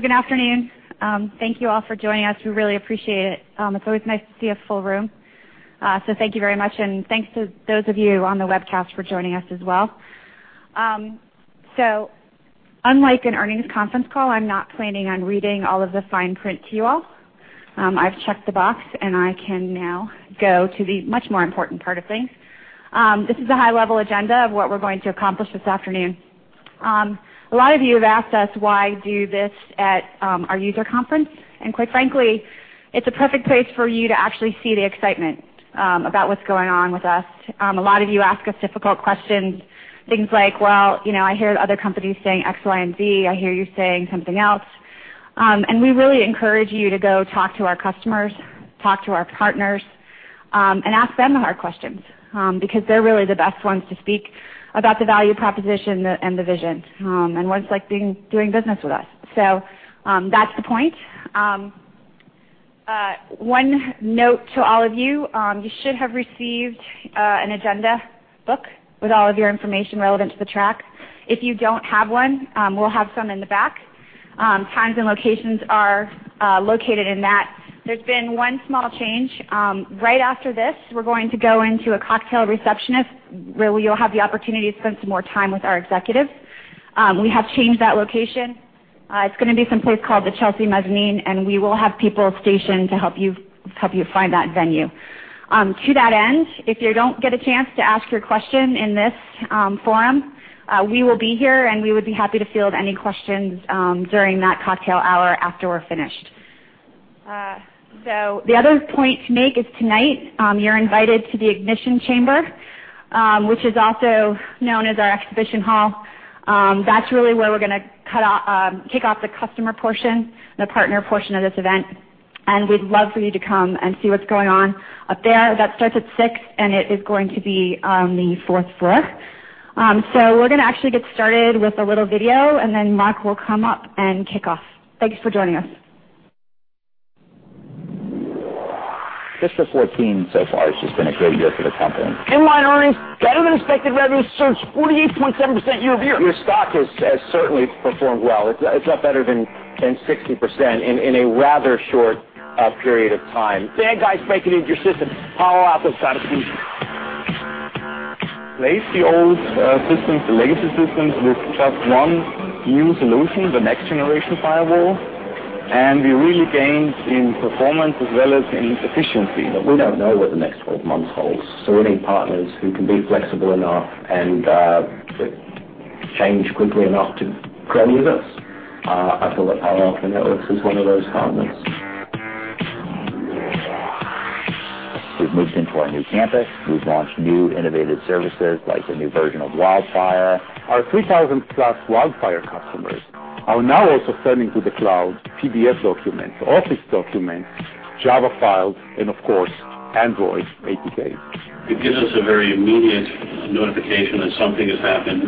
Good afternoon. Thank you all for joining us. We really appreciate it. It's always nice to see a full room. Thank you very much, and thanks to those of you on the webcast for joining us as well. Unlike an earnings conference call, I'm not planning on reading all of the fine print to you all. I've checked the box, and I can now go to the much more important part of things. This is a high-level agenda of what we're going to accomplish this afternoon. A lot of you have asked us why do this at our user conference, and quite frankly, it's a perfect place for you to actually see the excitement about what's going on with us. A lot of you ask us difficult questions, things like, "I hear other companies saying X, Y, and Z. I hear you saying something else." We really encourage you to go talk to our customers, talk to our partners, and ask them the hard questions, because they're really the best ones to speak about the value proposition and the vision, and what it's like doing business with us. That's the point. One note to all of you should have received an agenda book with all of your information relevant to the track. If you don't have one, we'll have some in the back. Times and locations are located in that. There's been one small change. Right after this, we're going to go into a cocktail reception where you'll have the opportunity to spend some more time with our executives. We have changed that location. It's going to be some place called the Chelsea Mezzanine, and we will have people stationed to help you find that venue. To that end, if you don't get a chance to ask your question in this forum, we will be here, and we would be happy to field any questions during that cocktail hour after we're finished. The other point to make is tonight, you're invited to the Ignition Chamber, which is also known as our exhibition hall. That's really where we're going to kick off the customer portion and the partner portion of this event, and we'd love for you to come and see what's going on up there. That starts at 6:00, and it is going to be on the fourth floor. We're going to actually get started with a little video, and then Mark will come up and kick off. Thank you for joining us. Fiscal 2014 so far has just been a great year for the company. In-line earnings better than expected revenues surged 48.7% year-over-year. Your stock has certainly performed well. It's up better than 60% in a rather short period of time. Bad guys breaking into your system, Palo Alto's got a solution. Replace the old systems, the legacy systems, with just one new solution, the next-generation firewall, and we really gained in performance as well as in efficiency. We don't know what the next 12 months holds, so we need partners who can be flexible enough and change quickly enough to grow with us. I feel that Palo Alto Networks is one of those partners. We've moved into our new campus. We've launched new innovative services, like the new version of WildFire. Our 3,000-plus WildFire customers are now also sending to the cloud PDF documents, Office documents, Java files, and of course, Android APKs. It gives us a very immediate notification that something has happened,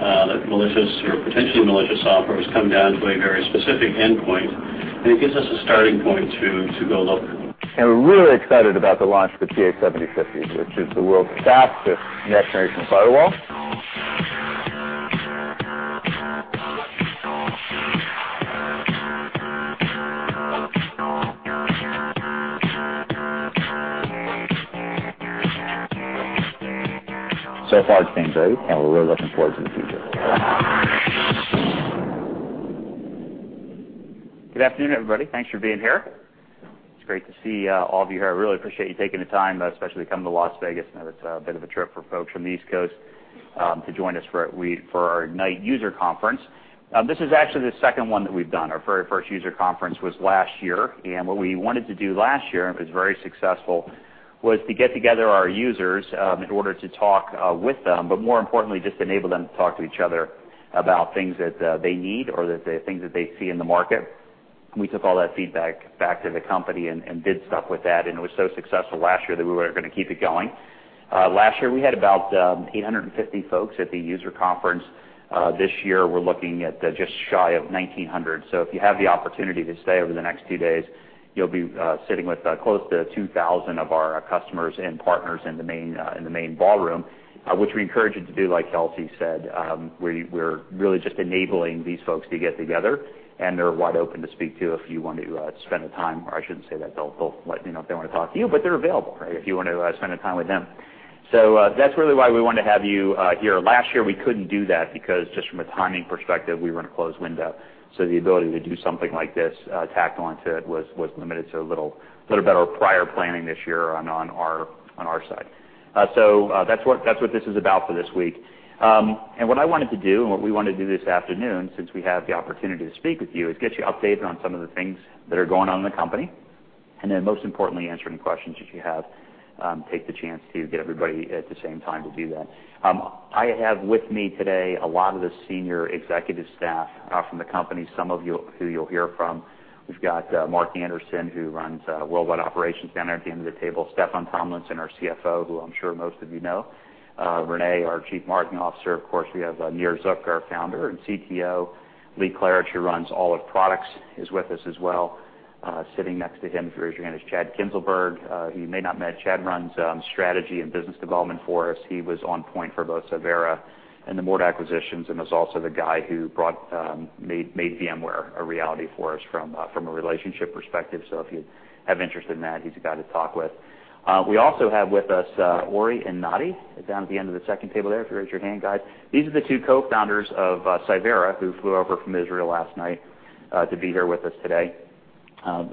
that malicious or potentially malicious software has come down to a very specific endpoint, and it gives us a starting point to go look. We're really excited about the launch of the PA-7050, which is the world's fastest next-generation firewall. So far, it's been great, and we're really looking forward to the future. Good afternoon, everybody. Thanks for being here. It's great to see all of you here. I really appreciate you taking the time, especially to come to Las Vegas. I know it's a bit of a trip for folks from the East Coast to join us for our Ignite user conference. This is actually the second one that we've done. Our very first user conference was last year, what we wanted to do last year, and it was very successful, was to get together our users in order to talk with them, but more importantly, just enable them to talk to each other about things that they need or things that they see in the market. We took all that feedback back to the company and did stuff with that, it was so successful last year that we were going to keep it going. Last year, we had about 850 folks at the user conference. This year, we're looking at just shy of 1,900. If you have the opportunity to stay over the next two days, you'll be sitting with close to 2,000 of our customers and partners in the main ballroom, which we encourage you to do, like Kelsey said. We're really just enabling these folks to get together, they're wide open to speak to if you want to spend the time, or I shouldn't say that, they'll let you know if they want to talk to you, but they're available if you want to spend the time with them. That's really why we wanted to have you here. Last year, we couldn't do that because just from a timing perspective, we were in a closed window. The ability to do something like this tacked onto it was limited, so a little better prior planning this year on our side. That's what this is about for this week. What I wanted to do, what we want to do this afternoon, since we have the opportunity to speak with you, is get you updated on some of the things that are going on in the company, then most importantly, answer any questions that you have, take the chance to get everybody at the same time to do that. I have with me today a lot of the senior executive staff from the company, some of you who you'll hear from. We've got Mark Anderson, who runs worldwide operations down there at the end of the table, Steffan Tomlinson, our CFO, who I'm sure most of you know, René, our chief marketing officer. Of course, we have Nir Zuk, our founder and CTO. Lee Klarich, who runs all of products, is with us as well. Sitting next to him, if you raise your hand, is Chad Kinzelberg. You may not met Chad, runs, strategy and business development for us. He was on point for both Cyvera and the Morta acquisitions and was also the guy who made VMware a reality for us from a relationship perspective. If you have interest in that, he's the guy to talk with. We also have with us, Uri and Nati, down at the end of the second table there. If you raise your hand, guys. These are the two co-founders of Cyvera, who flew over from Israel last night, to be here with us today.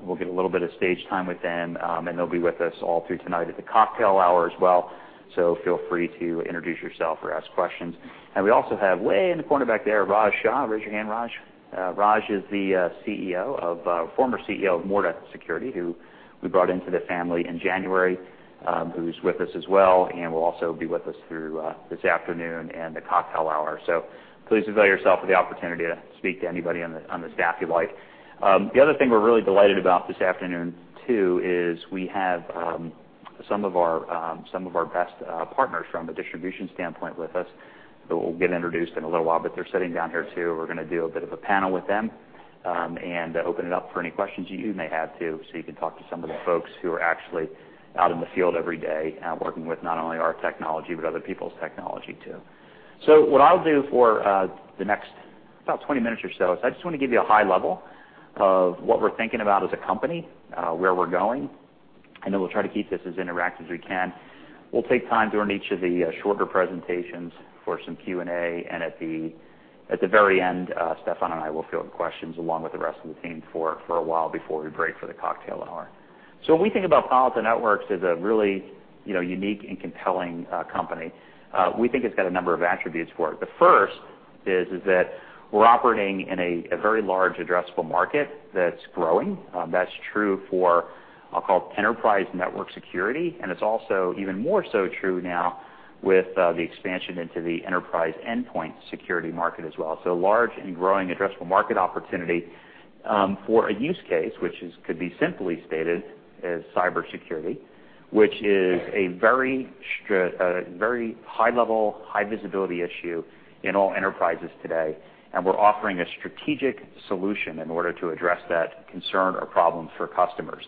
We'll get a little bit of stage time with them, and they'll be with us all through tonight at the cocktail hour as well. Feel free to introduce yourself or ask questions. We also have way in the corner back there, Raj Shah. Raise your hand, Raj. Raj is the former CEO of Morta Security, who we brought into the family in January, who's with us as well and will also be with us through this afternoon and the cocktail hour. Please avail yourself of the opportunity to speak to anybody on the staff you like. The other thing we're really delighted about this afternoon too, is we have some of our best partners from a distribution standpoint with us, who will get introduced in a little while, but they're sitting down here too. We're going to do a bit of a panel with them, and open it up for any questions you may have, too, so you can talk to some of the folks who are actually out in the field every day, working with not only our technology but other people's technology too. What I'll do for the next, about 20 minutes or so, is I just want to give you a high level of what we're thinking about as a company, where we're going, and then we'll try to keep this as interactive as we can. We'll take time during each of the shorter presentations for some Q&A, and at the very end, Steffan and I will field questions along with the rest of the team for a while before we break for the cocktail hour. When we think about Palo Alto Networks as a really unique and compelling company, we think it's got a number of attributes for it. The first is that we're operating in a very large addressable market that's growing. That's true for, I'll call it enterprise network security, and it's also even more so true now with the expansion into the enterprise endpoint security market as well. Large and growing addressable market opportunity, for a use case, which could be simply stated as cybersecurity, which is a very high level, high visibility issue in all enterprises today. We're offering a strategic solution in order to address that concern or problem for customers.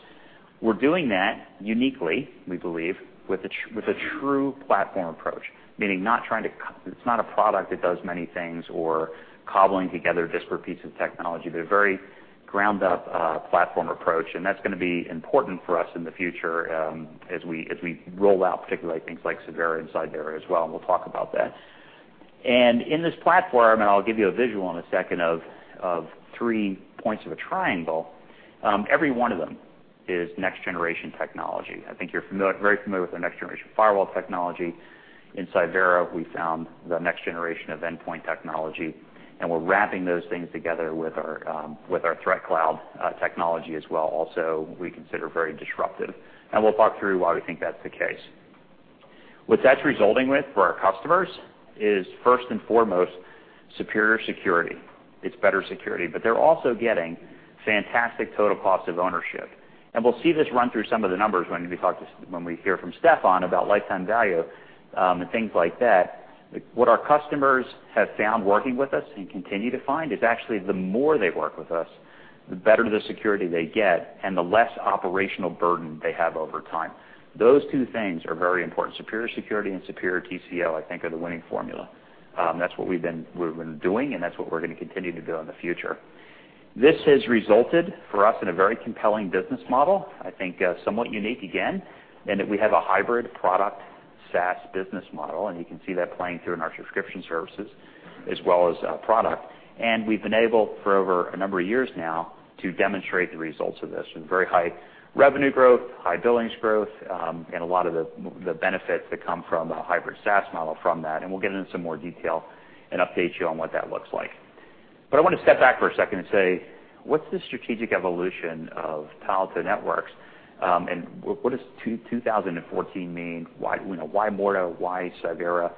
We're doing that uniquely, we believe, with a true platform approach, meaning it's not a product that does many things or cobbling together disparate pieces of technology, but a very ground-up platform approach, and that's going to be important for us in the future, as we roll out particularly things like Cyvera and Cyvera as well, and we'll talk about that. In this platform, and I'll give you a visual in a second of 3 points of a triangle, every one of them is next-generation technology. I think you're very familiar with our next-generation firewall technology. In Cyvera, we found the next generation of endpoint technology, and we're wrapping those things together with our Threat Cloud technology as well, also, we consider very disruptive. We'll talk through why we think that's the case. What that's resulting with for our customers is, first and foremost, superior security. It's better security. They're also getting fantastic total cost of ownership. We'll see this run through some of the numbers when we hear from Steffan about lifetime value, and things like that. What our customers have found working with us and continue to find is actually the more they work with us, the better the security they get and the less operational burden they have over time. Those two things are very important. Superior security and superior TCO, I think, are the winning formula. That's what we've been doing, and that's what we're going to continue to do in the future. This has resulted for us in a very compelling business model, I think, somewhat unique again, in that we have a hybrid product SaaS business model, and you can see that playing through in our subscription services as well as product. We've been able for over a number of years now to demonstrate the results of this with very high revenue growth, high billings growth, and a lot of the benefits that come from a hybrid SaaS model from that, and we'll get into some more detail and update you on what that looks like. I want to step back for a second and say, what's the strategic evolution of Palo Alto Networks? What does 2014 mean? Why Morta? Why Cyvera?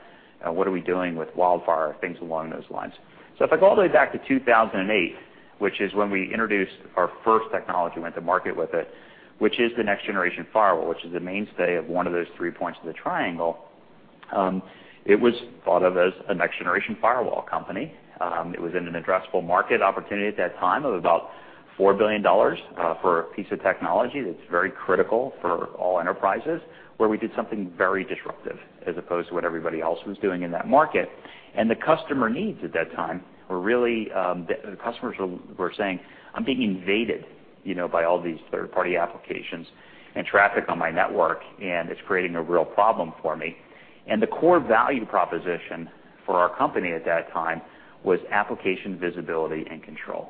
What are we doing with WildFire, things along those lines. If I go all the way back to 2008, which is when we introduced our first technology, went to market with it, which is the next-generation firewall, which is the mainstay of one of those three points of the triangle. It was thought of as a next-generation firewall company. It was in an addressable market opportunity at that time of about $4 billion for a piece of technology that's very critical for all enterprises, where we did something very disruptive as opposed to what everybody else was doing in that market. The customer needs at that time were really, the customers were saying, "I'm being invaded by all these third-party applications and traffic on my network, and it's creating a real problem for me." The core value proposition for our company at that time was application visibility and control.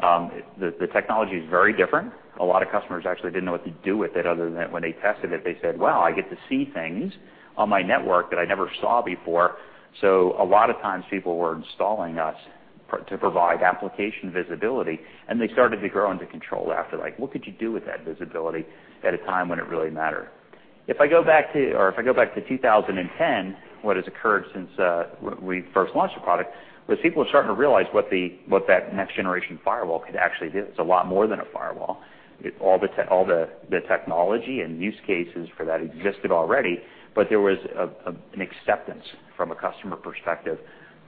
The technology is very different. A lot of customers actually didn't know what to do with it other than when they tested it, they said, "Wow, I get to see things on my network that I never saw before." A lot of times people were installing us to provide application visibility, and they started to grow into control after, like, what could you do with that visibility at a time when it really mattered? If I go back to 2010, what has occurred since we first launched the product, was people are starting to realize what that next-generation firewall could actually do. It's a lot more than a firewall. All the technology and use cases for that existed already, there was an acceptance from a customer perspective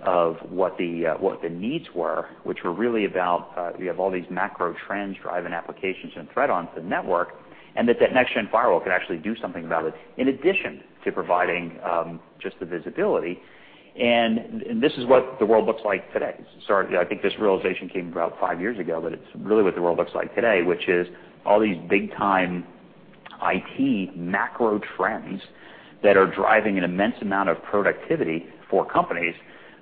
of what the needs were, which were really about, we have all these macro trends driving applications and threat onto the network, that that next-gen firewall could actually do something about it, in addition to providing just the visibility. This is what the world looks like today. Sorry, I think this realization came about five years ago, it's really what the world looks like today, which is all these big-time IT macro trends that are driving an immense amount of productivity for companies.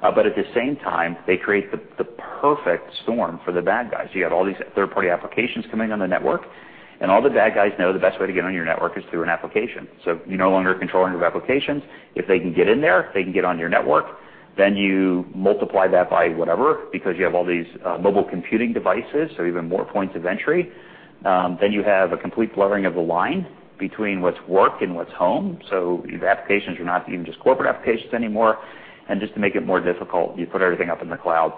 At the same time, they create the perfect storm for the bad guys. You have all these third-party applications coming on the network, all the bad guys know the best way to get on your network is through an application. You're no longer controlling your applications. If they can get in there, if they can get on your network, you multiply that by whatever, because you have all these mobile computing devices, even more points of entry. You have a complete blurring of the line between what's work and what's home. These applications are not even just corporate applications anymore. Just to make it more difficult, you put everything up in the cloud,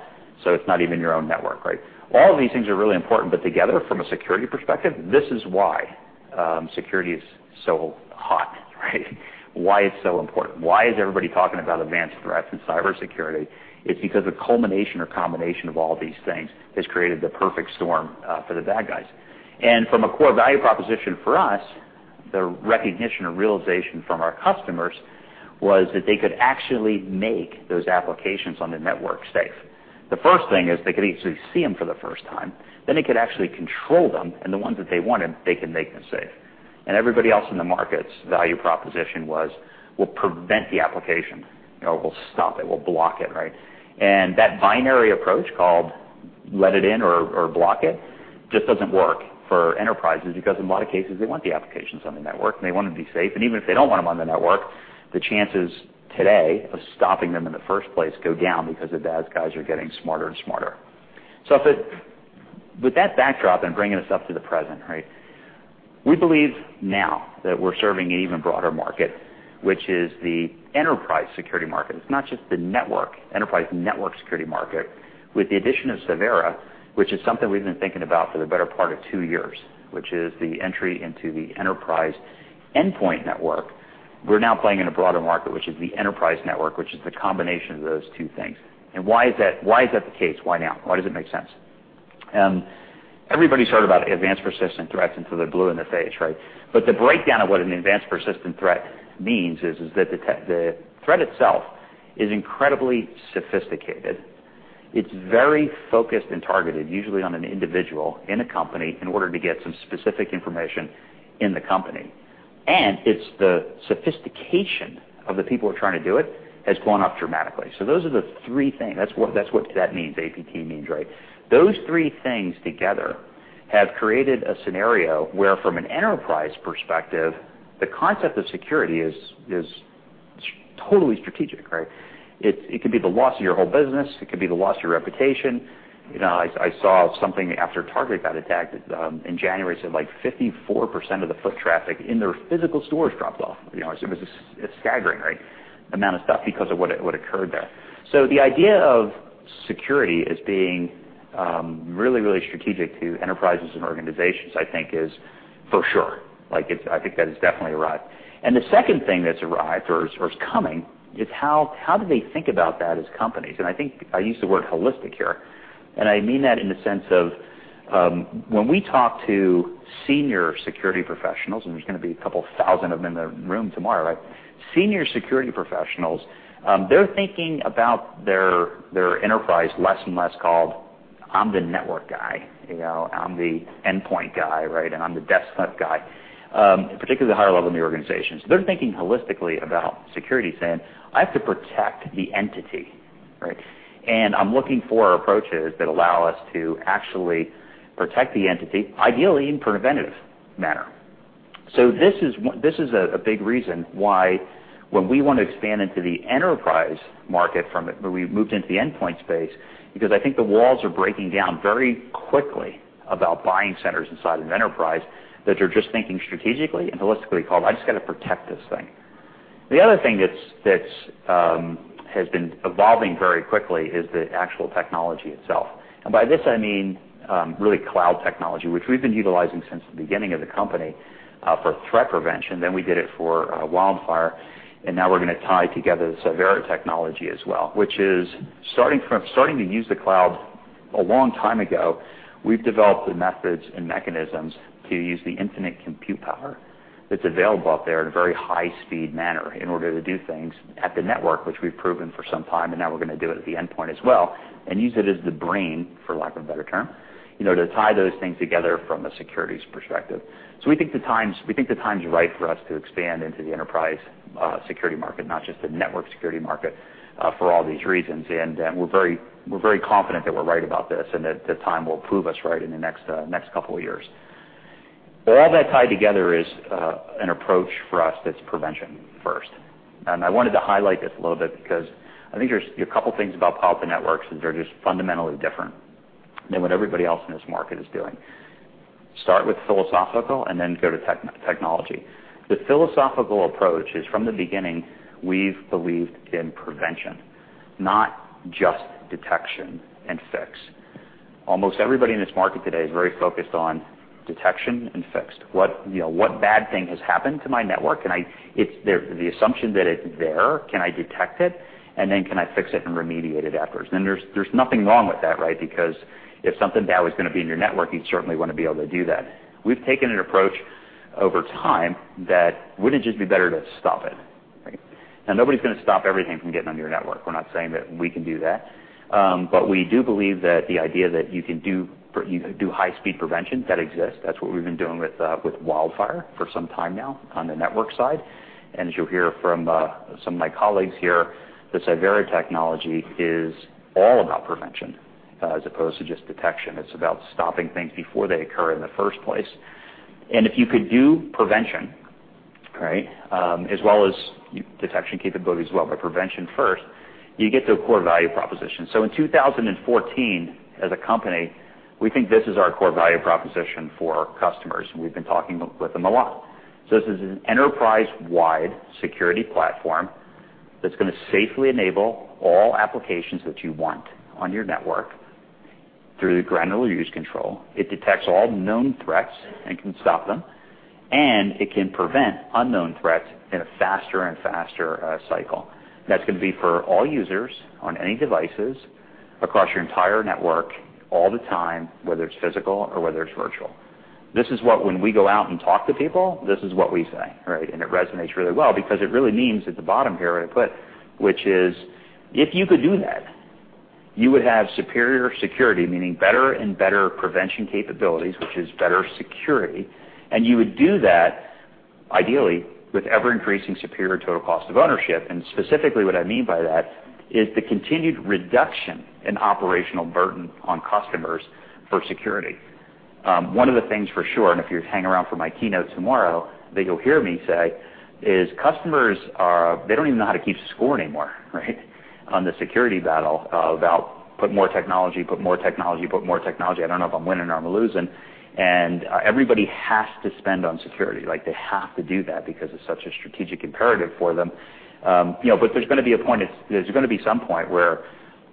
it's not even your own network, right? All of these things are really important, together, from a security perspective, this is why security is so hot, right? Why it's so important. Why is everybody talking about advanced threats and cybersecurity? It's because a culmination or combination of all these things has created the perfect storm for the bad guys. From a core value proposition for us, the recognition or realization from our customers was that they could actually make those applications on the network safe. The first thing is they could easily see them for the first time, they could actually control them, the ones that they wanted, they could make them safe. Everybody else in the market's value proposition was, "We'll prevent the application. We'll stop it. We'll block it," right? That binary approach called let it in or block it just doesn't work for enterprises, because in a lot of cases, they want the applications on the network, they want them to be safe. Even if they don't want them on the network, the chances today of stopping them in the first place go down because the bad guys are getting smarter and smarter. With that backdrop bringing us up to the present, we believe now that we're serving an even broader market, which is the enterprise security market. It's not just the network, enterprise network security market. With the addition of Cyvera, which is something we've been thinking about for the better part of two years, which is the entry into the enterprise endpoint network, we're now playing in a broader market, which is the enterprise network, which is the combination of those two things. Why is that the case? Why now? Why does it make sense? Everybody's heard about advanced persistent threats until they're blue in the face, right? The breakdown of what an advanced persistent threat means is that the threat itself is incredibly sophisticated. It's very focused and targeted, usually on an individual in a company, in order to get some specific information in the company. It's the sophistication of the people who are trying to do it has gone up dramatically. Those are the three things. That's what APT means. Those three things together have created a scenario where, from an enterprise perspective, the concept of security is totally strategic. It could be the loss of your whole business. It could be the loss of your reputation. I saw something after Target got attacked in January, said like 54% of the foot traffic in their physical stores dropped off. It's a staggering amount of stuff because of what occurred there. The idea of security as being really, really strategic to enterprises and organizations, I think is for sure. I think that has definitely arrived. The second thing that's arrived, or is coming, is how do they think about that as companies? I think I use the word holistic here, and I mean that in the sense of when we talk to senior security professionals, and there's going to be 2,000 of them in the room tomorrow. Senior security professionals, they're thinking about their enterprise less and less called, "I'm the network guy. I'm the endpoint guy, and I'm the desktop guy," particularly the higher level in the organizations. They're thinking holistically about security, saying, "I have to protect the entity, and I'm looking for approaches that allow us to actually protect the entity, ideally in a preventative manner." This is a big reason why when we want to expand into the enterprise market from it, but we've moved into the endpoint space because I think the walls are breaking down very quickly about buying centers inside an enterprise that you're just thinking strategically and holistically called, "I just got to protect this thing." The other thing that has been evolving very quickly is the actual technology itself. By this, I mean really cloud technology, which we've been utilizing since the beginning of the company, for threat prevention. We did it for WildFire, now we're going to tie together the Cyvera technology as well, which is starting to use the cloud a long time ago, we've developed the methods and mechanisms to use the infinite compute power that's available out there in a very high-speed manner in order to do things at the network, which we've proven for some time, and now we're going to do it at the endpoint as well and use it as the brain, for lack of a better term, to tie those things together from a securities perspective. We think the time is right for us to expand into the enterprise security market, not just the network security market, for all these reasons. We're very confident that we're right about this and that the time will prove us right in the next couple of years. All that tied together is an approach for us that's prevention first. I wanted to highlight this a little bit because I think there's a couple things about Palo Alto Networks that they're just fundamentally different than what everybody else in this market is doing. Start with philosophical and then go to technology. The philosophical approach is from the beginning, we've believed in prevention, not just detection and fix. Almost everybody in this market today is very focused on detection and fix. What bad thing has happened to my network? The assumption that it's there, can I detect it? Can I fix it and remediate it afterwards? There's nothing wrong with that, right? Because if something bad was going to be in your network, you'd certainly want to be able to do that. We've taken an approach over time that, wouldn't it just be better to stop it, right? Now, nobody's going to stop everything from getting on your network. We're not saying that we can do that. We do believe that the idea that you can do high-speed prevention, that exists. That's what we've been doing with WildFire for some time now on the network side. As you'll hear from some of my colleagues here, the Cyvera technology is all about prevention, as opposed to just detection. It's about stopping things before they occur in the first place. If you could do prevention, right, as well as detection capability as well, but prevention first, you get to a core value proposition. In 2014, as a company, we think this is our core value proposition for our customers, and we've been talking with them a lot. This is an enterprise-wide security platform that's going to safely enable all applications that you want on your network through granular use control. It detects all known threats and can stop them, and it can prevent unknown threats in a faster and faster cycle. That's going to be for all users on any devices across your entire network all the time, whether it's physical or whether it's virtual. This is what, when we go out and talk to people, this is what we say, right? It resonates really well because it really means at the bottom here, where I put, which is if you could do that, you would have superior security, meaning better and better prevention capabilities, which is better security. You would do that ideally with ever-increasing superior total cost of ownership, and specifically what I mean by that is the continued reduction in operational burden on customers for security. One of the things for sure, if you hang around for my keynote tomorrow, that you'll hear me say is customers, they don't even know how to keep score anymore, right? On the security battle about put more technology, put more technology, put more technology. I don't know if I'm winning or I'm losing. Everybody has to spend on security. Like, they have to do that because it's such a strategic imperative for them. There's going to be some point where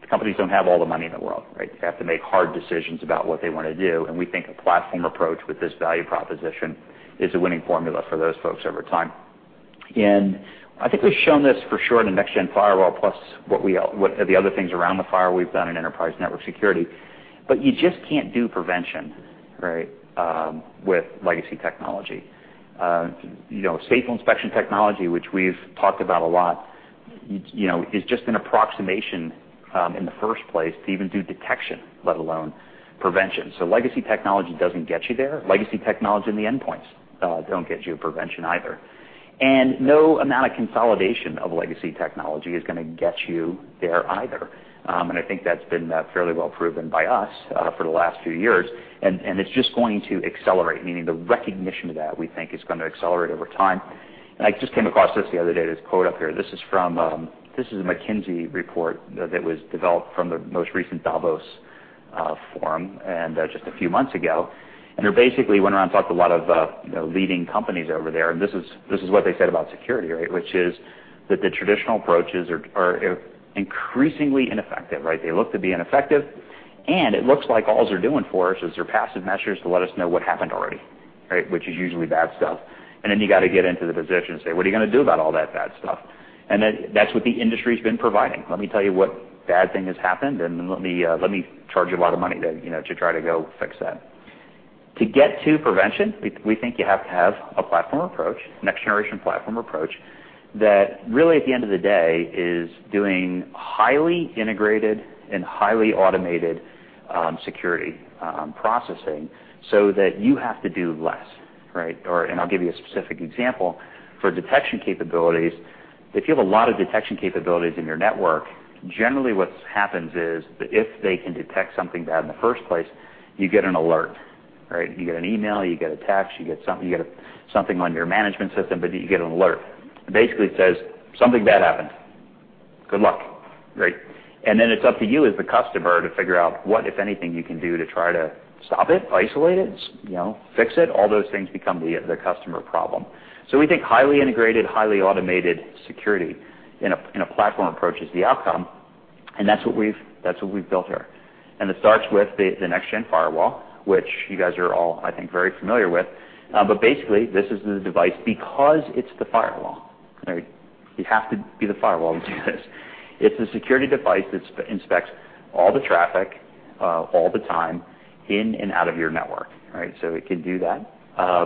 companies don't have all the money in the world, right? They have to make hard decisions about what they want to do, and we think a platform approach with this value proposition is a winning formula for those folks over time. I think we've shown this for sure in the next-gen firewall plus the other things around the firewall we've done in enterprise network security, but you just can't do prevention, right, with legacy technology. Stateful inspection technology, which we've talked about a lot, is just an approximation in the first place to even do detection, let alone prevention. Legacy technology doesn't get you there. Legacy technology in the endpoints don't get you prevention either. No amount of consolidation of legacy technology is going to get you there either. I think that's been fairly well proven by us for the last few years, and it's just going to accelerate, meaning the recognition of that, we think, is going to accelerate over time. I just came across this the other day, this quote up here. This is a McKinsey report that was developed from the most recent Davos Forum, and just a few months ago. They basically went around and talked to a lot of leading companies over there, and this is what they said about security, right? Which is that the traditional approaches are increasingly ineffective, right? They look to be ineffective, and it looks like all they're doing for us is they're passive measures to let us know what happened already, right? Which is usually bad stuff. Then you got to get into the position and say, "What are you going to do about all that bad stuff?" That's what the industry's been providing. Let me tell you what bad thing has happened, and let me charge you a lot of money to try to go fix that. To get to prevention, we think you have to have a platform approach, next-generation platform approach, that really at the end of the day is doing highly integrated and highly automated security processing so that you have to do less, right? I'll give you a specific example. For detection capabilities, if you have a lot of detection capabilities in your network, generally what happens is if they can detect something bad in the first place, you get an alert, right? You get an email, you get a text, you get something on your management system, but you get an alert. Basically, it says, "Something bad happened. Good luck," right? Then it's up to you as the customer to figure out what, if anything, you can do to try to stop it, isolate it, fix it. All those things become the customer problem. We think highly integrated, highly automated security in a platform approach is the outcome, and that's what we've built here. It starts with the next-gen firewall, which you guys are all, I think, very familiar with. Basically, this is the device because it's the firewall, right? You have to be the firewall to do this. It's a security device that inspects all the traffic, all the time, in and out of your network, right? It can do that.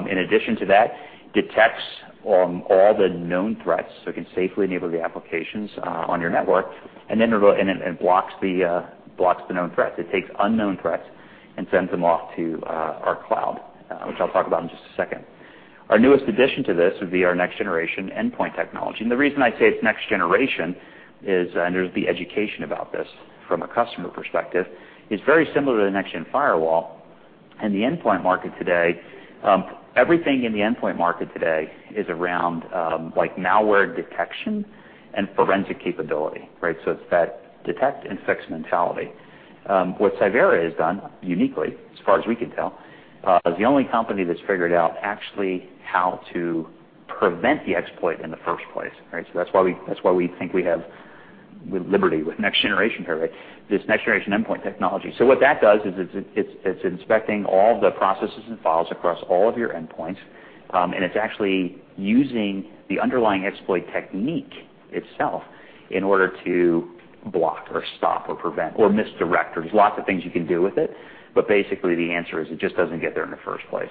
In addition to that, detects all the known threats, so it can safely enable the applications on your network, and then it blocks the known threats. It takes unknown threats and sends them off to our cloud, which I'll talk about in just a second. Our newest addition to this would be our next-generation endpoint technology, and the reason I say it's next generation is, and there's the education about this from a customer perspective, is very similar to the next-generation firewall. In the endpoint market today, everything in the endpoint market today is around malware detection and forensic capability. It's that detect and fix mentality. What Cyvera has done uniquely, as far as we can tell, is the only company that's figured out actually how to prevent the exploit in the first place. That's why we think we have liberty with this next-generation endpoint technology. What that does is it's inspecting all the processes and files across all of your endpoints, and it's actually using the underlying exploit technique itself in order to block or stop or prevent or misdirect, or there's lots of things you can do with it. Basically, the answer is it just doesn't get there in the first place.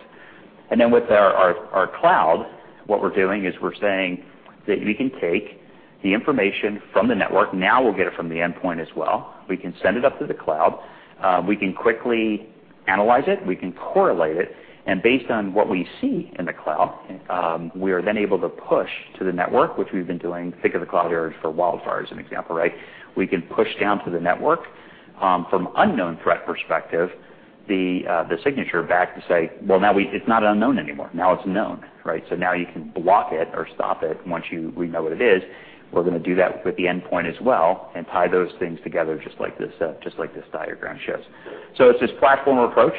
With our cloud, what we're doing is we're saying that we can take the information from the network. Now we'll get it from the endpoint as well. We can send it up to the cloud. We can quickly analyze it, we can correlate it, and based on what we see in the cloud, we are then able to push to the network, which we've been doing, think of the cloud areas for WildFire, as an example. We can push down to the network from unknown threat perspective, the signature back to say, "Well, now it's not unknown anymore. Now it's known." Now you can block it or stop it once we know what it is. We're going to do that with the endpoint as well and tie those things together, just like this diagram shows. It's this platform approach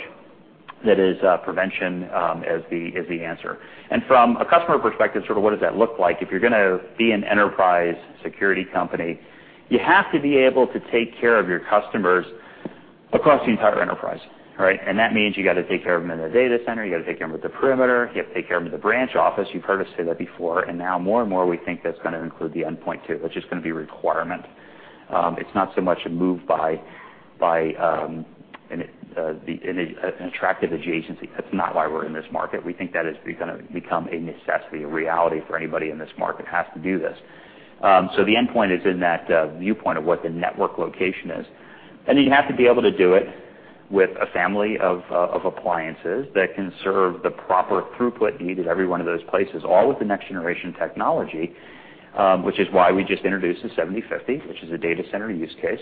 that is prevention as the answer. From a customer perspective, sort of what does that look like? If you're going to be an enterprise security company, you have to be able to take care of your customers across the entire enterprise. That means you got to take care of them in the data center, you got to take care of them at the perimeter, you have to take care of them at the branch office. You've heard us say that before, and now more and more, we think that's going to include the endpoint too. That's just going to be a requirement. It's not so much a move by an attractive adjacency. That's not why we're in this market. We think that is going to become a necessity, a reality for anybody in this market has to do this. The endpoint is in that viewpoint of what the network location is. You have to be able to do it with a family of appliances that can serve the proper throughput needed every one of those places, all with the next-generation technology, which is why we just introduced the PA-7050, which is a data center use case.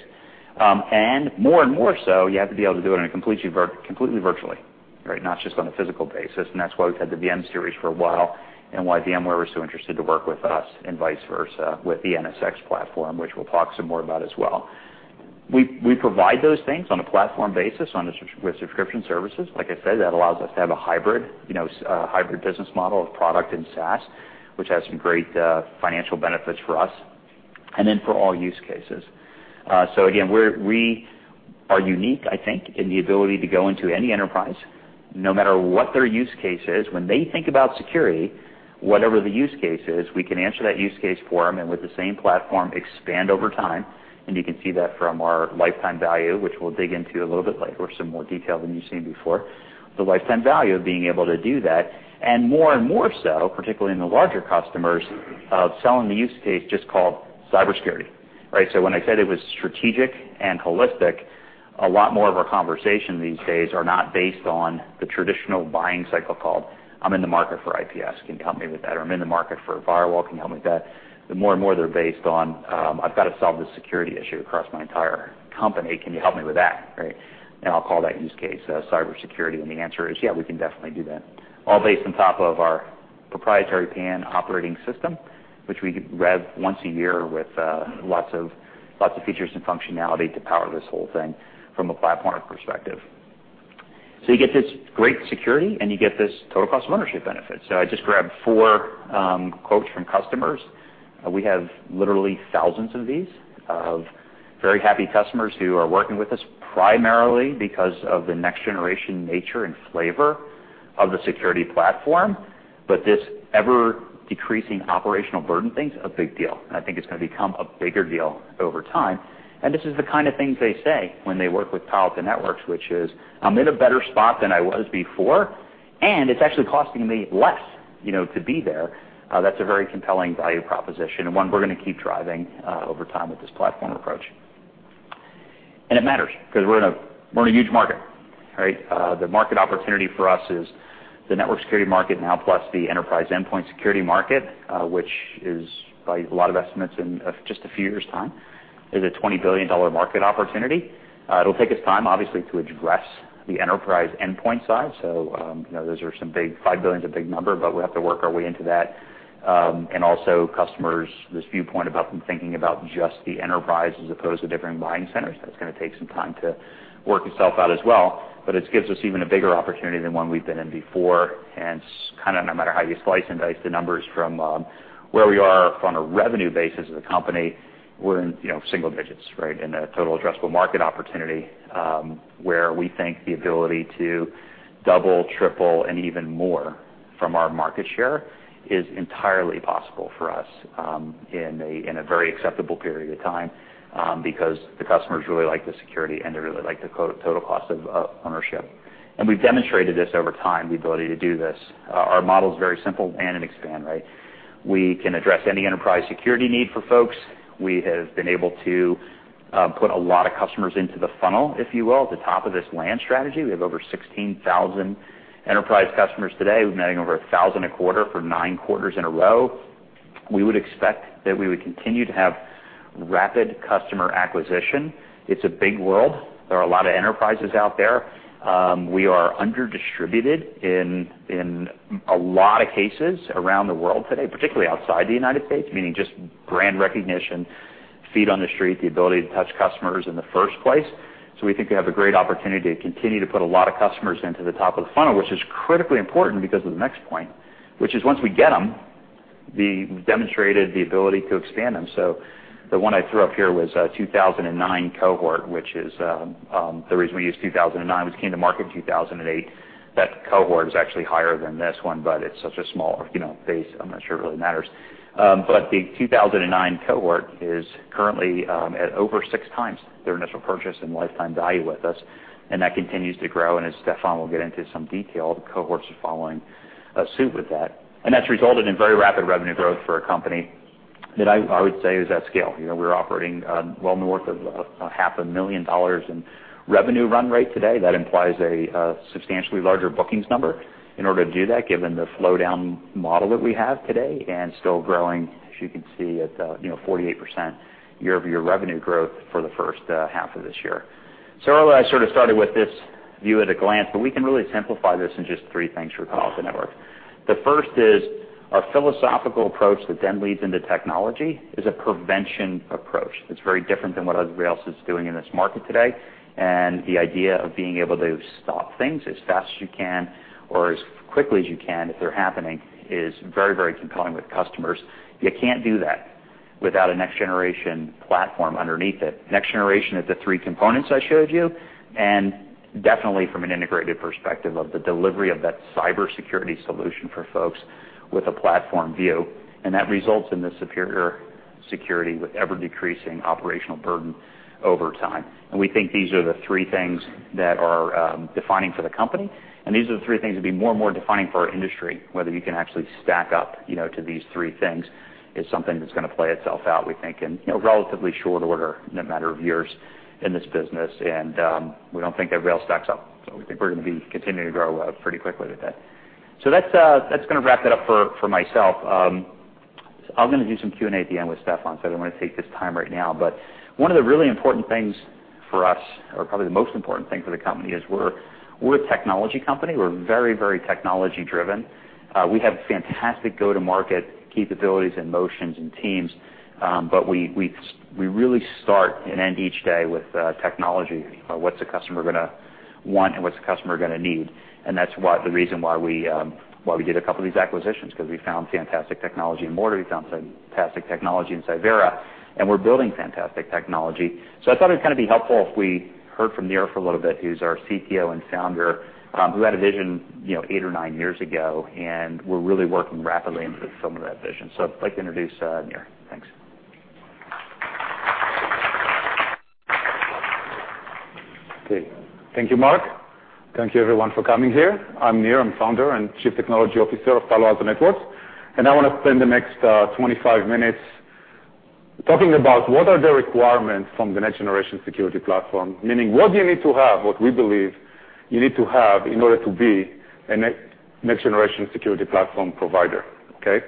More and more so, you have to be able to do it completely virtually. Not just on a physical basis, that's why we've had the VM-Series for a while and why VMware was so interested to work with us and vice versa with the NSX platform, which we'll talk some more about as well. We provide those things on a platform basis with subscription services. Like I said, that allows us to have a hybrid business model of product and SaaS, which has some great financial benefits for us, and then for all use cases. Again, we are unique, I think, in the ability to go into any enterprise, no matter what their use case is. When they think about security, whatever the use case is, we can answer that use case for them and with the same platform expand over time, and you can see that from our lifetime value, which we'll dig into a little bit later with some more detail than you've seen before. The lifetime value of being able to do that, and more and more so, particularly in the larger customers, of selling the use case just called cybersecurity. When I said it was strategic and holistic, a lot more of our conversation these days are not based on the traditional buying cycle called, "I'm in the market for IPS. Can you help me with that?" "I'm in the market for a firewall. Can you help me with that?" The more and more they're based on, "I've got to solve this security issue across my entire company. Can you help me with that?" I'll call that use case cybersecurity, and the answer is, "Yeah, we can definitely do that." All based on top of our proprietary PAN operating system, which we rev once a year with lots of features and functionality to power this whole thing from a platform perspective. You get this great security, and you get this total cost of ownership benefit. I just grabbed four quotes from customers. We have literally thousands of these, of very happy customers who are working with us primarily because of the next-generation nature and flavor of the security platform. But this ever-decreasing operational burden thing's a big deal, and I think it's going to become a bigger deal over time. This is the kind of things they say when they work with Palo Alto Networks, which is, "I'm in a better spot than I was before, and it's actually costing me less to be there." That's a very compelling value proposition, and one we're going to keep driving over time with this platform approach. It matters because we're in a huge market. The market opportunity for us is the network security market now plus the enterprise endpoint security market, which is by a lot of estimates in just a few years' time, is a $20 billion market opportunity. It'll take us time, obviously, to address the enterprise endpoint side. $5 billion is a big number, but we'll have to work our way into that. Also customers, this viewpoint about them thinking about just the enterprise as opposed to different buying centers, that's going to take some time to work itself out as well. It gives us even a bigger opportunity than one we've been in before, and kind of no matter how you slice and dice the numbers from where we are from a revenue basis as a company, we're in single digits in a total addressable market opportunity, where we think the ability to double, triple, and even more from our market share is entirely possible for us in a very acceptable period of time, because the customers really like the security, and they really like the total cost of ownership. We've demonstrated this over time, the ability to do this. Our model is very simple, PAN and expand. We can address any enterprise security need for folks. We have been able to put a lot of customers into the funnel, if you will, at the top of this land strategy. We have over 16,000 enterprise customers today. We've been adding over 1,000 a quarter for nine quarters in a row. We would expect that we would continue to have rapid customer acquisition. It's a big world. There are a lot of enterprises out there. We are under-distributed in a lot of cases around the world today, particularly outside the U.S., meaning just brand recognition, feet on the street, the ability to touch customers in the first place. We think we have a great opportunity to continue to put a lot of customers into the top of the funnel, which is critically important because of the next point, which is once we get them, we've demonstrated the ability to expand them. The one I threw up here was a 2009 cohort, the reason we use 2009, which came to market in 2008. That cohort is actually higher than this one, but it's such a small base, I'm not sure it really matters. The 2009 cohort is currently at over six times their initial purchase and lifetime value with us, and that continues to grow. As Steffan will get into some detail, the cohorts are following suit with that. That's resulted in very rapid revenue growth for a company that I would say is at scale. We're operating well north of $500,000 in revenue run rate today. That implies a substantially larger bookings number in order to do that, given the flow down model that we have today and still growing, as you can see, at 48% year-over-year revenue growth for the first half of this year. Earlier, I sort of started with this view at a glance, but we can really simplify this in just three things for Palo Alto Networks. The first is our philosophical approach that then leads into technology, is a prevention approach. It's very different than what everybody else is doing in this market today. The idea of being able to stop things as fast as you can or as quickly as you can if they're happening is very compelling with customers. You can't do that without a next-generation platform underneath it. Next generation of the three components I showed you, and definitely from an integrated perspective of the delivery of that cybersecurity solution for folks with a platform view. That results in the superior security with ever-decreasing operational burden over time. We think these are the three things that are defining for the company, and these are the three things that'd be more and more defining for our industry. Whether you can actually stack up to these three things is something that's going to play itself out, we think, in relatively short order in a matter of years in this business. We don't think everybody else stacks up. We think we're going to be continuing to grow pretty quickly with that. That's going to wrap it up for myself. I'm going to do some Q&A at the end with Steffan, I don't want to take this time right now. One of the really important things for us, or probably the most important thing for the company, is we're a technology company. We're very technology-driven. We have fantastic go-to-market capabilities and motions and teams. We really start and end each day with technology, what's the customer going to want and what's the customer going to need. That's the reason why we did a couple of these acquisitions, because we found fantastic technology in Morta, we found fantastic technology in Cyvera, and we're building fantastic technology. I thought it'd kind of be helpful if we heard from Nir for a little bit, who's our CTO and founder, who had a vision eight or nine years ago, and we're really working rapidly into the fulfillment of that vision. I'd like to introduce Nir. Thanks. Okay. Thank you, Mark. Thank you, everyone, for coming here. I'm Nir, I'm founder and Chief Technology Officer of Palo Alto Networks, and I want to spend the next 25 minutes talking about what are the requirements from the next-generation security platform. Meaning, what do you need to have, what we believe you need to have in order to be a next-generation security platform provider, okay?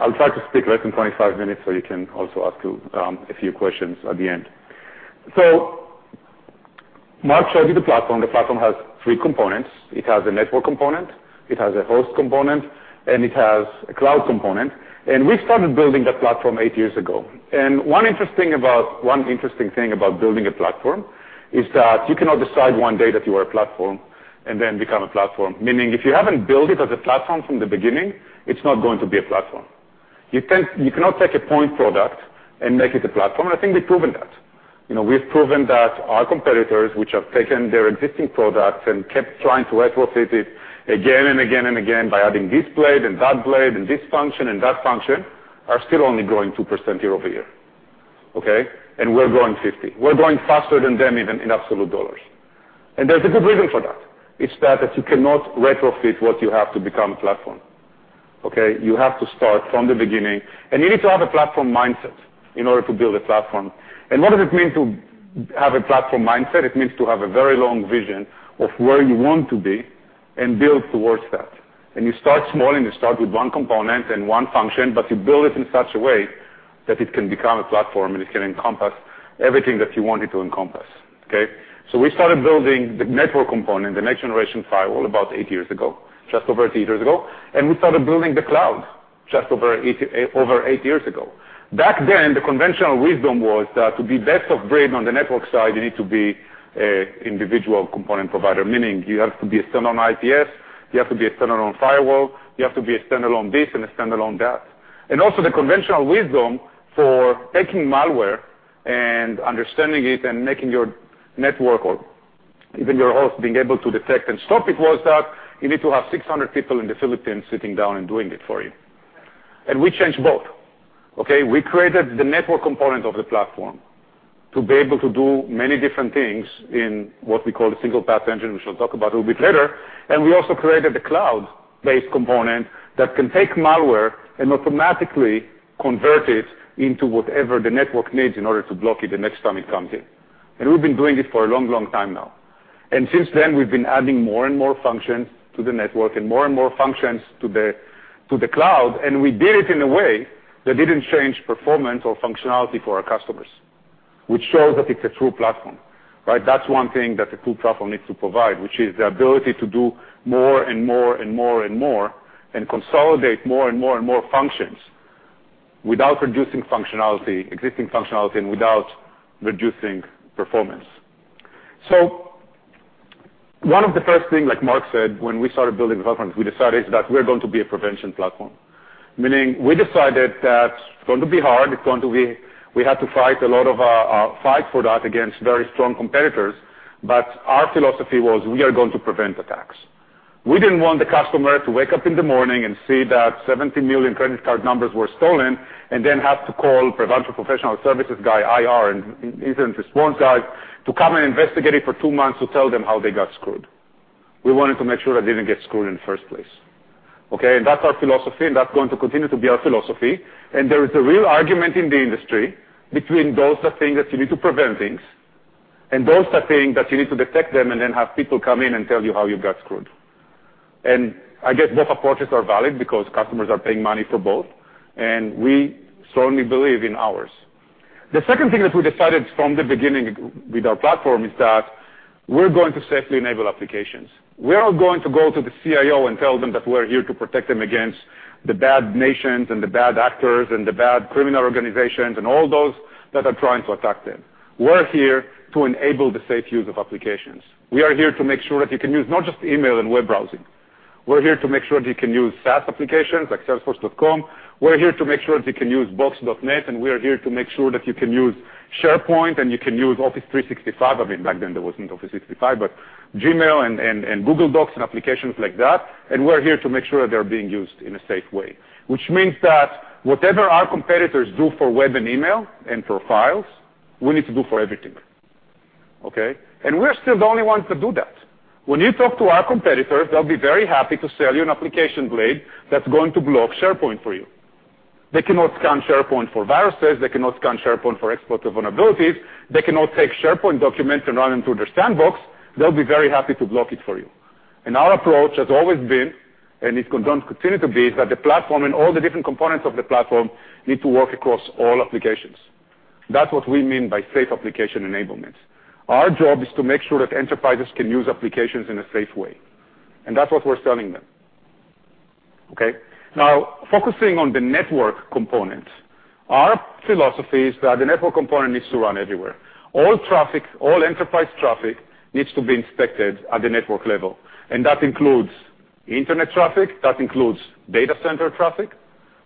I'll try to speak less than 25 minutes so you can also ask a few questions at the end. Mark showed you the platform. The platform has three components. It has a network component, it has a host component, and it has a cloud component, and we started building that platform eight years ago. One interesting thing about building a platform is that you cannot decide one day that you are a platform and then become a platform. Meaning, if you haven't built it as a platform from the beginning, it's not going to be a platform. You cannot take a point product and make it a platform, and I think we've proven that. We've proven that our competitors, which have taken their existing products and kept trying to retrofit it again and again and again by adding this blade and that blade and this function and that function, are still only growing 2% year-over-year. Okay? We're growing 50%. We're growing faster than them even in absolute dollars. There's a good reason for that. It's that you cannot retrofit what you have to become a platform. Okay? You have to start from the beginning, and you need to have a platform mindset in order to build a platform. What does it mean to have a platform mindset? It means to have a very long vision of where you want to be and build towards that. You start small, and you start with one component and one function, but you build it in such a way that it can become a platform, and it can encompass everything that you want it to encompass. Okay? We started building the network component, the next-generation firewall, about eight years ago, just over eight years ago. We started building the cloud just over eight years ago. Back then, the conventional wisdom was that to be best of breed on the network side, you need to be individual component provider, meaning you have to be a standalone IPS, you have to be a standalone firewall, you have to be a standalone this and a standalone that. Also, the conventional wisdom for taking malware and understanding it and making your network or even your host being able to detect and stop it was that you need to have 600 people in the Philippines sitting down and doing it for you. We changed both. Okay? We created the network component of the platform to be able to do many different things in what we call the single-pass engine, which we'll talk about a little bit later. We also created the cloud-based component that can take malware and automatically convert it into whatever the network needs in order to block it the next time it comes in. We've been doing it for a long time now. Since then, we've been adding more and more functions to the network and more and more functions to the cloud. We did it in a way that didn't change performance or functionality for our customers, which shows that it's a true platform, right? That's one thing that a true platform needs to provide, which is the ability to do more and more and more and more, and consolidate more and more and more functions without reducing existing functionality and without reducing performance. One of the first things, like Mark said, when we started building the platform, we decided that we're going to be a prevention platform, meaning we decided that it's going to be hard. We had to fight for that against very strong competitors. Our philosophy was we are going to prevent attacks. We didn't want the customer to wake up in the morning and see that 70 million credit card numbers were stolen and then have to call prevention professional services guy, IR, and incident response guys to come and investigate it for 2 months to tell them how they got screwed. We wanted to make sure they didn't get screwed in the first place. Okay. That's our philosophy, and that's going to continue to be our philosophy. There is a real argument in the industry between those that think that you need to prevent things and those that think that you need to detect them and then have people come in and tell you how you got screwed. I guess both approaches are valid because customers are paying money for both, and we strongly believe in ours. The second thing that we decided from the beginning with our platform is that we're going to safely enable applications. We are going to go to the CIO and tell them that we're here to protect them against the bad nations and the bad actors and the bad criminal organizations and all those that are trying to attack them. We're here to enable the safe use of applications. We are here to make sure that you can use not just email and web browsing. We're here to make sure that you can use SaaS applications like salesforce.com. We are here to make sure that you can use box.net, and we are here to make sure that you can use SharePoint and you can use Office 365. I mean, back then, there wasn't Office 365, but Gmail and Google Docs and applications like that. We're here to make sure that they're being used in a safe way, which means that whatever our competitors do for web and email and for files, we need to do for everything, okay. We're still the only ones that do that. When you talk to our competitors, they'll be very happy to sell you an application blade that's going to block SharePoint for you. They cannot scan SharePoint for viruses. They cannot scan SharePoint for export of vulnerabilities. They cannot take SharePoint documents and run them through their sandbox. They'll be very happy to block it for you. Our approach has always been, and it's going to continue to be, that the platform and all the different components of the platform need to work across all applications. That's what we mean by safe application enablement. Our job is to make sure that enterprises can use applications in a safe way. That's what we're selling them. Okay. Now, focusing on the network component, our philosophy is that the network component needs to run everywhere. All enterprise traffic needs to be inspected at the network level. That includes internet traffic, that includes data center traffic,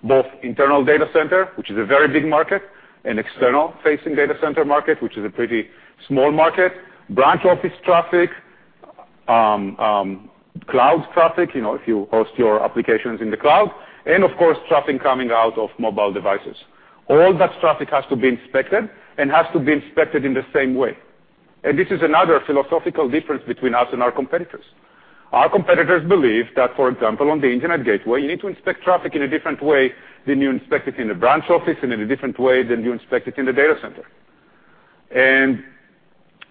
both internal data center, which is a very big market, external-facing data center market, which is a pretty small market, branch office traffic, cloud traffic, if you host your applications in the cloud, of course, traffic coming out of mobile devices. All that traffic has to be inspected and has to be inspected in the same way. This is another philosophical difference between us and our competitors. Our competitors believe that, for example, on the internet gateway, you need to inspect traffic in a different way than you inspect it in a branch office and in a different way than you inspect it in the data center.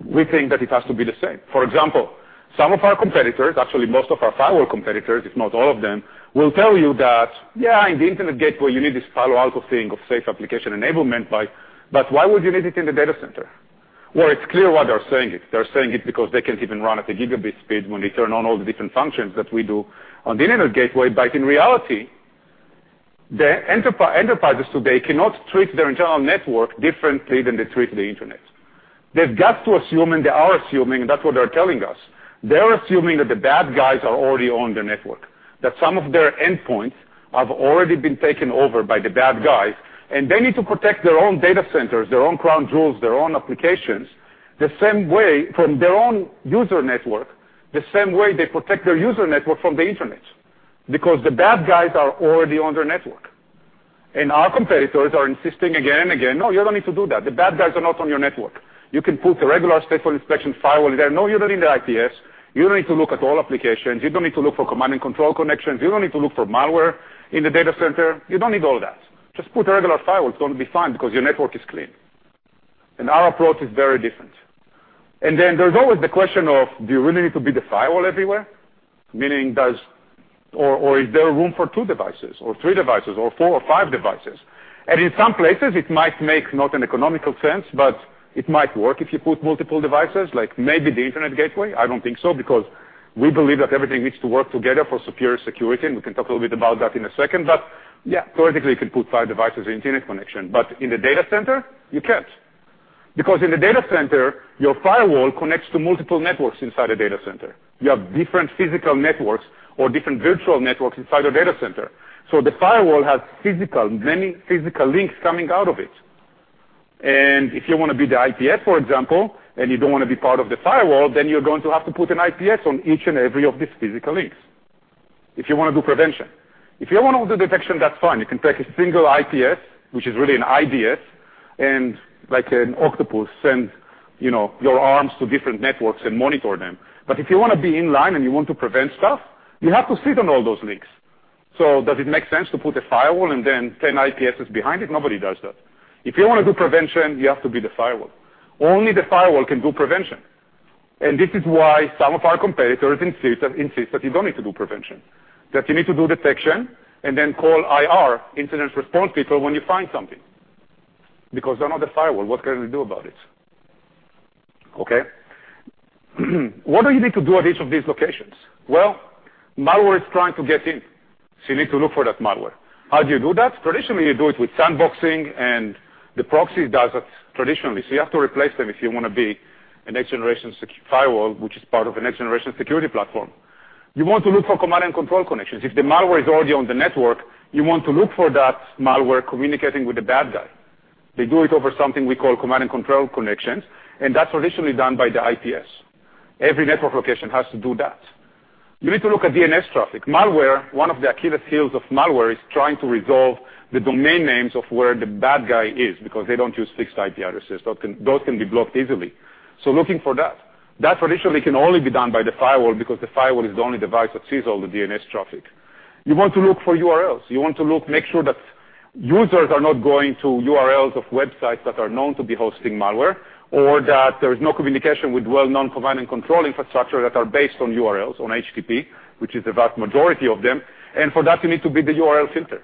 We think that it has to be the same. For example, some of our competitors, actually, most of our firewall competitors, if not all of them, will tell you that, yeah, in the internet gateway, you need this Palo Alto thing of safe application enablement, but why would you need it in the data center? It's clear why they're saying it. They're saying it because they can't even run at the gigabit speed when they turn on all the different functions that we do on the internet gateway. In reality, the enterprises today cannot treat their internal network differently than they treat the Internet. They've got to assume, they are assuming, that's what they're telling us. They're assuming that the bad guys are already on their network, that some of their endpoints have already been taken over by the bad guys, and they need to protect their own data centers, their own crown jewels, their own applications, from their own user network, the same way they protect their user network from the Internet. The bad guys are already on their network. Our competitors are insisting again and again, "No, you don't need to do that. The bad guys are not on your network. You can put the regular stateful inspection firewall in there. No, you don't need the IPS. You don't need to look at all applications. You don't need to look for command and control connections. You don't need to look for malware in the data center. You don't need all that. Just put a regular firewall. It's going to be fine because your network is clean." Our approach is very different. Then there's always the question of, do you really need to be the firewall everywhere? Meaning, or is there room for 2 devices or 3 devices or 4 or 5 devices? In some places, it might make not an economical sense, but it might work if you put multiple devices, like maybe the internet gateway. I don't think so because we believe that everything needs to work together for superior security, and we can talk a little bit about that in a second. Yeah, theoretically, you can put 5 devices in Internet connection, but in the data center, you can't. In the data center, your firewall connects to multiple networks inside a data center. You have different physical networks or different virtual networks inside a data center. The firewall has many physical links coming out of it. If you want to be the IPS, for example, and you don't want to be part of the firewall, then you're going to have to put an IPS on each and every of these physical links, if you want to do prevention. If you want to do detection, that's fine. You can take a single IPS, which is really an IDS and like an octopus, send your arms to different networks and monitor them. If you want to be in line and you want to prevent stuff, you have to sit on all those links. Does it make sense to put a firewall and then 10 IPSs behind it? Nobody does that. If you want to do prevention, you have to be the firewall. Only the firewall can do prevention. This is why some of our competitors insist that you don't need to do prevention, that you need to do detection and then call IR, incident response people, when you find something. Because they're not the firewall, what can they do about it? Okay. What do you need to do at each of these locations? Malware is trying to get in, you need to look for that malware. How do you do that? Traditionally, you do it with sandboxing, and the proxy does it traditionally. You have to replace them if you want to be a next-generation firewall, which is part of a next-generation security platform. You want to look for command and control connections. If the malware is already on the network, you want to look for that malware communicating with the bad guy. They do it over something we call command and control connections, that's traditionally done by the IPS. Every network location has to do that. You need to look at DNS traffic. One of the Achilles' heels of malware is trying to resolve the domain names of where the bad guy is, because they don't use fixed IP addresses. Those can be blocked easily. Looking for that traditionally can only be done by the firewall, because the firewall is the only device that sees all the DNS traffic. You want to look for URLs. You want to make sure that users are not going to URLs of websites that are known to be hosting malware, or that there is no communication with well-known command and control infrastructure that are based on URLs, on HTTP, which is the vast majority of them. For that, you need to be the URL filter.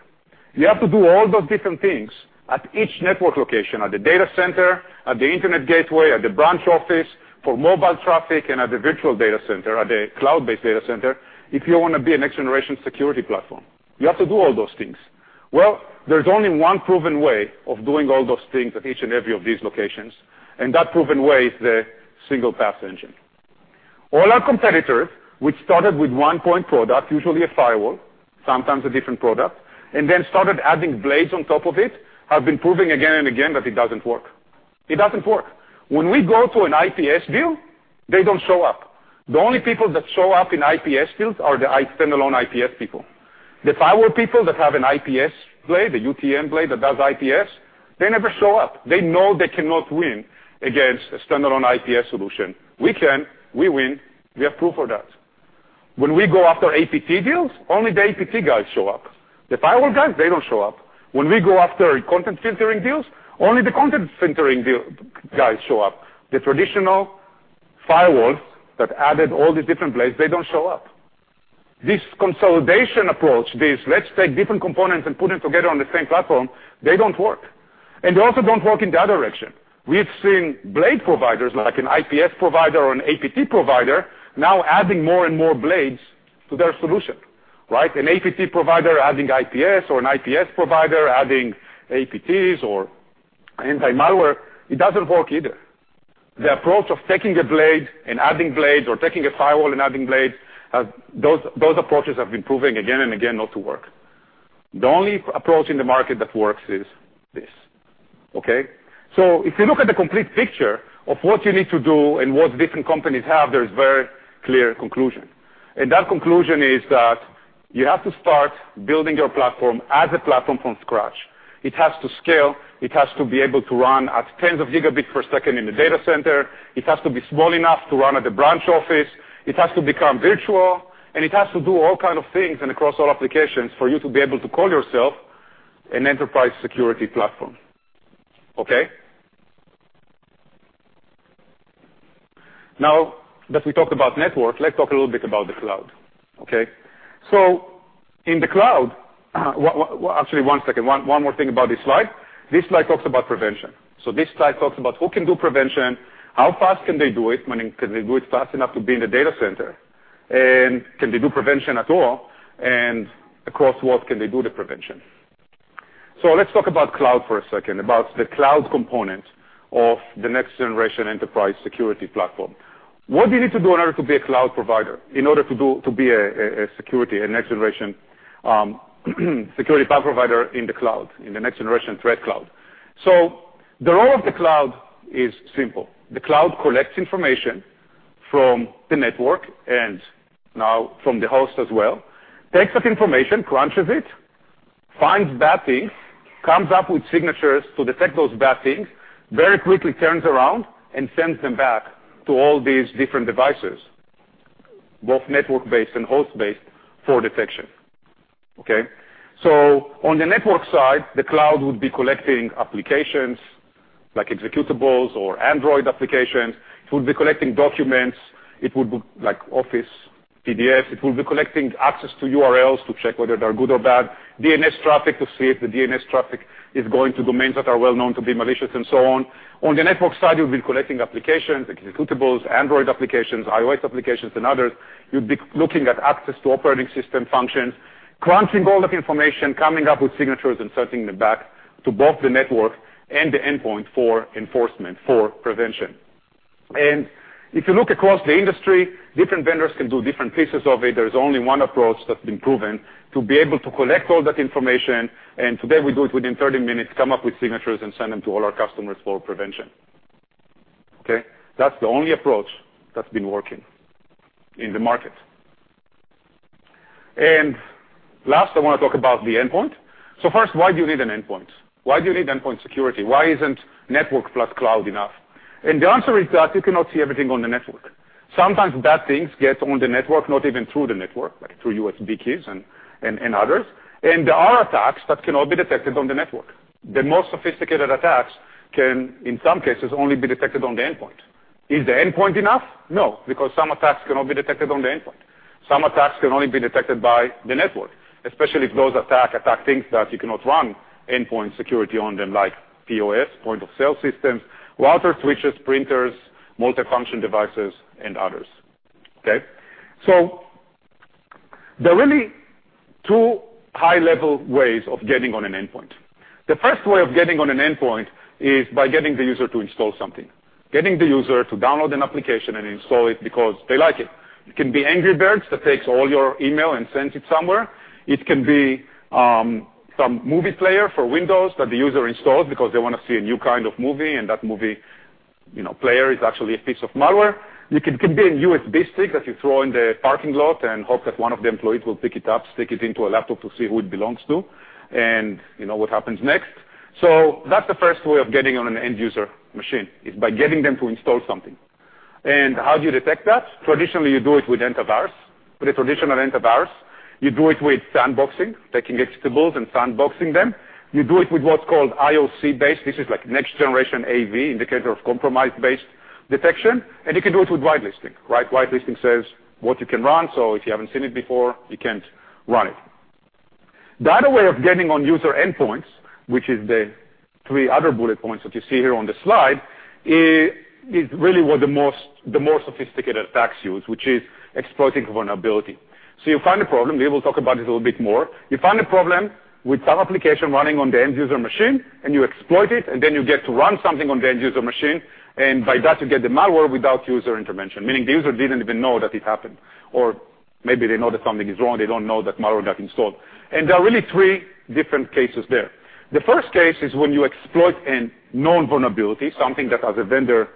You have to do all those different things at each network location, at the data center, at the internet gateway, at the branch office, for mobile traffic, and at the virtual data center, at the cloud-based data center, if you want to be a next-generation security platform. You have to do all those things. There's only one proven way of doing all those things at each and every of these locations, that proven way is the single-pass engine. All our competitors, which started with one-point product, usually a firewall, sometimes a different product, then started adding blades on top of it, have been proving again and again that it doesn't work. It doesn't work. When we go to an IPS deal, they don't show up. The only people that show up in IPS deals are the standalone IPS people. The firewall people that have an IPS blade, a UTM blade that does IPS, they never show up. They know they cannot win against a standalone IPS solution. We can. We win. We have proof of that. When we go after APT deals, only the APT guys show up. The firewall guys, they don't show up. When we go after content filtering deals, only the content filtering deal guys show up. The traditional firewalls that added all these different blades, they don't show up. This consolidation approach, this let's take different components and put them together on the same platform, they don't work. They also don't work in the other direction. We've seen blade providers like an IPS provider or an APT provider now adding more and blades to their solution, right? An APT provider adding IPS, or an IPS provider adding APTs or anti-malware, it doesn't work either. The approach of taking a blade and adding blades or taking a firewall and adding blades, those approaches have been proven again and again not to work. The only approach in the market that works is this, okay? That conclusion is that you have to start building your platform as a platform from scratch. It has to scale. It has to be able to run at tens of gigabits per second in the data center. It has to be small enough to run at the branch office. It has to become virtual, and it has to do all kind of things and across all applications for you to be able to call yourself an enterprise security platform. Okay? Now that we talked about network, let's talk a little bit about the cloud, okay? In the cloud, actually, one second, one more thing about this slide. This slide talks about prevention. This slide talks about who can do prevention, how fast can they do it, meaning can they do it fast enough to be in the data center, and can they do prevention at all, and across what can they do the prevention? Let's talk about cloud for a second, about the cloud component of the next generation enterprise security platform. What do you need to do in order to be a cloud provider, in order to be a next generation security cloud provider in the cloud, in the next generation Threat Cloud? The role of the cloud is simple. The cloud collects information from the network, and now from the host as well, takes that information, crunches it, finds bad things, comes up with signatures to detect those bad things, very quickly turns around and sends them back to all these different devices, both network-based and host-based, for detection. Okay? On the network side, the cloud would be collecting applications like executables or Android applications. It would be collecting documents like Office, PDFs. It will be collecting access to URLs to check whether they're good or bad, DNS traffic to see if the DNS traffic is going to domains that are well known to be malicious, and so on. On the network side, you'll be collecting applications, executables, Android applications, iOS applications, and others. You'll be looking at access to operating system functions, crunching all that information, coming up with signatures, and sending them back to both the network and the endpoint for enforcement, for prevention. If you look across the industry, different vendors can do different pieces of it. There's only one approach that's been proven to be able to collect all that information. Today, we do it within 30 minutes, come up with signatures, and send them to all our customers for prevention. Okay? That's the only approach that's been working in the market. Last, I want to talk about the endpoint. First, why do you need an endpoint? Why do you need endpoint security? Why isn't network plus cloud enough? The answer is that you cannot see everything on the network. Sometimes bad things get on the network, not even through the network, like through USB keys and others. There are attacks that cannot be detected on the network. The most sophisticated attacks can, in some cases, only be detected on the endpoint. Is the endpoint enough? No, because some attacks cannot be detected on the endpoint. Some attacks can only be detected by the network, especially if those attacks affect things that you cannot run endpoint security on them, like POS, point of sale systems, routers, switches, printers, multifunction devices, and others. Okay. There are really two high-level ways of getting on an endpoint. The first way of getting on an endpoint is by getting the user to install something. Getting the user to download an application and install it because they like it. It can be Angry Birds that takes all your email and sends it somewhere. It can be some movie player for Windows that the user installs because they want to see a new kind of movie, and that movie player is actually a piece of malware. It can be a USB stick that you throw in the parking lot and hope that one of the employees will pick it up, stick it into a laptop to see who it belongs to, and you know what happens next. That's the first way of getting on an end user machine, is by getting them to install something. How do you detect that? Traditionally, you do it with antivirus, with a traditional antivirus. You do it with sandboxing, taking executables and sandboxing them. You do it with what's called IOC-based. This is like next generation AV, indicator of compromise base detection, and you can do it with whitelisting. Whitelisting says what you can run, so if you haven't seen it before, you can't run it. The other way of getting on user endpoints, which is the three other bullet points that you see here on the slide, is really what the more sophisticated attacks use, which is exploiting vulnerability. You find a problem, we will talk about it a little bit more. You find a problem with some application running on the end user machine, you exploit it, then you get to run something on the end user machine, and by that, you get the malware without user intervention, meaning the user didn't even know that it happened. Or maybe they know that something is wrong, they don't know that malware got installed. There are really three different cases there. The first case is when you exploit a known vulnerability, something that as a vendor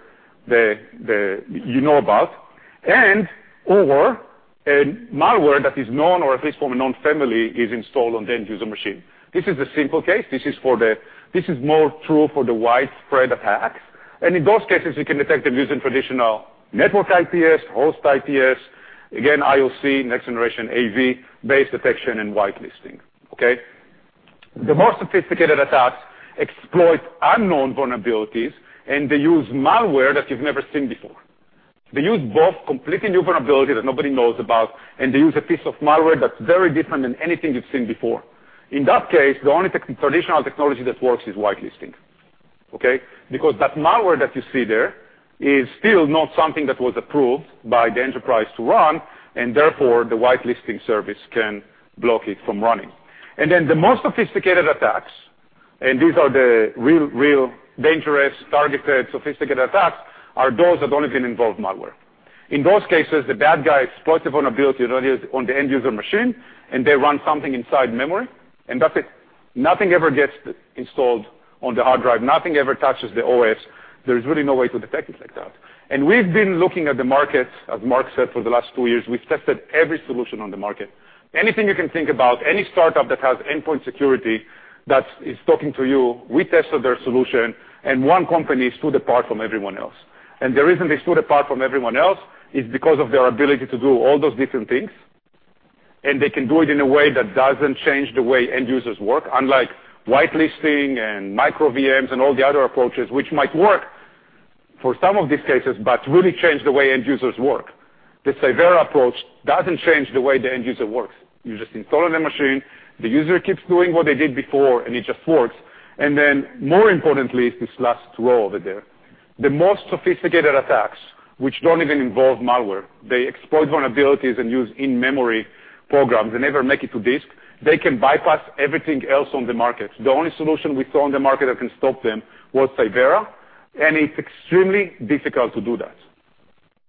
you know about, and/or a malware that is known or at least from a known family is installed on the end user machine. This is a simple case. This is more true for the widespread attacks, in those cases, you can detect them using traditional network IPS, host IPS, again, IOC, next generation AV base detection, and whitelisting. Okay. The more sophisticated attacks exploit unknown vulnerabilities. They use malware that you've never seen before. They use both completely new vulnerabilities that nobody knows about. They use a piece of malware that's very different than anything you've seen before. In that case, the only traditional technology that works is whitelisting. Okay. Because that malware that you see there is still not something that was approved by the enterprise to run. Therefore, the whitelisting service can block it from running. The most sophisticated attacks, these are the real dangerous, targeted, sophisticated attacks, are those that don't even involve malware. In those cases, the bad guy exploits a vulnerability on the end user machine. They run something inside memory, and that's it. Nothing ever gets installed on the hard drive. Nothing ever touches the OS. There's really no way to detect it like that. We've been looking at the markets, as Mark said, for the last two years. We've tested every solution on the market. Anything you can think about, any startup that has endpoint security that is talking to you, we tested their solution. One company stood apart from everyone else. The reason they stood apart from everyone else is because of their ability to do all those different things. They can do it in a way that doesn't change the way end users work, unlike whitelisting and microVMs and all the other approaches, which might work for some of these cases, but really change the way end users work. The Cyvera approach doesn't change the way the end user works. You just install it on the machine, the user keeps doing what they did before. It just works. More importantly is this last row over there. The most sophisticated attacks, which don't even involve malware, they exploit vulnerabilities and use in-memory programs. They never make it to disk. They can bypass everything else on the market. The only solution we saw on the market that can stop them was Cyvera. It's extremely difficult to do that.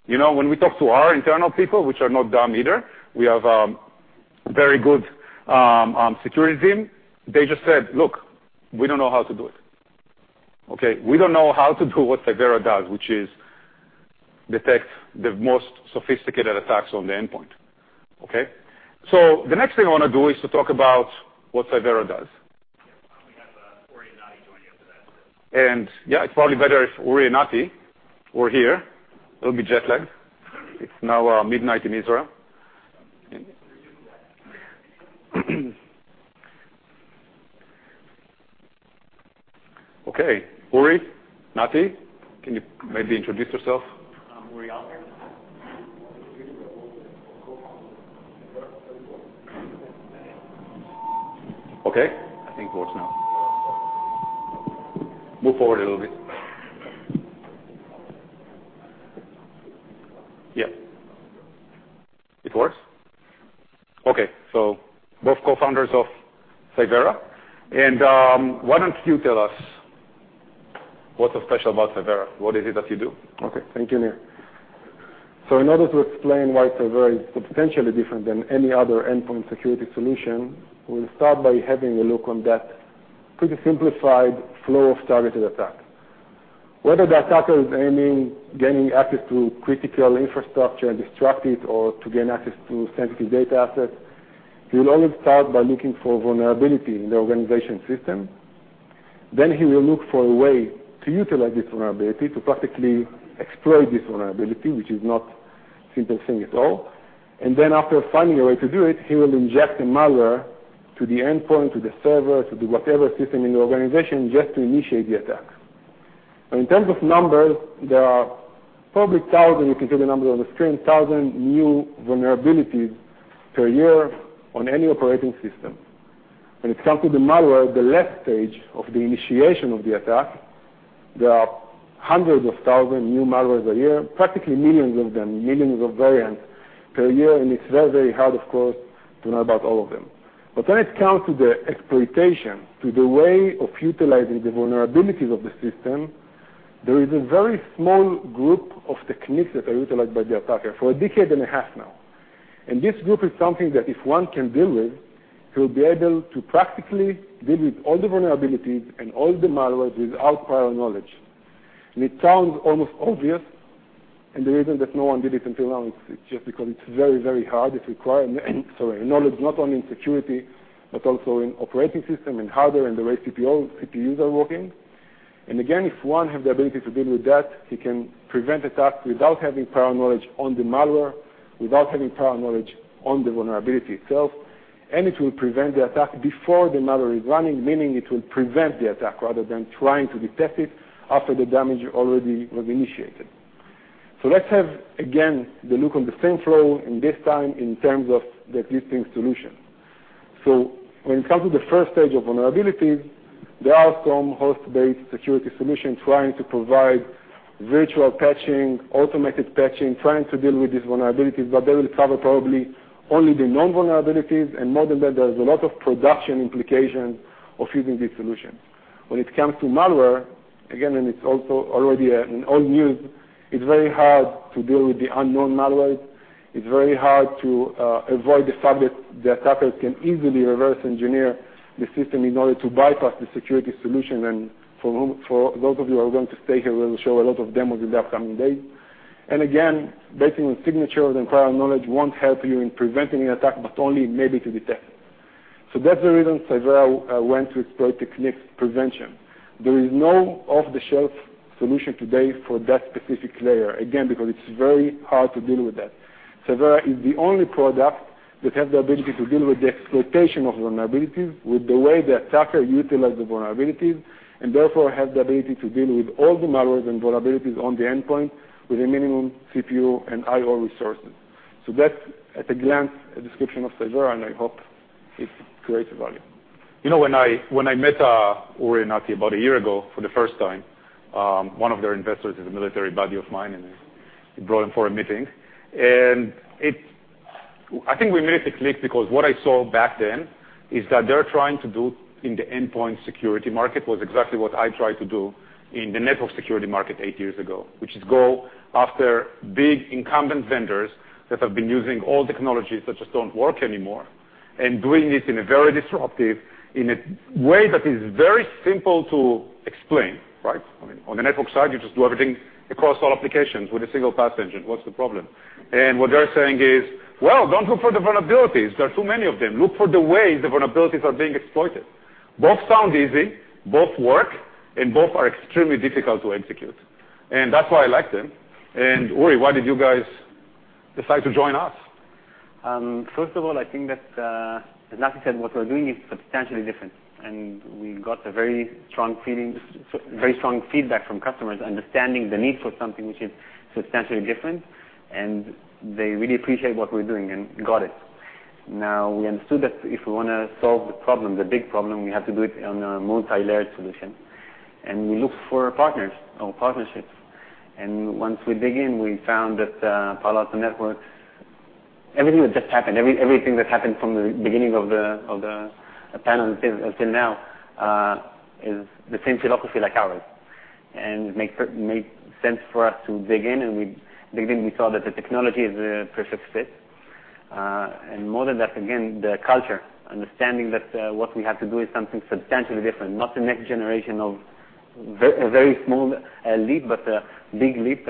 When we talk to our internal people, which are not dumb either, we have a very good security team, they just said, "Look, we don't know how to do it." Okay. "We don't know how to do what Cyvera does," which is detect the most sophisticated attacks on the endpoint. Okay. The next thing I want to do is to talk about what Cyvera does. Yeah. We have Uri and Nati joining us today. yeah, it's probably better if Uri and Nati were here. A little bit jet lagged. It's now midnight in Israel. Okay. Uri, Nati, can you maybe introduce yourself? I'm Uri Alter. I'm Nati Davidi. I'm co-founder of Cyvera. Okay. I think it works now. Move forward a little bit. Yeah. It works? Okay. Both co-founders of Cyvera, why don't you tell us what's so special about Cyvera? What is it that you do? Thank you, Nir. In order to explain why Cyvera is substantially different than any other endpoint security solution, we'll start by having a look on that pretty simplified flow of targeted attack. Whether the attacker is aiming, gaining access to critical infrastructure and disrupt it or to gain access to sensitive data assets, he will always start by looking for vulnerability in the organization system. He will look for a way to utilize this vulnerability to practically exploit this vulnerability, which is not simple thing at all. After finding a way to do it, he will inject a malware to the endpoint, to the server, to the whatever system in the organization, just to initiate the attack. Now, in terms of numbers, there are probably 1,000, you can see the number on the screen, 1,000 new vulnerabilities per year on any operating system. When it comes to the malware, the left stage of the initiation of the attack, there are hundreds of thousand new malwares a year, practically millions of them, millions of variants per year. It's very, very hard, of course, to know about all of them. When it comes to the exploitation, to the way of utilizing the vulnerabilities of the system, there is a very small group of techniques that are utilized by the attacker for a decade and a half now. This group is something that if one can deal with, he'll be able to practically deal with all the vulnerabilities and all the malwares without prior knowledge. It sounds almost obvious, and the reason that no one did it until now, it's just because it's very, very hard. It require, sorry, knowledge, not only in security, but also in operating system and hardware and the way CPUs are working. Again, if one have the ability to deal with that, he can prevent attack without having prior knowledge on the malware, without having prior knowledge on the vulnerability itself, and it will prevent the attack before the malware is running, meaning it will prevent the attack rather than trying to detect it after the damage already was initiated. Let's have, again, the look on the same flow, and this time, in terms of the existing solution. When it comes to the first stage of vulnerabilities, there are some host-based security solution trying to provide virtual patching, automated patching, trying to deal with these vulnerabilities, but they will cover probably only the known vulnerabilities. More than that, there's a lot of production implications of using these solutions. When it comes to malware, again, and it's also already an old news, it's very hard to deal with the unknown malware. It's very hard to avoid the fact that the attackers can easily reverse engineer the system in order to bypass the security solution. For those of you who are going to stay here, we will show a lot of demos in the upcoming days. Again, basing on signature and prior knowledge won't help you in preventing the attack, but only maybe to detect it. That's the reason Cyvera went with exploit techniques prevention. There is no off-the-shelf solution today for that specific layer. Again, because it's very hard to deal with that. Cyvera is the only product that have the ability to deal with the exploitation of vulnerabilities, with the way the attacker utilize the vulnerabilities, and therefore, have the ability to deal with all the malwares and vulnerabilities on the endpoint with a minimum CPU and IO resources. That's at a glance, a description of Cyvera, and I hope it creates a value. When I met Uri and Nati about a year ago for the first time, one of their investors is a military buddy of mine, and he brought him for a meeting. I think we made it to click because what I saw back then is that they're trying to do in the endpoint security market was exactly what I tried to do in the network security market eight years ago, which is go after big incumbent vendors that have been using old technologies that just don't work anymore, and doing it in a very disruptive, in a way that is very simple to explain. Right? On the network side, you just do everything across all applications with a single pass engine. What's the problem? What they're saying is, "Well, don't look for the vulnerabilities. There are too many of them. Look for the ways the vulnerabilities are being exploited." Both sound easy, both work, and both are extremely difficult to execute. That's why I like them. Uri, why did you guys decide to join us? First of all, I think that, as Nati said, what we're doing is substantially different. We got a very strong feedback from customers understanding the need for something which is substantially different, and they really appreciate what we're doing and got it. Now, we understood that if we want to solve the problem, the big problem, we have to do it on a multilayer solution. We looked for partners or partnerships. Once we dig in, we found that Palo Alto Networks, everything that just happened, everything that happened from the beginning of the panel until now, is the same philosophy like ours. It made sense for us to dig in, and we digged in, we saw that the technology is a perfect fit. More than that, again, the culture, understanding that what we have to do is something substantially different, not the next generation of a very small leap, but a big leap.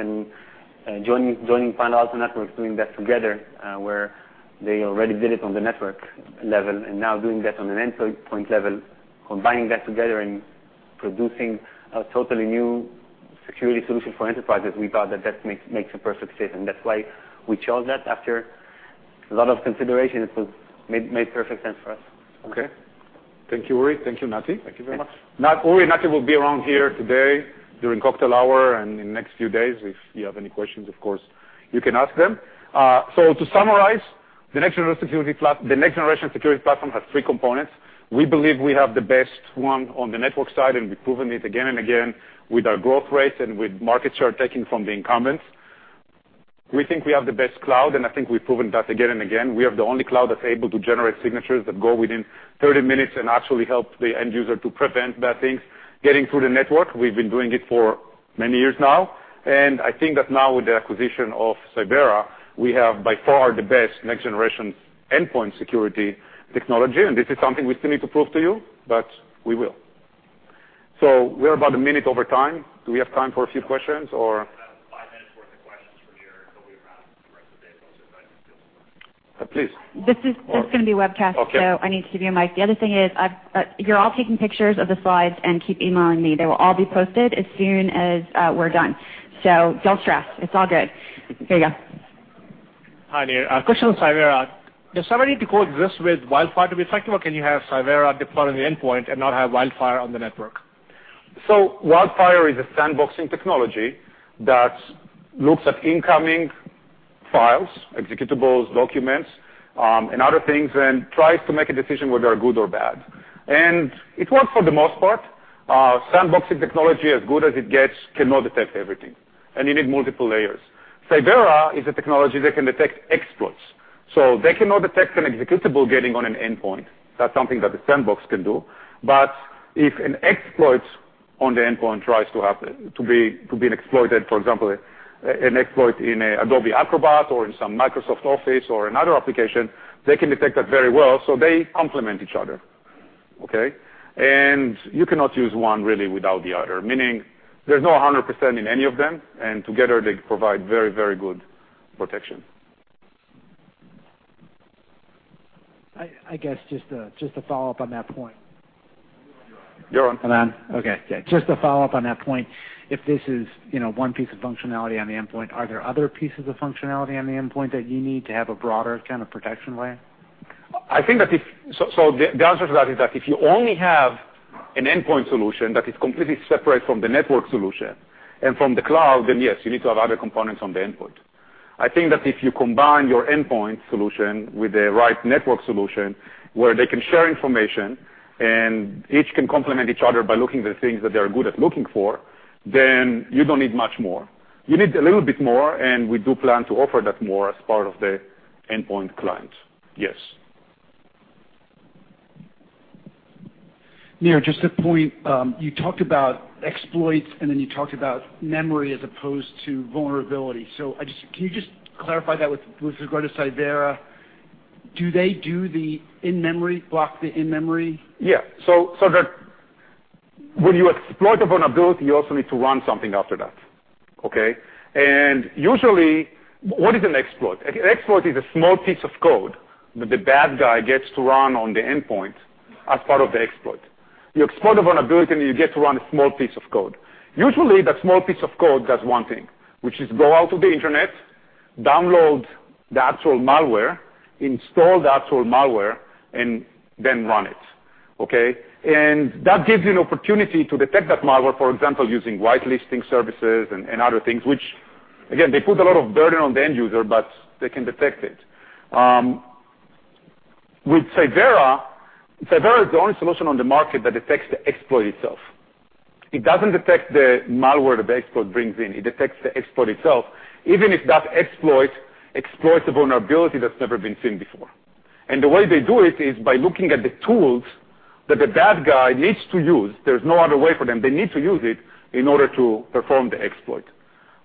Joining Palo Alto Networks, doing that together, where they already did it on the network level, and now doing that on an endpoint level, combining that together and producing a totally new security solution for enterprises, we thought that that makes a perfect fit. That's why we chose that after a lot of consideration. It made perfect sense for us. Okay. Thank you, Uri. Thank you, Nati. Thank you very much. Uri and Nati will be around here today during cocktail hour and in the next few days. If you have any questions, of course, you can ask them. To summarize, the next-generation security platform has three components. We believe we have the best one on the network side. We've proven it again and again with our growth rates and with market share taking from the incumbents. We think we have the best cloud. I think we've proven that again and again. We have the only cloud that's able to generate signatures that go within 30 minutes and actually help the end user to prevent bad things getting through the network. We've been doing it for many years now. I think that now with the acquisition of Cyvera, we have by far the best next-generation endpoint security technology, and this is something we still need to prove to you, but we will. We're about a minute over time. Do we have time for a few questions or? Please. This is going to be webcast- Okay I need to give you a mic. The other thing is if you're all taking pictures of the slides and keep emailing me, they will all be posted as soon as we're done. Don't stress. It's all good. Here you go. Hi, Nir. A question on Cyvera. Does somebody need to coexist with WildFire to be effective, or can you have Cyvera deployed on the endpoint and not have WildFire on the network? WildFire is a sandboxing technology that looks at incoming files, executables, documents, and other things, and tries to make a decision whether they're good or bad. It works for the most part. Sandboxing technology, as good as it gets, cannot detect everything, and you need multiple layers. Cyvera is a technology that can detect exploits. They cannot detect an executable getting on an endpoint. That's something that the sandbox can do. If an exploit on the endpoint tries to happen, to be exploited, for example, an exploit in Adobe Acrobat or in some Microsoft Office or another application, they can detect that very well, they complement each other. Okay? You cannot use one really without the other, meaning there's no 100% in any of them, and together, they provide very good protection. I guess just to follow up on that point. You're on. Am I on? Okay, yeah. Just to follow up on that point, if this is one piece of functionality on the endpoint, are there other pieces of functionality on the endpoint that you need to have a broader kind of protection layer? The answer to that is that if you only have an endpoint solution that is completely separate from the network solution and from the cloud, then yes, you need to have other components on the endpoint. I think that if you combine your endpoint solution with the right network solution where they can share information and each can complement each other by looking at the things that they are good at looking for, then you don't need much more. You need a little bit more, and we do plan to offer that more as part of the endpoint client. Yes. Nir, just to point, you talked about exploits, and then you talked about memory as opposed to vulnerability. Can you just clarify that with regard to Cyvera? Do they do the block the in-memory? When you exploit a vulnerability, you also need to run something after that, okay? Usually, what is an exploit? An exploit is a small piece of code that the bad guy gets to run on the endpoint as part of the exploit. You exploit a vulnerability, and you get to run a small piece of code. Usually, that small piece of code does one thing, which is go out to the internet, download the actual malware, install the actual malware, and then run it, okay? That gives you an opportunity to detect that malware, for example, using whitelisting services and other things, which again, they put a lot of burden on the end user, but they can detect it. With Cyvera is the only solution on the market that detects the exploit itself. It doesn't detect the malware the exploit brings in. It detects the exploit itself, even if that exploit exploits a vulnerability that's never been seen before. The way they do it is by looking at the tools that the bad guy needs to use. There's no other way for them. They need to use it in order to perform the exploit,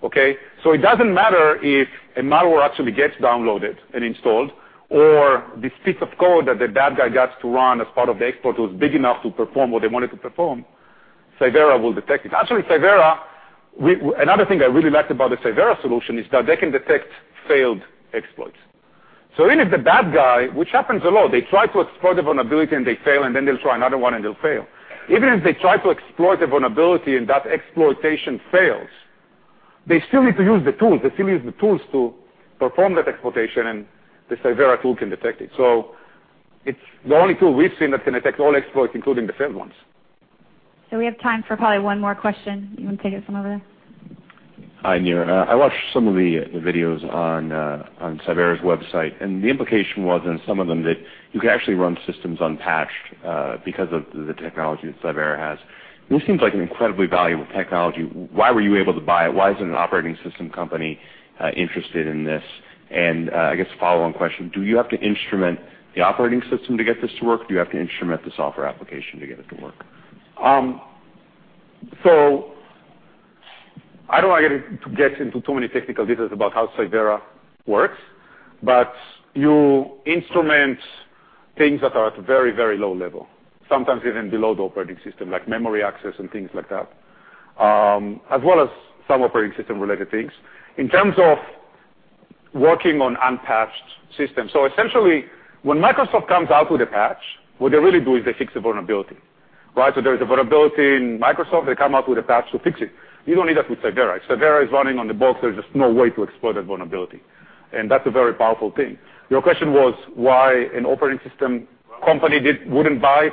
okay? It doesn't matter if a malware actually gets downloaded and installed, or this piece of code that the bad guy gets to run as part of the exploit was big enough to perform what they wanted to perform, Cyvera will detect it. Actually, Cyvera, another thing I really liked about the Cyvera solution is that they can detect failed exploits. Even if the bad guy, which happens a lot, they try to exploit a vulnerability, and they fail, and then they'll try another one, and they'll fail. Even if they try to exploit a vulnerability and that exploitation fails, they still need to use the tools. They still use the tools to perform that exploitation, and the Cyvera tool can detect it. It's the only tool we've seen that can detect all exploits, including the failed ones. We have time for probably one more question. You want to take it from over there? Hi, Nir. I watched some of the videos on Cyvera's website, and the implication was in some of them that you could actually run systems unpatched because of the technology that Cyvera has. This seems like an incredibly valuable technology. Why were you able to buy it? Why isn't an operating system company interested in this? I guess a follow-on question, do you have to instrument the operating system to get this to work? Do you have to instrument the software application to get it to work? I don't want to get into too many technical details about how Cyvera works, but you instrument things that are at very low level, sometimes even below the operating system, like memory access and things like that, as well as some operating system-related things. In terms of working on unpatched systems, so essentially, when Microsoft comes out with a patch, what they really do is they fix a vulnerability, right? There is a vulnerability in Microsoft, they come out with a patch to fix it. You don't need that with Cyvera. Cyvera is running on the box. There's just no way to exploit that vulnerability, and that's a very powerful thing. Your question was why an operating system company wouldn't buy it.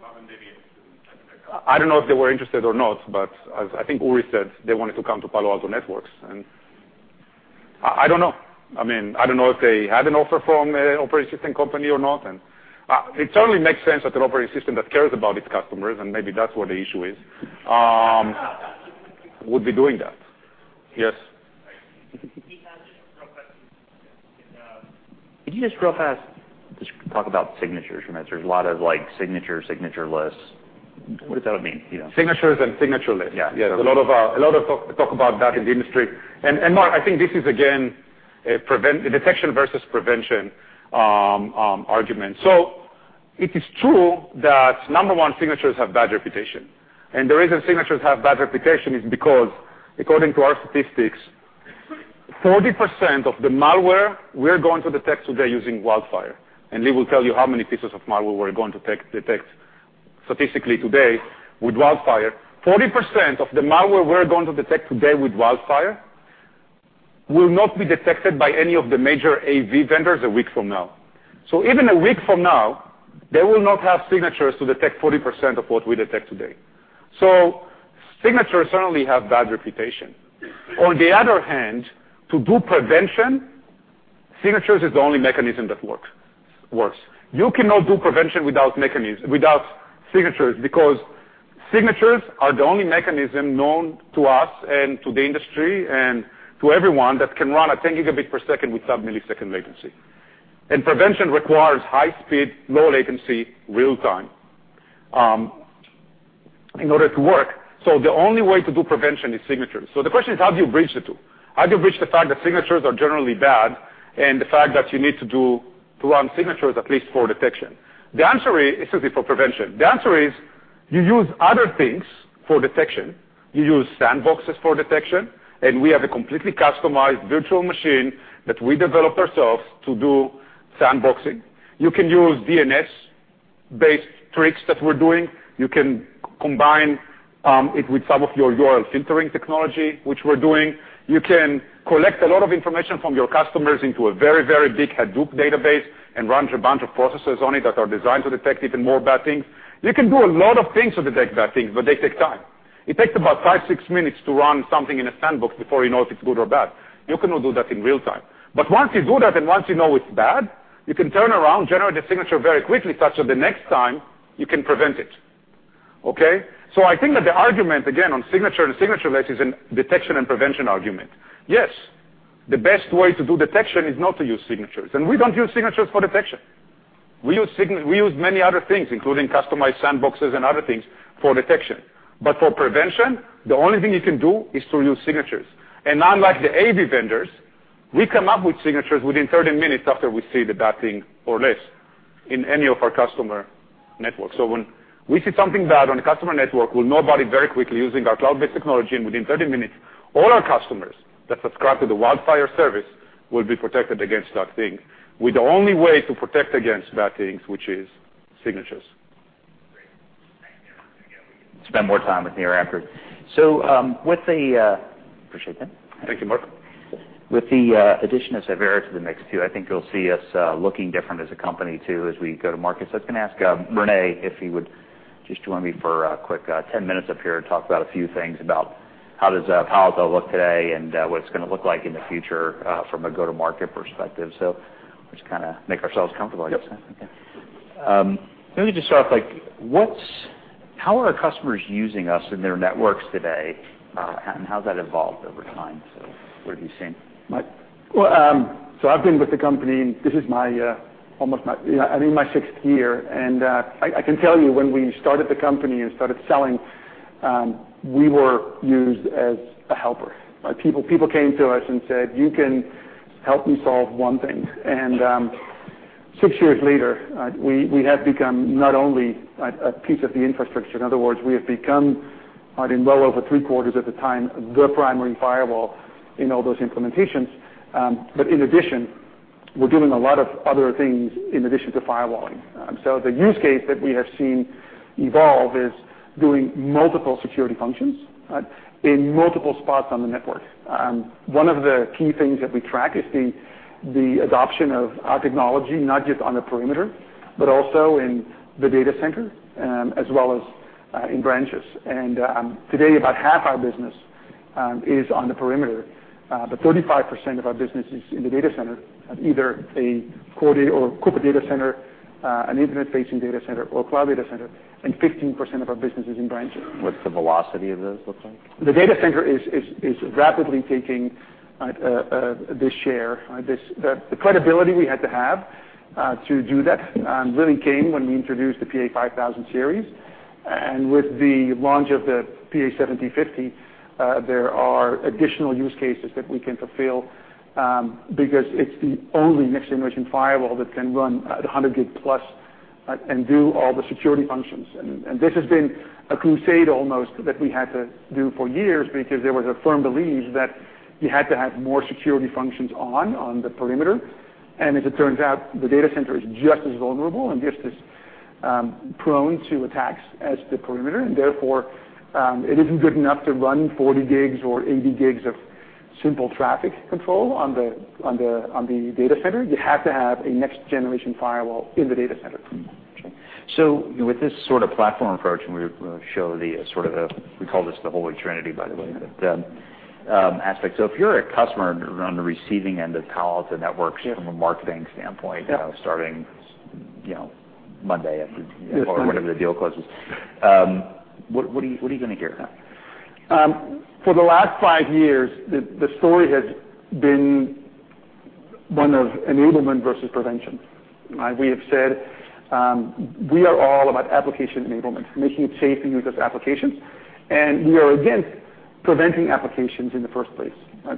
Well, maybe if they were interested in that company. I don't know if they were interested or not, as I think Uri said, they wanted to come to Palo Alto Networks, I don't know. I don't know if they had an offer from an operating system company or not, it certainly makes sense that an operating system that cares about its customers, and maybe that's where the issue is, would be doing that. Yes. Can you just real fast talk about signatures from this? There's a lot of signature-less. What does that all mean? Signatures and signature-less. Yeah. Yeah. A lot of talk about that in the industry. Mark, I think this is again, a detection versus prevention argument. It is true that, number 1, signatures have bad reputation. The reason signatures have bad reputation is because, according to our statistics, 40% of the malware we're going to detect today using WildFire, and Lee will tell you how many pieces of malware we're going to detect statistically today with WildFire. 40% of the malware we're going to detect today with WildFire, will not be detected by any of the major AV vendors a week from now. Even a week from now, they will not have signatures to detect 40% of what we detect today. Signatures certainly have bad reputation. On the other hand, to do prevention, signatures is the only mechanism that works. You cannot do prevention without signatures, because signatures are the only mechanism known to us and to the industry and to everyone that can run at 10 gigabit per second with sub-millisecond latency. Prevention requires high speed, low latency, real-time, in order to work. The only way to do prevention is signatures. The question is, how do you bridge the two? How do you bridge the fact that signatures are generally bad and the fact that you need to run signatures at least for detection? The answer is, Excuse me, for prevention. The answer is, you use other things for detection. You use sandboxes for detection, and we have a completely customized virtual machine that we developed ourselves to do sandboxing. You can use DNS-based tricks that we're doing. You can combine it with some of your URL filtering technology, which we're doing. You can collect a lot of information from your customers into a very, very big Hadoop database and run a bunch of processes on it that are designed to detect even more bad things. You can do a lot of things to detect bad things, but they take time. It takes about five, six minutes to run something in a sandbox before you know if it's good or bad. You cannot do that in real-time. Once you do that and once you know it's bad, you can turn around, generate a signature very quickly, such that the next time, you can prevent it. Okay? I think that the argument, again, on signature and signature-less is in detection and prevention argument. Yes, the best way to do detection is not to use signatures, and we don't use signatures for detection. We use many other things, including customized sandboxes and other things for detection. For prevention, the only thing you can do is to use signatures. Unlike the AV vendors, we come up with signatures within 30 minutes after we see the bad thing, or less, in any of our customer networks. When we see something bad on a customer network, we'll know about it very quickly using our cloud-based technology, and within 30 minutes, all our customers that subscribe to the WildFire service will be protected against that thing. With the only way to protect against bad things, which is signatures. Great. Thank you. Again, we can spend more time with Nir after. Appreciate that. Thank you, Mark. With the addition of Cyvera to the mix too, I think you'll see us looking different as a company too as we go to market. I was going to ask René if he would just join me for a quick 10 minutes up here to talk about a few things about how does Palo Alto look today, and what it's going to look like in the future, from a go-to-market perspective. We just kind of make ourselves comfortable, I guess. Yep. Okay. Maybe just start off, like, how are customers using us in their networks today? How has that evolved over time? What have you seen? I've been with the company. I'm in my sixth year. I can tell you when we started the company and started selling, we were used as a helper, right? People came to us and said, "You can help me solve one thing." Six years later, we have become not only a piece of the infrastructure. In other words, we have become, I think well over three-quarters at the time, the primary firewall in all those implementations. In addition, we're doing a lot of other things in addition to firewalling. The use case that we have seen evolve is doing multiple security functions, right? In multiple spots on the network. One of the key things that we track is the adoption of our technology, not just on the perimeter, but also in the data center, as well as in branches. Today, about half our business is on the perimeter. 35% of our business is in the data center, either a core data or corporate data center, an internet-facing data center, or a cloud data center, and 15% of our business is in branches. What's the velocity of those look like? The data center is rapidly taking this share. The credibility we had to have to do that really came when we introduced the PA-5000 series. With the launch of the PA-7050, there are additional use cases that we can fulfill, because it's the only next-generation firewall that can run at 100 gig plus and do all the security functions. This has been a crusade almost that we had to do for years because there was a firm belief that you had to have more security functions on the perimeter. As it turns out, the data center is just as vulnerable and just as prone to attacks as the perimeter. Therefore, it isn't good enough to run 40 gigs or 80 gigs of simple traffic control on the data center. You have to have a next-generation firewall in the data center. With this sort of platform approach, We call this the Holy Trinity, by the way, the aspect. If you're a customer on the receiving end of Palo Alto Networks. Yeah From a marketing standpoint. Yeah Starting Monday after. Yes Whenever the deal closes. What are you going to hear? For the last 5 years, the story has been one of enablement versus prevention. We have said, we are all about application enablement, making it safe to use those applications. We are against preventing applications in the first place.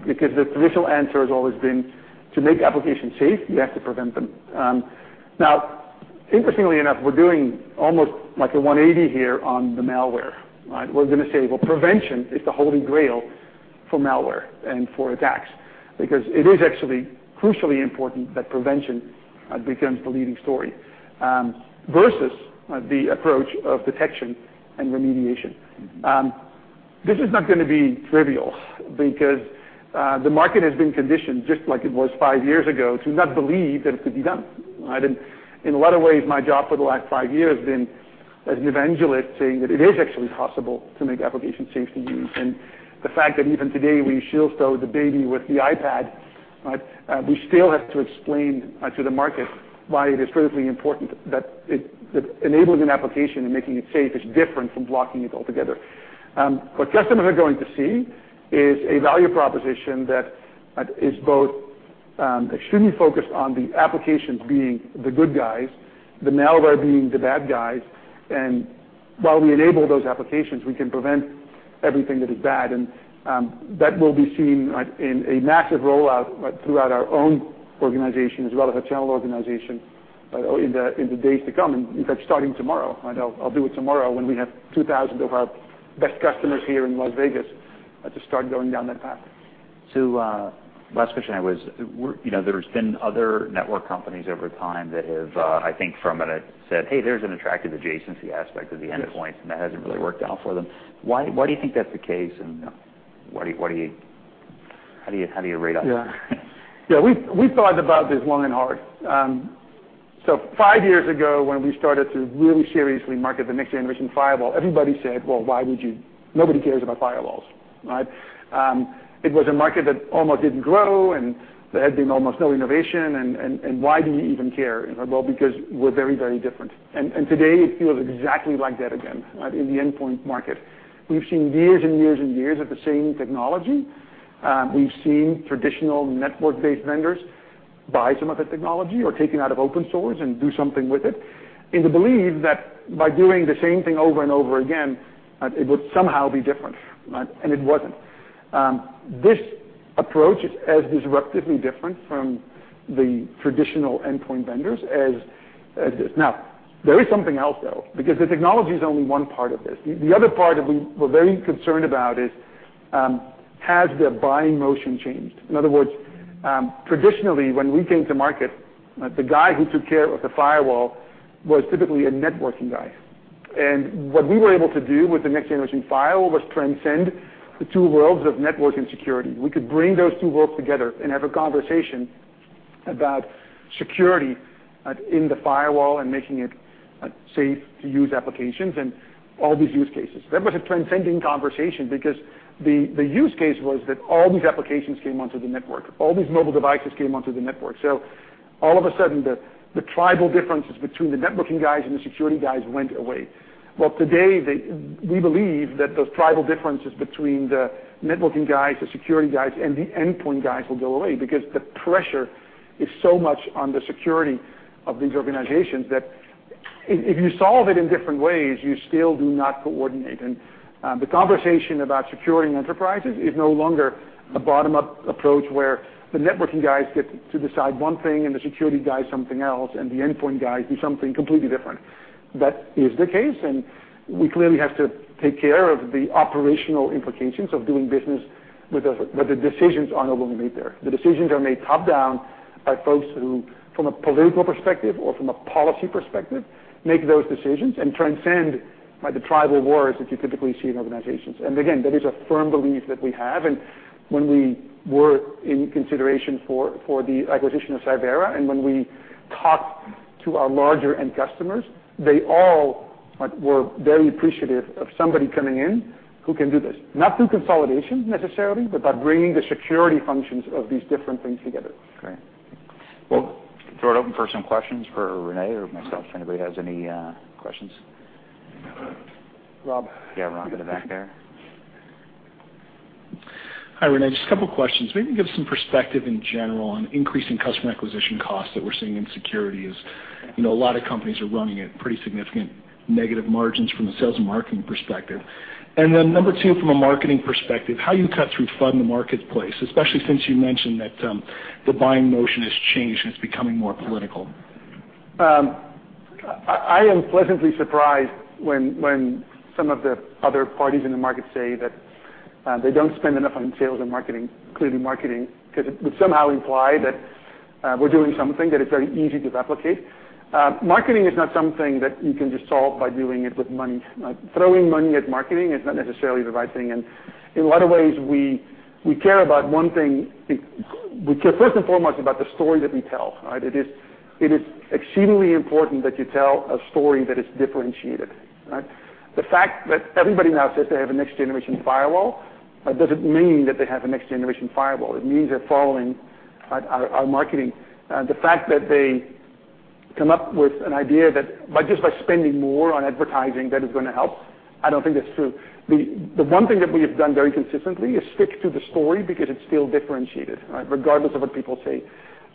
Because the traditional answer has always been to make applications safe, you have to prevent them. Interestingly enough, we're doing almost like a 180 here on the malware. We're going to say, well, prevention is the Holy Grail for malware and for attacks, because it is actually crucially important that prevention becomes the leading story versus the approach of detection and remediation. This is not going to be trivial because the market has been conditioned, just like it was 5 years ago, to not believe that it could be done. In a lot of ways, my job for the last 5 years has been as an evangelist, saying that it is actually possible to make application safety use. The fact that even today, we shield the baby with the iPad, we still have to explain to the market why it is critically important that enabling an application and making it safe is different from blocking it altogether. What customers are going to see is a value proposition that is both extremely focused on the applications being the good guys, the malware being the bad guys, and while we enable those applications, we can prevent everything that is bad. That will be seen in a massive rollout throughout our own organization as well as our channel organization in the days to come, in fact, starting tomorrow. I'll do it tomorrow when we have 2,000 of our best customers here in Las Vegas to start going down that path. Last question. There's been other network companies over time that have, I think, from it said, "Hey, there's an attractive adjacency aspect of the endpoint," and that hasn't really worked out for them. Why do you think that's the case, and how do you rate us? Yeah. We thought about this long and hard. Five years ago, when we started to really seriously market the next-generation firewall, everybody said, "Well, why would you? Nobody cares about firewalls." It was a market that almost didn't grow, and there had been almost no innovation. Why do you even care? Well, because we're very, very different. Today, it feels exactly like that again in the endpoint market. We've seen years and years and years of the same technology. We've seen traditional network-based vendors buy some of the technology or take it out of open source and do something with it in the belief that by doing the same thing over and over again, it would somehow be different. It wasn't. This approach is as disruptively different from the traditional endpoint vendors as this. Now, there is something else, though, because the technology is only one part of this. The other part that we were very concerned about is: has their buying motion changed? In other words, traditionally, when we came to market, the guy who took care of the firewall was typically a networking guy. What we were able to do with the next-generation firewall was transcend the two worlds of network and security. We could bring those two worlds together and have a conversation about security in the firewall and making it safe to use applications and all these use cases. That was a transcending conversation because the use case was that all these applications came onto the network. All these mobile devices came onto the network. All of a sudden, the tribal differences between the networking guys and the security guys went away. Well, today, we believe that those tribal differences between the networking guys, the security guys, and the endpoint guys will go away because the pressure is so much on the security of these organizations that if you solve it in different ways, you still do not coordinate. The conversation about securing enterprises is no longer a bottom-up approach where the networking guys get to decide one thing and the security guys something else, and the endpoint guys do something completely different. That is the case, and we clearly have to take care of the operational implications of doing business, but the decisions are no longer made there. The decisions are made top-down by folks who, from a political perspective or from a policy perspective, make those decisions and transcend the tribal wars that you typically see in organizations. Again, that is a firm belief that we have. When we were in consideration for the acquisition of Cyvera, and when we talked to our larger end customers, they all were very appreciative of somebody coming in who can do this. Not through consolidation necessarily, but by bringing the security functions of these different things together. Great. Well, throw it open for some questions for René or myself if anybody has any questions. Rob. Yeah, Rob in the back there. Hi, René. Just a couple of questions. Maybe give some perspective in general on increasing customer acquisition costs that we're seeing in security, as a lot of companies are running at pretty significant negative margins from the sales and marketing perspective. Number two, from a marketing perspective, how you cut through the marketplace, especially since you mentioned that the buying motion has changed and it's becoming more political. I am pleasantly surprised when some of the other parties in the market say that they don't spend enough on sales and marketing, clearly marketing, because it would somehow imply that we're doing something that is very easy to replicate. Marketing is not something that you can just solve by doing it with money. Throwing money at marketing is not necessarily the right thing. In a lot of ways, we care about one thing. We care first and foremost about the story that we tell. It is exceedingly important that you tell a story that is differentiated. The fact that everybody now says they have a next-generation firewall doesn't mean that they have a next-generation firewall. It means they're following our marketing. The fact that they come up with an idea that just by spending more on advertising, that is going to help, I don't think that's true. The one thing that we have done very consistently is stick to the story because it's still differentiated, regardless of what people say.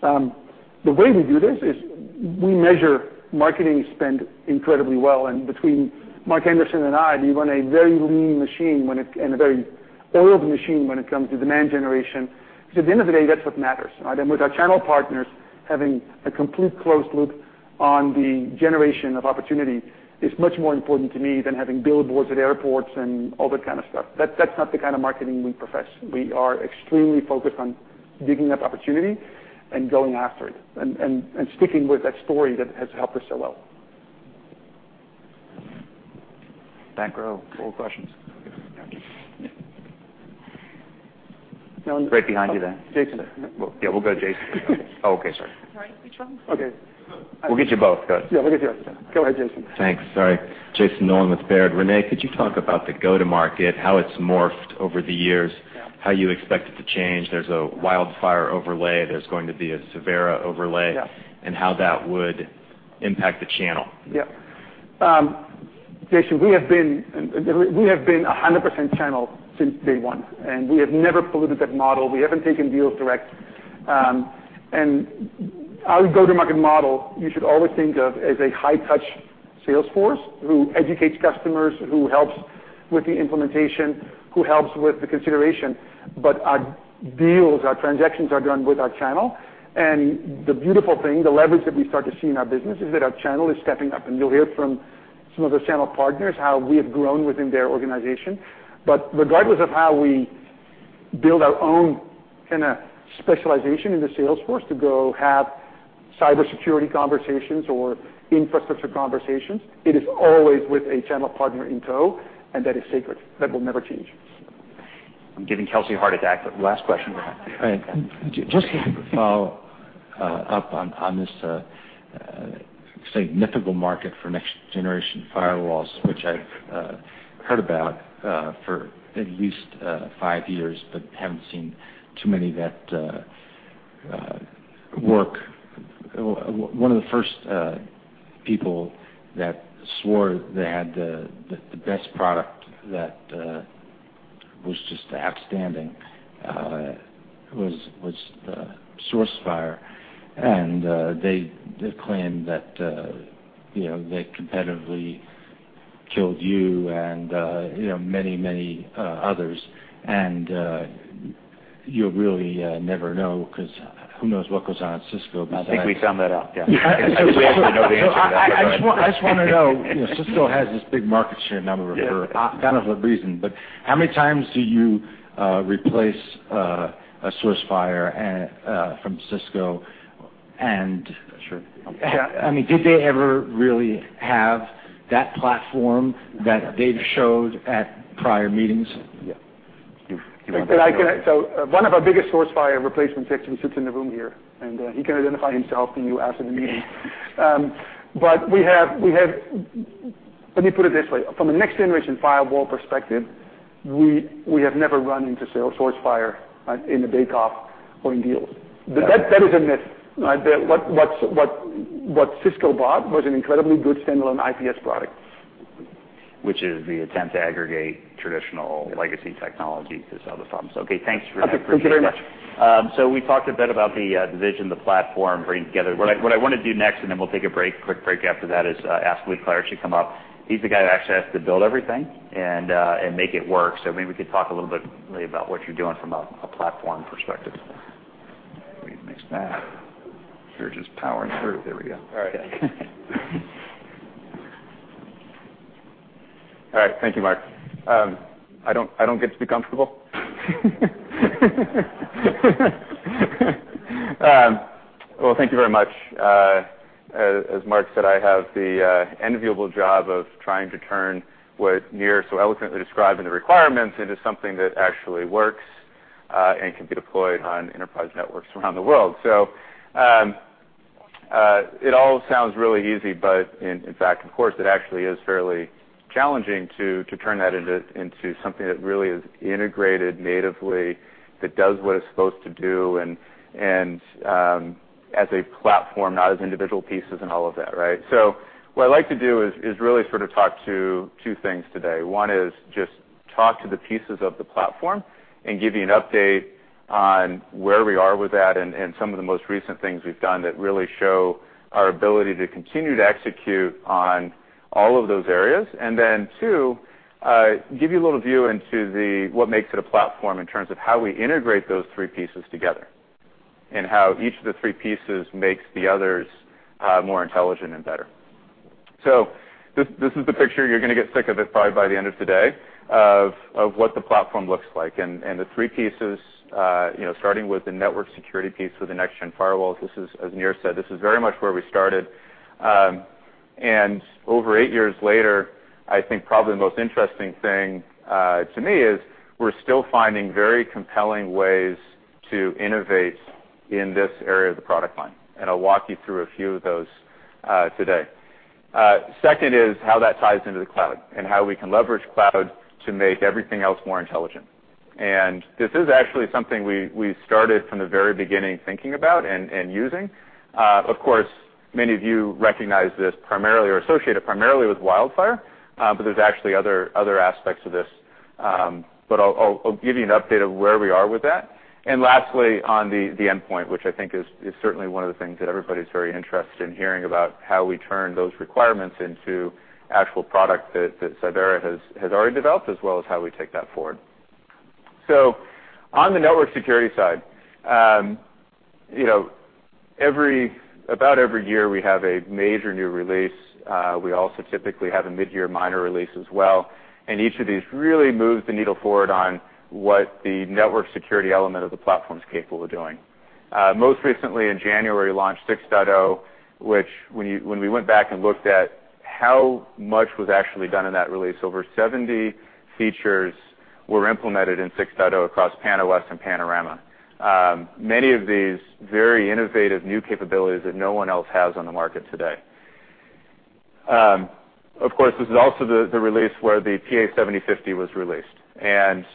The way we do this is we measure marketing spend incredibly well. Between Mark Anderson and I, we run a very lean machine and a very oiled machine when it comes to demand generation. Because at the end of the day, that's what matters. With our channel partners, having a complete closed loop on the generation of opportunity is much more important to me than having billboards at airports and all that kind of stuff. That's not the kind of marketing we profess. We are extremely focused on digging up opportunity and going after it, and sticking with that story that has helped us sell well. Back row. More questions. Right behind you there. Jayson. Yeah, we'll go to Jayson. Okay. Sorry. Sorry, which one? We'll get you both. Go ahead. Yeah, we'll get you. Go ahead, Jason. Thanks. Sorry. Jayson Noland with Baird. René, could you talk about the go-to-market, how it's morphed over the years- Yeah how you expect it to change? There's a WildFire overlay, there's going to be a Cyvera overlay. Yeah. How that would impact the channel. Yeah. Jayson, we have been 100% channel since day one, we have never polluted that model. We haven't taken deals direct. Our go-to-market model, you should always think of as a high-touch sales force who educates customers, who helps with the implementation, who helps with the consideration. Our deals, our transactions are done with our channel. The beautiful thing, the leverage that we start to see in our business, is that our channel is stepping up. You'll hear from some of the channel partners how we have grown within their organization. Regardless of how we build our own specialization in the sales force to go have cybersecurity conversations or infrastructure conversations, it is always with a channel partner in tow, and that is sacred. That will never change. I'm giving Kelsey a heart attack, last question. Just to follow up on this significant market for next-generation firewalls, which I've heard about for at least five years, haven't seen too many that work. One of the first people that swore they had the best product that was just outstanding was Sourcefire. They claimed that they competitively killed you and many others. You really never know because who knows what goes on at Cisco. I think we sum that up, yeah. We actually know the answer to that, but go ahead. I just want to know, Cisco has this big market share, and I'm aware kind of the reason. How many times do you replace a Sourcefire from Cisco? Sure did they ever really have that platform that they've showed at prior meetings? Yeah. One of our biggest Sourcefire replacements actually sits in the room here, and he can identify himself to you after the meeting. Let me put it this way. From a next-generation firewall perspective, we have never run into Sourcefire in the bake-off or in deals. That is a myth. What Cisco bought was an incredibly good standalone IPS product. Which is the attempt to aggregate traditional legacy technology to solve the problems. Thanks, René. Thank you very much. Appreciate that. We talked a bit about the division, the platform, bringing together. What I want to do next, and then we'll take a quick break after that, is ask Lee Klarich to come up. He's the guy who actually has to build everything and make it work. Maybe we could talk a little bit, maybe, about what you're doing from a platform perspective. You're just powering through. There we go. Thank you, Mark. I don't get to be comfortable? Well, thank you very much. As Mark said, I have the enviable job of trying to turn what Nir so eloquently described in the requirements into something that actually works and can be deployed on enterprise networks around the world. It all sounds really easy, but in fact, of course, it actually is fairly challenging to turn that into something that really is integrated natively, that does what it's supposed to do, and as a platform, not as individual pieces and all of that, right? What I'd like to do is really sort of talk to two things today. One is just talk to the pieces of the platform and give you an update on where we are with that and some of the most recent things we've done that really show our ability to continue to execute on all of those areas. Two, give you a little view into what makes it a platform in terms of how we integrate those three pieces together, and how each of the three pieces makes the others more intelligent and better. This is the picture, you're going to get sick of it probably by the end of today, of what the platform looks like. The three pieces, starting with the network security piece with the next-gen firewalls. As Nir said, this is very much where we started. Over eight years later, I think probably the most interesting thing to me is we're still finding very compelling ways to innovate in this area of the product line. I'll walk you through a few of those today. Second is how that ties into the cloud and how we can leverage cloud to make everything else more intelligent. This is actually something we started from the very beginning thinking about and using. Of course, many of you recognize this primarily, or associate it primarily with WildFire, but there's actually other aspects of this I'll give you an update of where we are with that. Lastly, on the endpoint, which I think is certainly one of the things that everybody's very interested in hearing about, how we turn those requirements into actual product that Cyvera has already developed, as well as how we take that forward. On the network security side, about every year we have a major new release. We also typically have a mid-year minor release as well, and each of these really move the needle forward on what the network security element of the platform is capable of doing. Most recently in January, we launched 6.0, which when we went back and looked at how much was actually done in that release, over 70 features were implemented in 6.0 across PAN-OS and Panorama. Many of these very innovative new capabilities that no one else has on the market today. Of course, this is also the release where the PA-7050 was released, and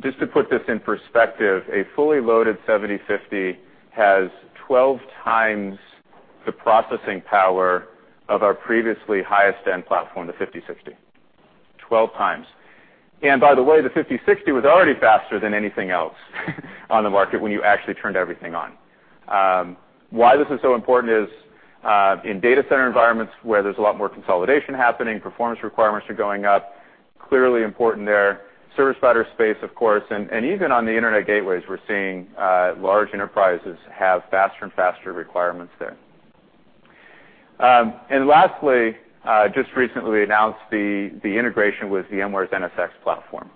just to put this in perspective, a fully loaded 7050 has 12 times the processing power of our previously highest-end platform, the 5060. 12 times. By the way, the 5060 was already faster than anything else on the market when you actually turned everything on. Why this is so important is in data center environments where there's a lot more consolidation happening, performance requirements are going up, clearly important there. Service provider space, of course, and even on the internet gateways, we're seeing large enterprises have faster and faster requirements there. Lastly, just recently we announced the integration with VMware's NSX platform.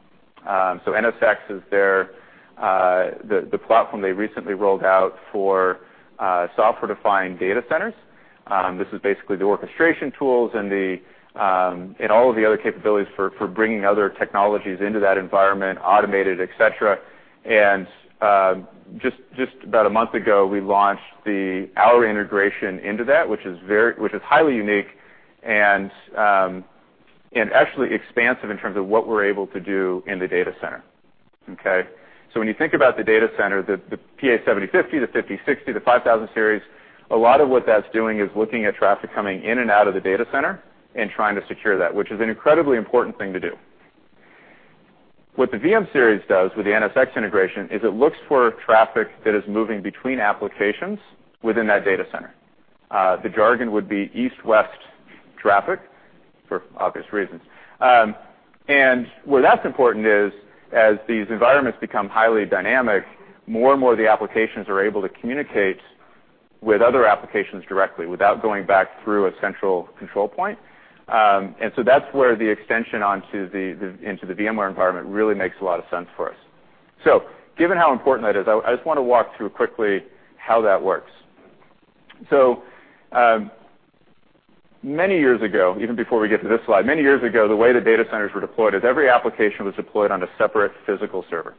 NSX is the platform they recently rolled out for software-defined data centers. This is basically the orchestration tools and all of the other capabilities for bringing other technologies into that environment, automated, et cetera. Just about a month ago, we launched our integration into that, which is highly unique and actually expansive in terms of what we're able to do in the data center. Okay? When you think about the data center, the PA-7050, the 5060, the 5000 Series, a lot of what that's doing is looking at traffic coming in and out of the data center and trying to secure that, which is an incredibly important thing to do. What the VM-Series does with the NSX integration is it looks for traffic that is moving between applications within that data center. The jargon would be east-west traffic, for obvious reasons. Where that's important is as these environments become highly dynamic, more and more of the applications are able to communicate with other applications directly without going back through a central control point. That's where the extension into the VMware environment really makes a lot of sense for us. Given how important that is, I just want to walk through quickly how that works. Many years ago, even before we get to this slide, many years ago, the way the data centers were deployed is every application was deployed on a separate physical server.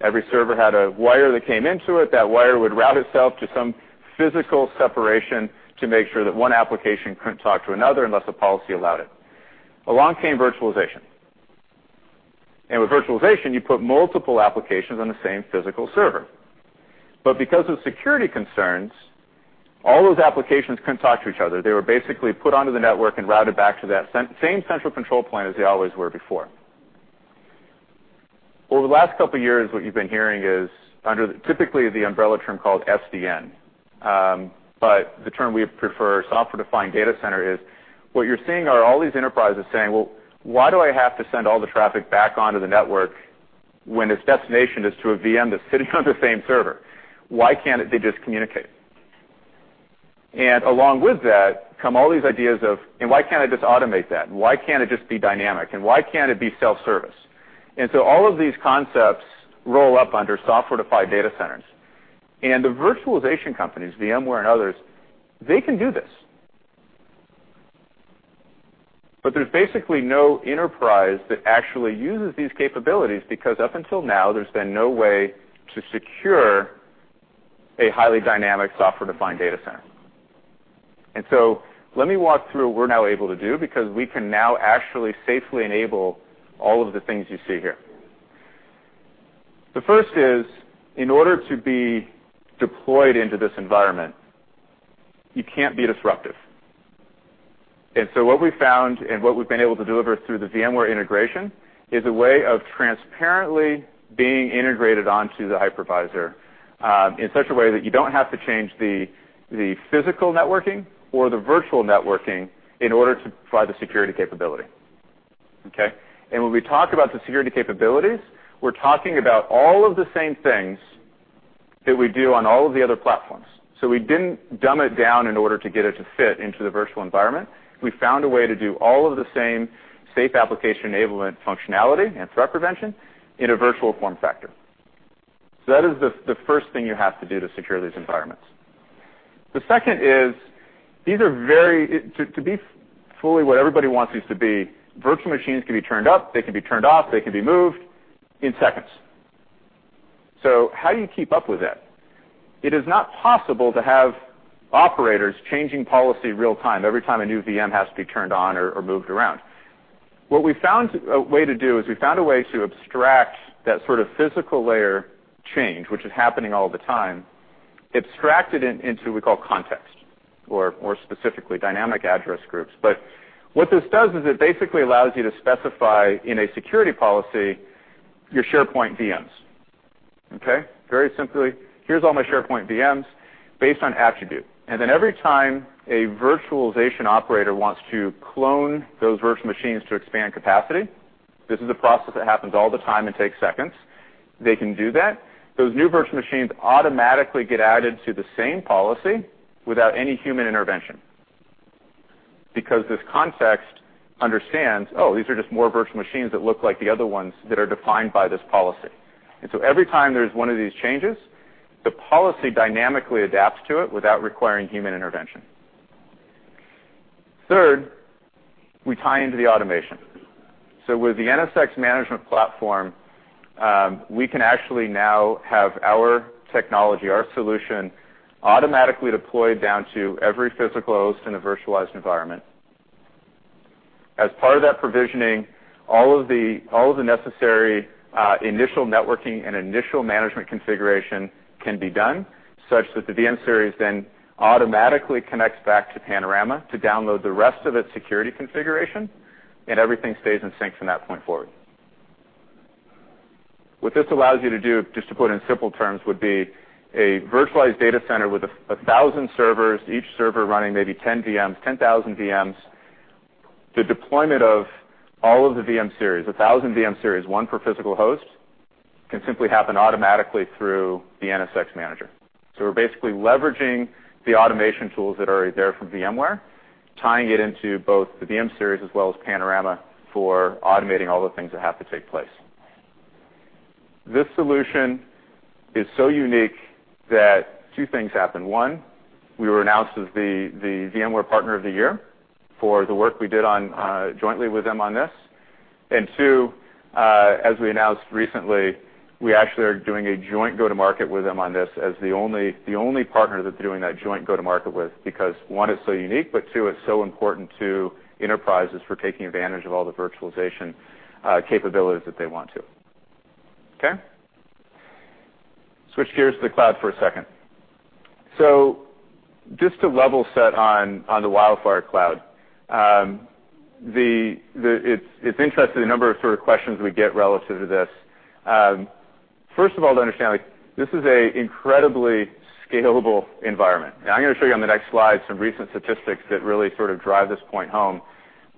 Every server had a wire that came into it. That wire would route itself to some physical separation to make sure that one application couldn't talk to another unless a policy allowed it. Along came virtualization. With virtualization, you put multiple applications on the same physical server. Because of security concerns, all those applications couldn't talk to each other. They were basically put onto the network and routed back to that same central control point as they always were before. Over the last couple of years, what you've been hearing is under typically the umbrella term called SDN, but the term we prefer, software-defined data center, is what you're seeing are all these enterprises saying, "Well, why do I have to send all the traffic back onto the network when its destination is to a VM that's sitting on the same server? Why can't they just communicate?" Along with that, come all these ideas of, why can't I just automate that? Why can't it just be dynamic? Why can't it be self-service? All of these concepts roll up under software-defined data centers. The virtualization companies, VMware and others, they can do this. There's basically no enterprise that actually uses these capabilities because up until now, there's been no way to secure a highly dynamic software-defined data center. Let me walk through what we're now able to do because we can now actually safely enable all of the things you see here. The first is in order to be deployed into this environment, you can't be disruptive. What we've found and what we've been able to deliver through the VMware integration is a way of transparently being integrated onto the hypervisor, in such a way that you don't have to change the physical networking or the virtual networking in order to provide the security capability. Okay? When we talk about the security capabilities, we're talking about all of the same things that we do on all of the other platforms. We didn't dumb it down in order to get it to fit into the virtual environment. We found a way to do all of the same safe application enablement functionality and threat prevention in a virtual form factor. That is the first thing you have to do to secure these environments. The second is to be fully what everybody wants these to be, virtual machines can be turned up, they can be turned off, they can be moved in seconds. How do you keep up with that? It is not possible to have operators changing policy real-time every time a new VM has to be turned on or moved around. What we found a way to do is we found a way to abstract that sort of physical layer change, which is happening all the time- abstracted into we call context, or more specifically dynamic address groups. What this does is it basically allows you to specify in a security policy your SharePoint VMs. Okay? Very simply, here's all my SharePoint VMs based on attribute. Every time a virtualization operator wants to clone those virtual machines to expand capacity, this is a process that happens all the time and takes seconds, they can do that. Those new virtual machines automatically get added to the same policy without any human intervention because this context understands, oh, these are just more virtual machines that look like the other ones that are defined by this policy. Every time there's one of these changes, the policy dynamically adapts to it without requiring human intervention. Third, we tie into the automation. With the NSX management platform, we can actually now have our technology, our solution, automatically deployed down to every physical host in a virtualized environment. As part of that provisioning, all of the necessary initial networking and initial management configuration can be done such that the VM-Series then automatically connects back to Panorama to download the rest of its security configuration, and everything stays in sync from that point forward. What this allows you to do, just to put it in simple terms, would be a virtualized data center with 1,000 servers, each server running maybe 10 VMs, 10,000 VMs. The deployment of all of the VM-Series, 1,000 VM-Series, one per physical host, can simply happen automatically through the NSX manager. We're basically leveraging the automation tools that are there from VMware, tying it into both the VM-Series as well as Panorama for automating all the things that have to take place. This solution is so unique that two things happened. One, we were announced as the VMware partner of the year for the work we did jointly with them on this. Two, as we announced recently, we actually are doing a joint go-to-market with them on this as the only partner that they're doing that joint go-to-market with because, one, it's so unique, two, it's so important to enterprises for taking advantage of all the virtualization capabilities that they want to. Okay? Switch gears to the cloud for a second. Just to level set on the WildFire cloud. It's interesting the number of sort of questions we get relative to this. First of all, to understand, this is an incredibly scalable environment. I'm going to show you on the next slide some recent statistics that really sort of drive this point home.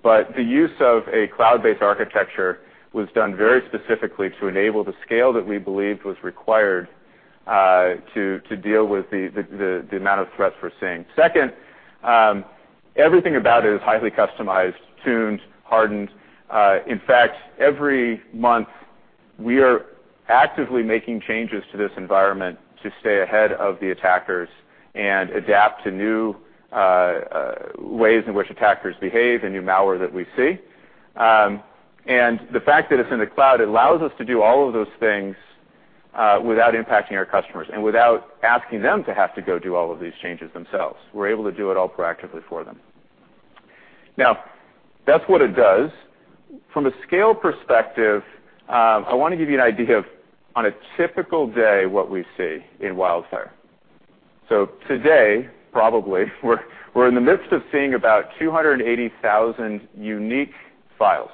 The use of a cloud-based architecture was done very specifically to enable the scale that we believed was required to deal with the amount of threats we're seeing. Second, everything about it is highly customized, tuned, hardened. In fact, every month we are actively making changes to this environment to stay ahead of the attackers and adapt to new ways in which attackers behave and new malware that we see. The fact that it's in the cloud allows us to do all of those things without impacting our customers and without asking them to have to go do all of these changes themselves. We're able to do it all proactively for them. That's what it does. From a scale perspective, I want to give you an idea of on a typical day what we see in WildFire. Today, probably, we're in the midst of seeing about 280,000 unique files.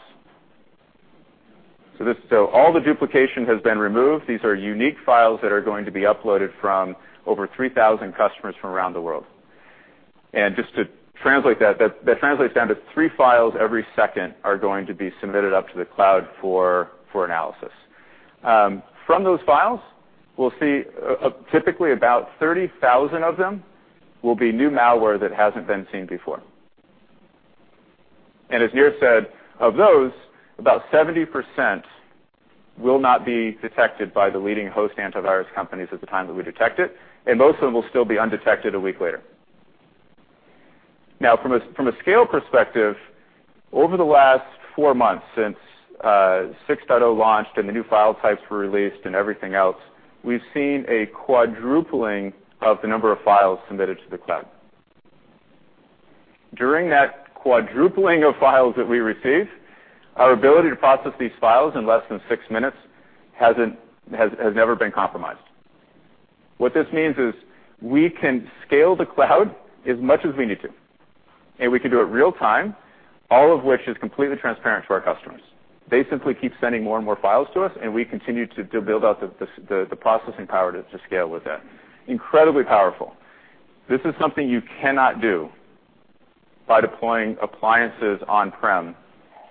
All the duplication has been removed. These are unique files that are going to be uploaded from over 3,000 customers from around the world. Just to translate that translates down to three files every second are going to be submitted up to the cloud for analysis. From those files, we'll see typically about 30,000 of them will be new malware that hasn't been seen before. As Nir said, of those, about 70% will not be detected by the leading host antivirus companies at the time that we detect it, and most of them will still be undetected a week later. From a scale perspective, over the last four months since 6.0 launched and the new file types were released and everything else, we've seen a quadrupling of the number of files submitted to the cloud. During that quadrupling of files that we receive, our ability to process these files in less than six minutes has never been compromised. What this means is we can scale the cloud as much as we need to, and we can do it real-time, all of which is completely transparent to our customers. They simply keep sending more and more files to us, and we continue to build out the processing power to scale with it. Incredibly powerful. This is something you cannot do by deploying appliances on-prem.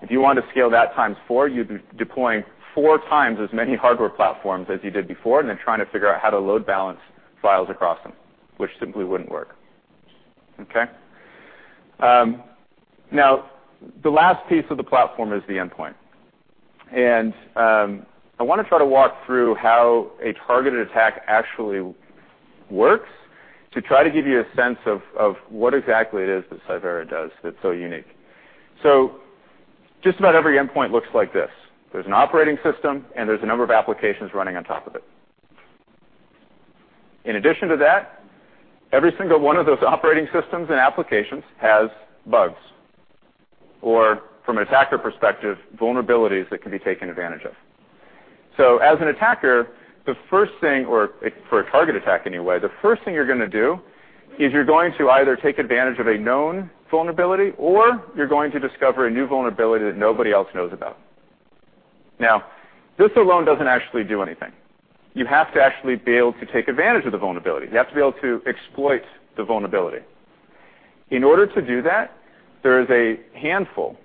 If you wanted to scale that times four, you'd be deploying four times as many hardware platforms as you did before and then trying to figure out how to load balance files across them, which simply wouldn't work. Okay? The last piece of the platform is the endpoint. I want to try to walk through how a targeted attack actually works to try to give you a sense of what exactly it is that Cyvera does that's so unique. Just about every endpoint looks like this. There's an operating system, and there's a number of applications running on top of it. In addition to that, every single one of those operating systems and applications has bugs. Or from an attacker perspective, vulnerabilities that can be taken advantage of. As an attacker, or for a target attack anyway, the first thing you're going to do is you're going to either take advantage of a known vulnerability or you're going to discover a new vulnerability that nobody else knows about. This alone doesn't actually do anything. You have to actually be able to take advantage of the vulnerability. You have to be able to exploit the vulnerability. In order to do that, there is a handful,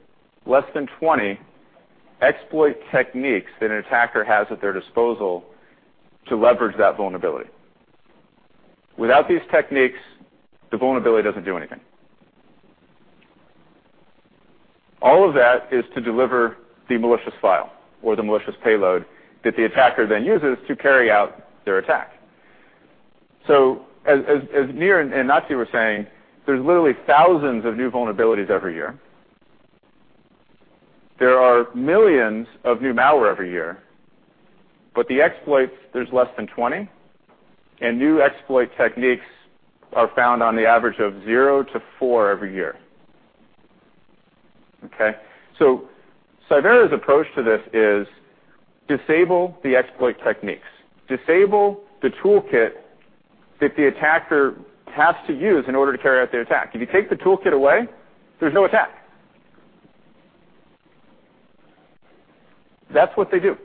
less than 20, exploit techniques that an attacker has at their disposal to leverage that vulnerability. Without these techniques, the vulnerability doesn't do anything. All of that is to deliver the malicious file or the malicious payload that the attacker then uses to carry out their attack. As Nir and Nati were saying, there's literally thousands of new vulnerabilities every year. There are millions of new malware every year. The exploits, there's less than 20, and new exploit techniques are found on the average of zero to four every year. Okay? Cyvera's approach to this is disable the exploit techniques, disable the toolkit that the attacker has to use in order to carry out their attack. If you take the toolkit away, there's no attack. That's what they do.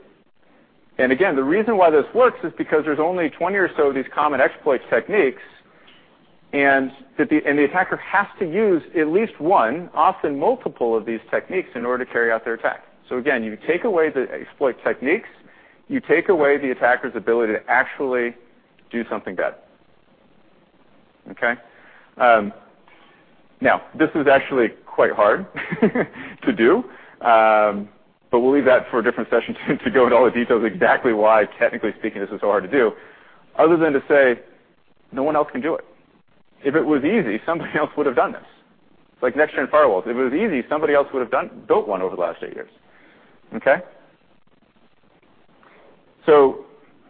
Again, the reason why this works is because there's only 20 or so of these common exploit techniques, and the attacker has to use at least one, often multiple of these techniques in order to carry out their attack. Again, you take away the exploit techniques, you take away the attacker's ability to actually do something bad. Okay? This is actually quite hard to do, but we'll leave that for a different session to go into all the details exactly why, technically speaking, this is so hard to do, other than to say no one else can do it. If it was easy, somebody else would have done this. Like next-gen firewalls. If it was easy, somebody else would have built one over the last eight years. Okay?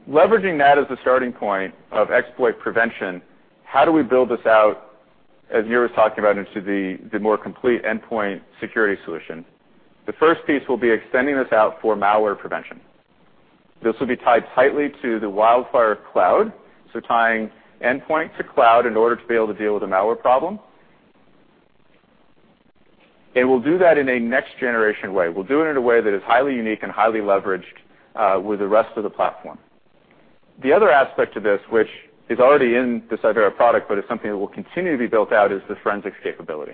Leveraging that as a starting point of exploit prevention, how do we build this out, as Nir was talking about, into the more complete endpoint security solution? The first piece will be extending this out for malware prevention. This will be tied tightly to the WildFire cloud, tying endpoint to cloud in order to be able to deal with the malware problem. We'll do that in a next-generation way. We'll do it in a way that is highly unique and highly leveraged with the rest of the platform. The other aspect of this, which is already in the Cyvera product, but it's something that will continue to be built out, is the forensics capability.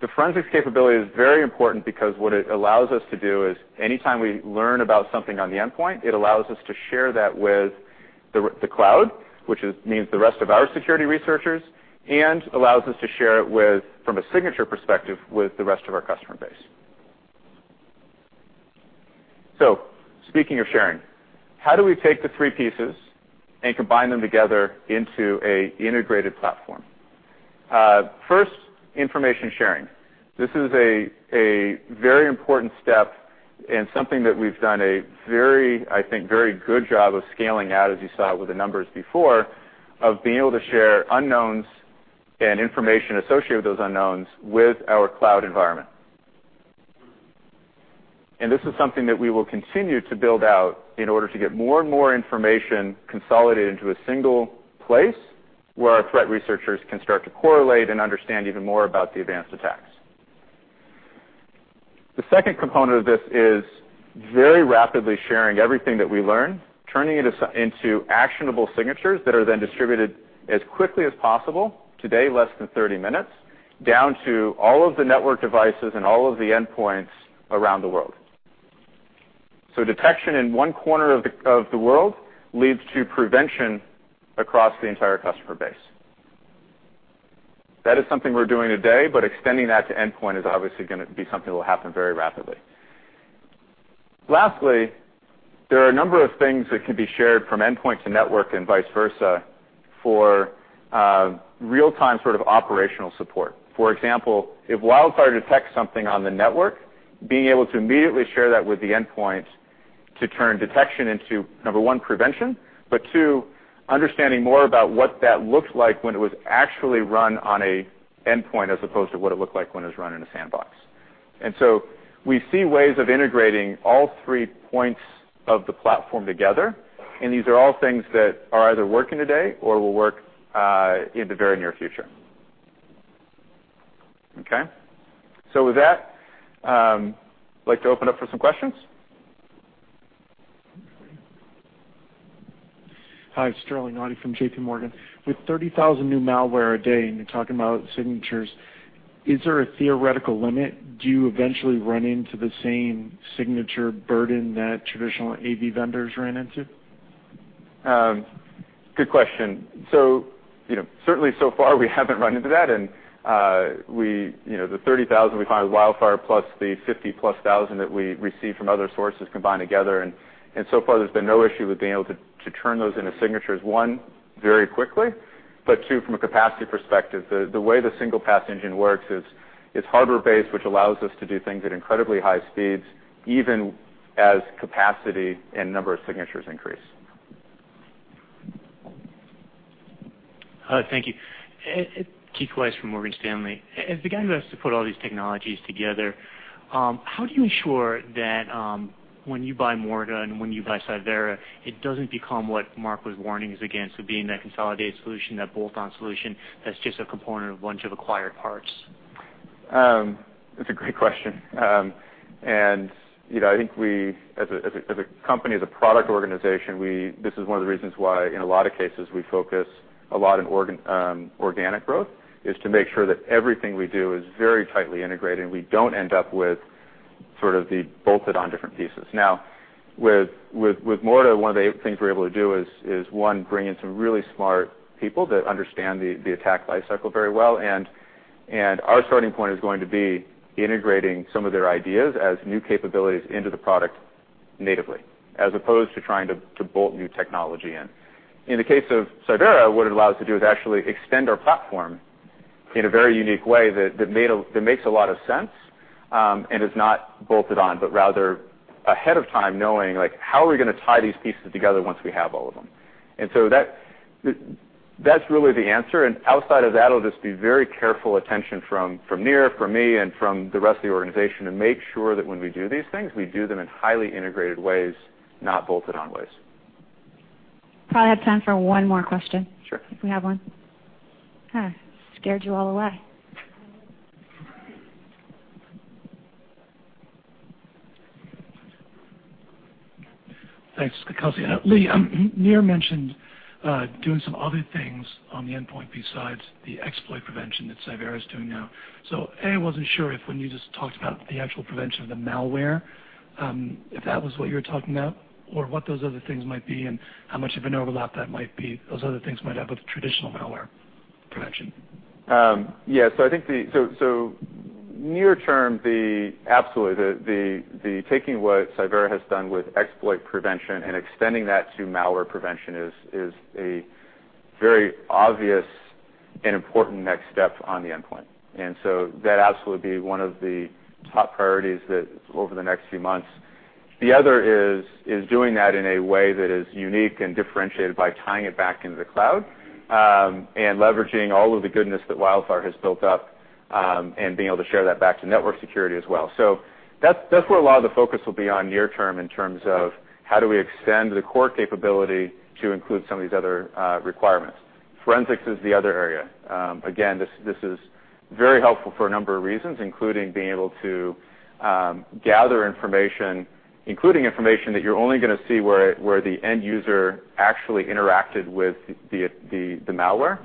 The forensics capability is very important because what it allows us to do is anytime we learn about something on the endpoint, it allows us to share that with the cloud, which means the rest of our security researchers, and allows us to share it, from a signature perspective, with the rest of our customer base. Speaking of sharing, how do we take the three pieces and combine them together into an integrated platform? First, information sharing. This is a very important step and something that we've done, I think, very good job of scaling out, as you saw with the numbers before, of being able to share unknowns and information associated with those unknowns with our cloud environment. This is something that we will continue to build out in order to get more and more information consolidated into a single place where our threat researchers can start to correlate and understand even more about the advanced attacks. The second component of this is very rapidly sharing everything that we learn, turning it into actionable signatures that are then distributed as quickly as possible, today less than 30 minutes, down to all of the network devices and all of the endpoints around the world. Detection in one corner of the world leads to prevention across the entire customer base. That is something we're doing today, but extending that to endpoint is obviously going to be something that will happen very rapidly. Lastly, there are a number of things that can be shared from endpoint to network and vice versa for real-time sort of operational support. For example, if WildFire detects something on the network, being able to immediately share that with the endpoint to turn detection into, number one, prevention, but two, understanding more about what that looked like when it was actually run on an endpoint as opposed to what it looked like when it was run in a sandbox. We see ways of integrating all three points of the platform together, and these are all things that are either working today or will work in the very near future. Okay. With that, we'd like to open up for some questions. Hi, Sterling Auty from JPMorgan. With 30,000 new malware a day, and you're talking about signatures, is there a theoretical limit? Do you eventually run into the same signature burden that traditional AV vendors ran into? Good question. Certainly so far we haven't run into that, and the 30,000 we find with WildFire plus the 50 plus thousand that we receive from other sources combined together, and so far there's been no issue with being able to turn those into signatures, one, very quickly, but two, from a capacity perspective. The way the single-pass engine works is it's hardware-based, which allows us to do things at incredibly high speeds, even as capacity and number of signatures increase. Thank you. Keith Weiss from Morgan Stanley. As the guy who has to put all these technologies together, how do you ensure that when you buy Morta and when you buy Cyvera, it doesn't become what Mark was warning us against, with being that consolidated solution, that bolt-on solution that's just a component of a bunch of acquired parts? That's a great question. I think we, as a company, as a product organization, this is one of the reasons why in a lot of cases, we focus a lot on organic growth, is to make sure that everything we do is very tightly integrated, and we don't end up with the bolted-on different pieces. With Morta, one of the things we're able to do is, one, bring in some really smart people that understand the attack life cycle very well. Our starting point is going to be integrating some of their ideas as new capabilities into the product natively, as opposed to trying to bolt new technology in. In the case of Cyvera, what it allows us to do is actually extend our platform in a very unique way that makes a lot of sense, and is not bolted-on, but rather ahead of time knowing how are we going to tie these pieces together once we have all of them. That's really the answer. Outside of that, it'll just be very careful attention from Nir, from me, and from the rest of the organization to make sure that when we do these things, we do them in highly integrated ways, not bolted-on ways. Probably have time for one more question. Sure. If we have one. Scared you all away. Thanks, Kelsey. Lee, Nir mentioned doing some other things on the endpoint besides the exploit prevention that Cyvera is doing now. A, I wasn't sure if when you just talked about the actual prevention of the malware, if that was what you were talking about or what those other things might be and how much of an overlap that might be, those other things might have with traditional malware prevention. Near term, absolutely, the taking what Cyvera has done with exploit prevention and extending that to malware prevention is a very obvious and important next step on the endpoint. That absolutely would be one of the top priorities over the next few months. The other is doing that in a way that is unique and differentiated by tying it back into the cloud, and leveraging all of the goodness that WildFire has built up, and being able to share that back to network security as well. That's where a lot of the focus will be on near term in terms of how do we extend the core capability to include some of these other requirements. Forensics is the other area. Again, this is very helpful for a number of reasons, including being able to gather information, including information that you're only going to see where the end user actually interacted with the malware.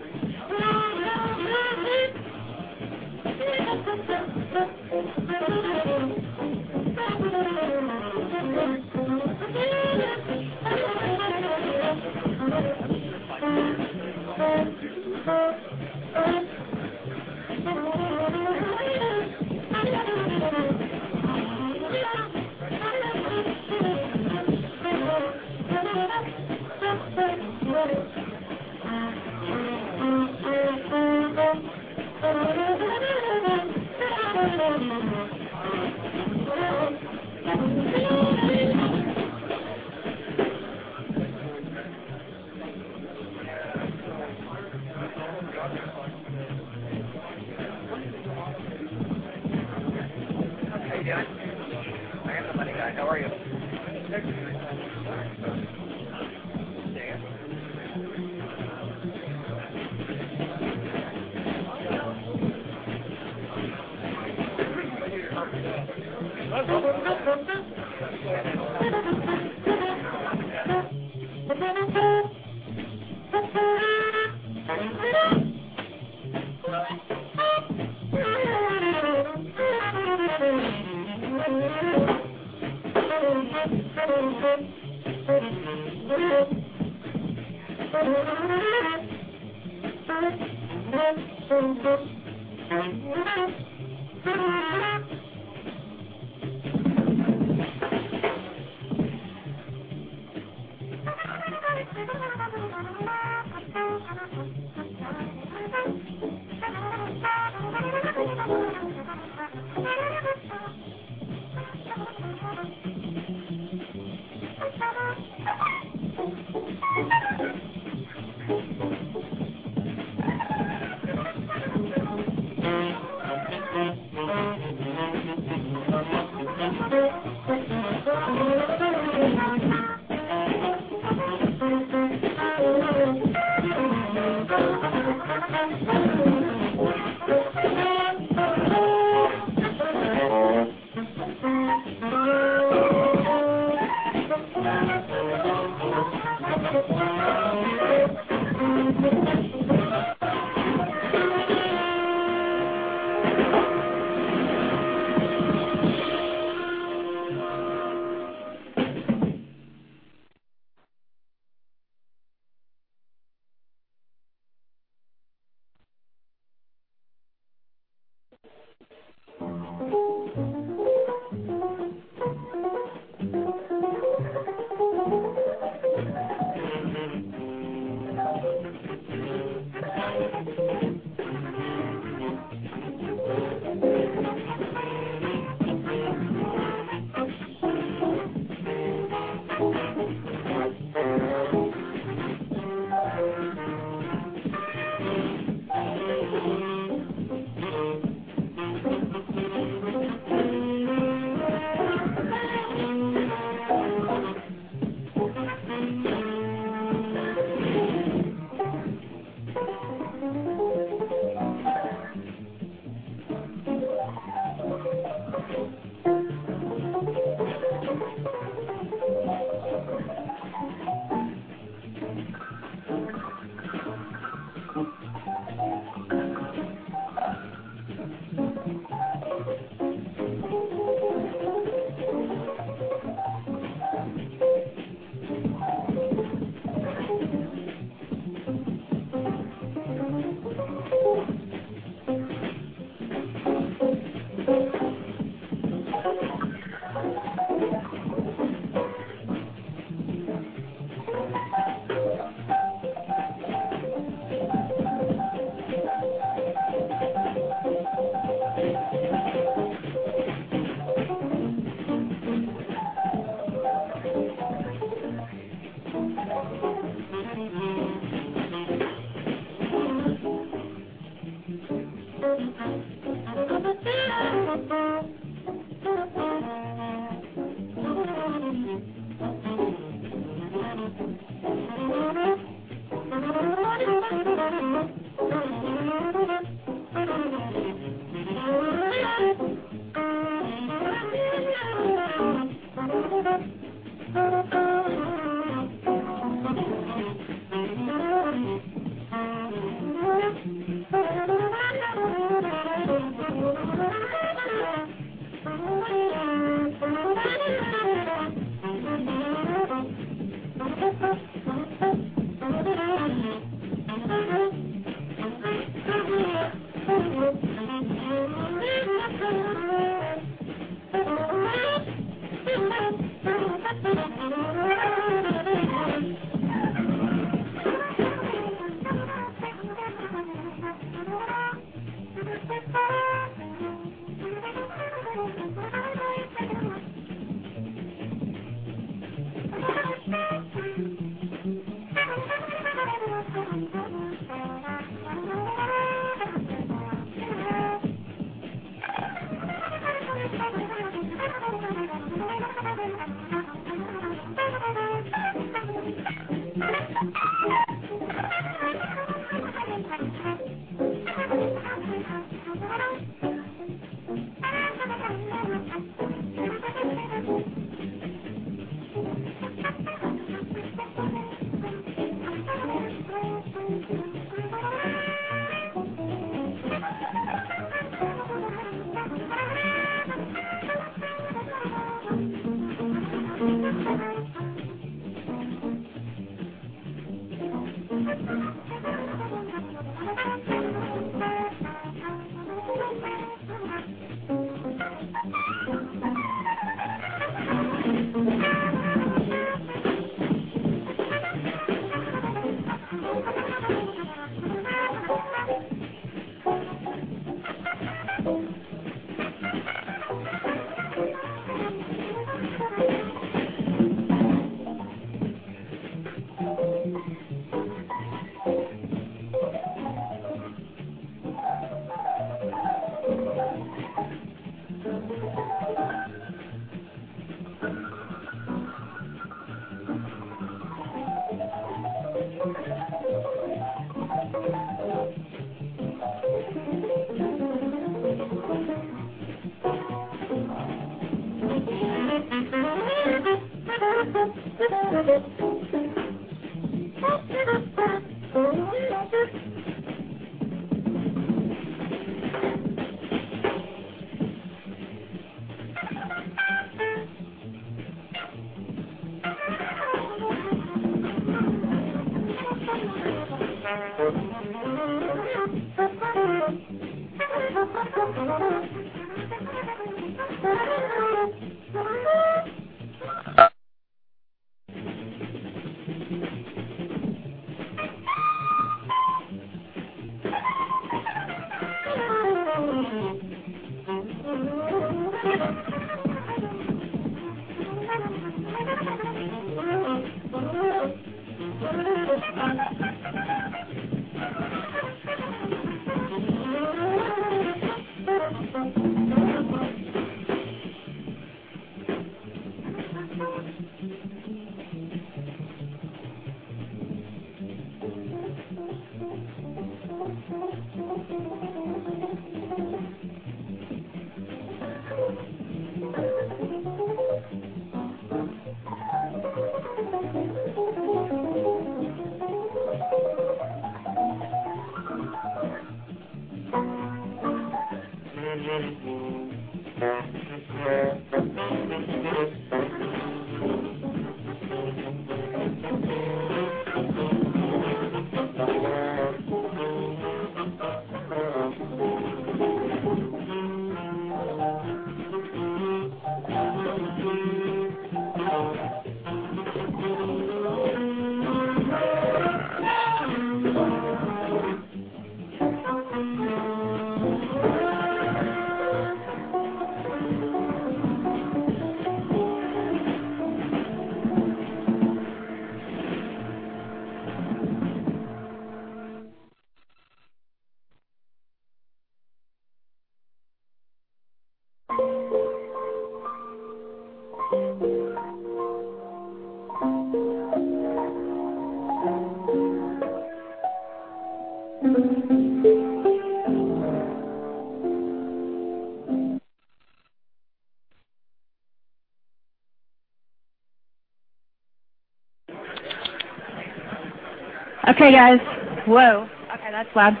soon. How you doing? I am the money guy. How are you? Okay, guys. Whoa. Okay, that's loud.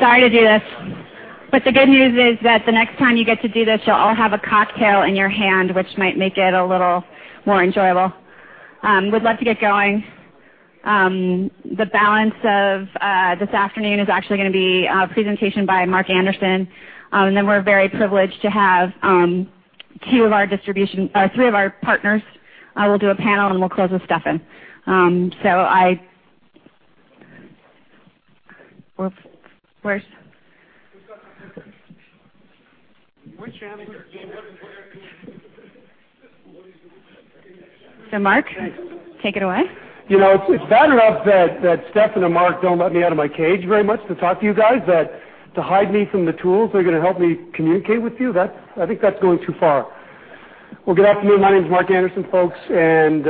Sorry to do this, but the good news is that the next time you get to do this, you'll all have a cocktail in your hand, which might make it a little more enjoyable. Would love to get going. The balance of this afternoon is actually going to be a presentation by Mark Anderson, and then we're very privileged to have three of our partners will do a panel, and we'll close with Stefan. Mark, take it away. It's bad enough that Stefan and Mark don't let me out of my cage very much to talk to you guys, that to hide me from the tools that are going to help me communicate with you, I think that's going too far. Well, good afternoon. My name's Mark Anderson, folks. Really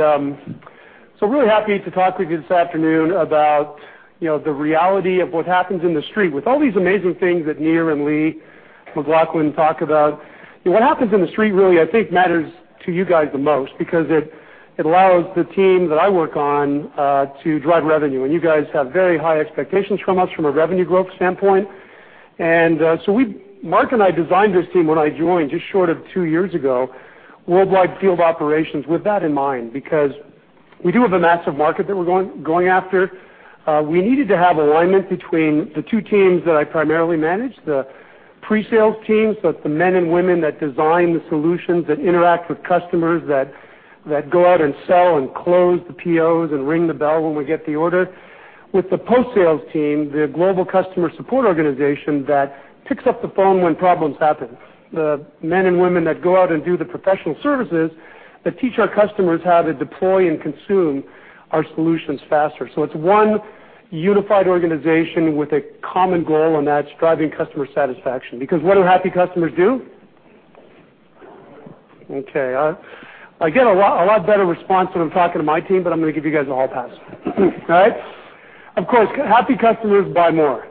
happy to talk with you this afternoon about the reality of what happens in the street with all these amazing things that Nir and Lee Klarich talk about. What happens in the street really, I think matters to you guys the most because it allows the team that I work on to drive revenue. You guys have very high expectations from us from a revenue growth standpoint. Mark and I designed this team when I joined, just short of two years ago, worldwide field operations with that in mind, because we do have a massive market that we're going after. We needed to have alignment between the two teams that I primarily manage, the pre-sales team, so it's the men and women that design the solutions, that interact with customers, that go out and sell and close the POs and ring the bell when we get the order. With the post-sales team, the global customer support organization that picks up the phone when problems happen. The men and women that go out and do the professional services that teach our customers how to deploy and consume our solutions faster. It's one unified organization with a common goal, and that's driving customer satisfaction. Because what do happy customers do? Okay. I get a lot better response when I'm talking to my team, but I'm going to give you guys a hall pass. All right. Of course, happy customers buy more.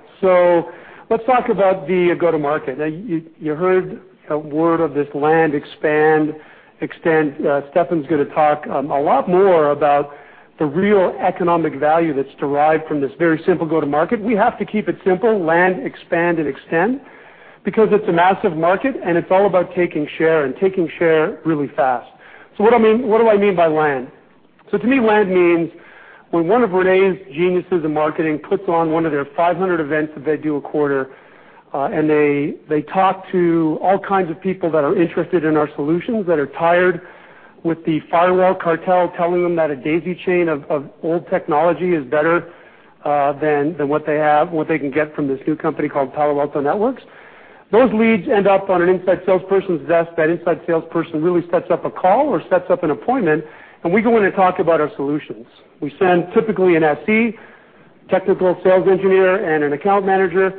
Let's talk about the go-to-market. Now, you heard a word of this land, expand, extend. Steffan's going to talk a lot more about the real economic value that's derived from this very simple go-to-market. We have to keep it simple, land, expand, and extend, because it's a massive market, and it's all about taking share, and taking share really fast. What do I mean by land? To me, land means when one of René's geniuses in marketing puts on one of their 500 events that they do a quarter, they talk to all kinds of people that are interested in our solutions, that are tired with the firewall cartel telling them that a daisy chain of old technology is better than what they can get from this new company called Palo Alto Networks. Those leads end up on an inside salesperson's desk. That inside salesperson really sets up a call or sets up an appointment, we go in and talk about our solutions. We send typically an SE, technical sales engineer, and an account manager.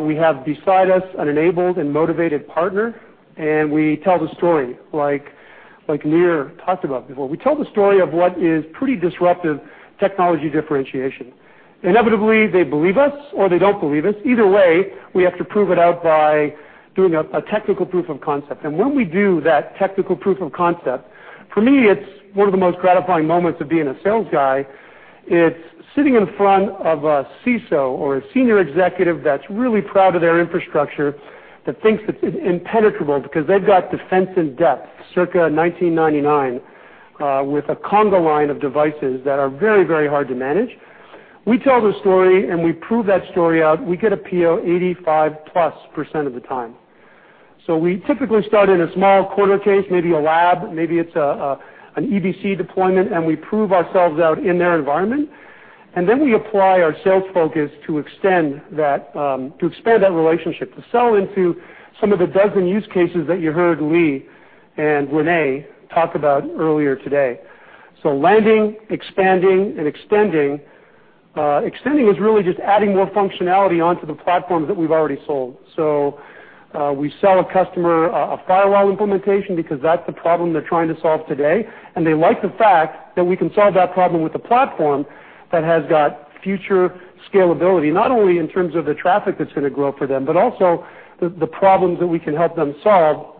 We have beside us an enabled and motivated partner, we tell the story, like Nir talked about before. We tell the story of what is pretty disruptive technology differentiation. Inevitably, they believe us or they don't believe us. Either way, we have to prove it out by doing a technical proof of concept. When we do that technical proof of concept, for me, it's one of the most gratifying moments of being a sales guy. It's sitting in front of a CISO or a senior executive that's really proud of their infrastructure, that thinks it's impenetrable because they've got defense in depth circa 1999, with a conga line of devices that are very hard to manage. We tell the story, and we prove that story out. We get a PO 85-plus% of the time. We typically start in a small quarter case, maybe a lab, maybe it's an EBC deployment, we prove ourselves out in their environment. We apply our sales focus to expand that relationship, to sell into some of the dozen use cases that you heard Lee and René talk about earlier today. Landing, expanding, and extending. Extending is really just adding more functionality onto the platforms that we've already sold. We sell a customer a firewall implementation because that's the problem they're trying to solve today. They like the fact that we can solve that problem with a platform that has got future scalability, not only in terms of the traffic that's going to grow for them, but also the problems that we can help them solve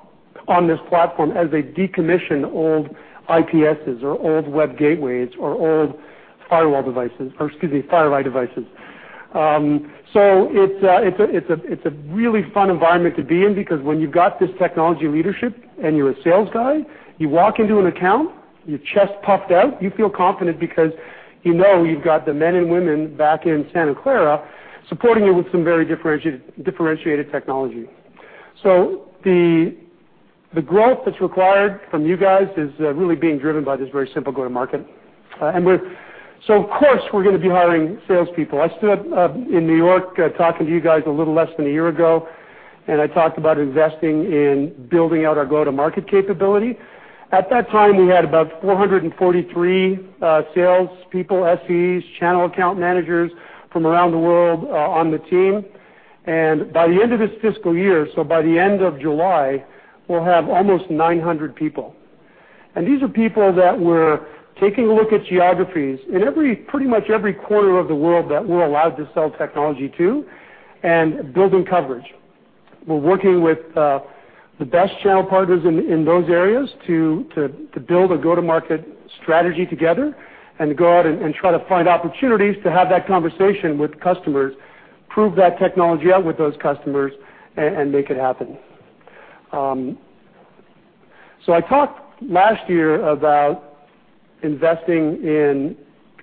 on this platform as they decommission old IPSs or old web gateways or old firewall devices, or excuse me, FireEye devices. It's a really fun environment to be in because when you've got this technology leadership and you're a sales guy, you walk into an account, your chest puffed out, you feel confident because you know you've got the men and women back in Santa Clara supporting you with some very differentiated technology. The growth that's required from you guys is really being driven by this very simple go-to-market. Of course, we're going to be hiring salespeople. I stood up in New York talking to you guys a little less than a year ago, I talked about investing in building out our go-to-market capability. At that time, we had about 443 salespeople, SEs, channel account managers from around the world on the team. By the end of this fiscal year, by the end of July, we'll have almost 900 people. These are people that we're taking a look at geographies in pretty much every corner of the world that we're allowed to sell technology to and building coverage. We're working with the best channel partners in those areas to build a go-to-market strategy together and go out and try to find opportunities to have that conversation with customers, prove that technology out with those customers, and make it happen. I talked last year about investing in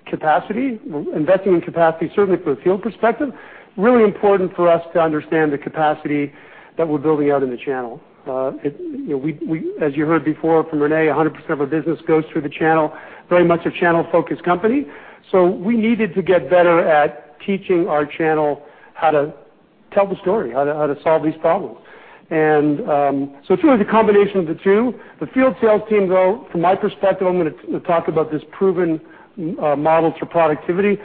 capacity, certainly from a field perspective. Really important for us to understand the capacity that we're building out in the channel. As you heard before from René, 100% of our business goes through the channel, very much a channel-focused company. We needed to get better at teaching our channel how to tell the story, how to solve these problems. It's really the combination of the two. The field sales team, though, from my perspective, I'm going to talk about this proven model for productivity.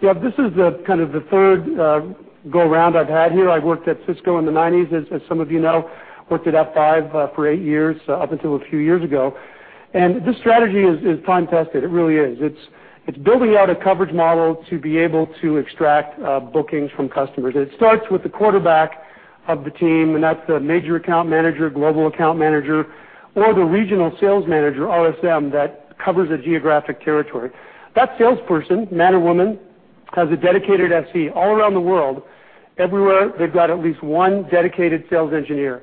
This is the third go-around I've had here. I worked at Cisco in the '90s, as some of you know, worked at F5 for eight years up until a few years ago. This strategy is time-tested. It really is. It's building out a coverage model to be able to extract bookings from customers. It starts with the quarterback of the team, and that's the major account manager, global account manager, or the regional sales manager, RSM, that covers a geographic territory. That salesperson, man or woman, has a dedicated SE all around the world. Everywhere, they've got at least one dedicated sales engineer.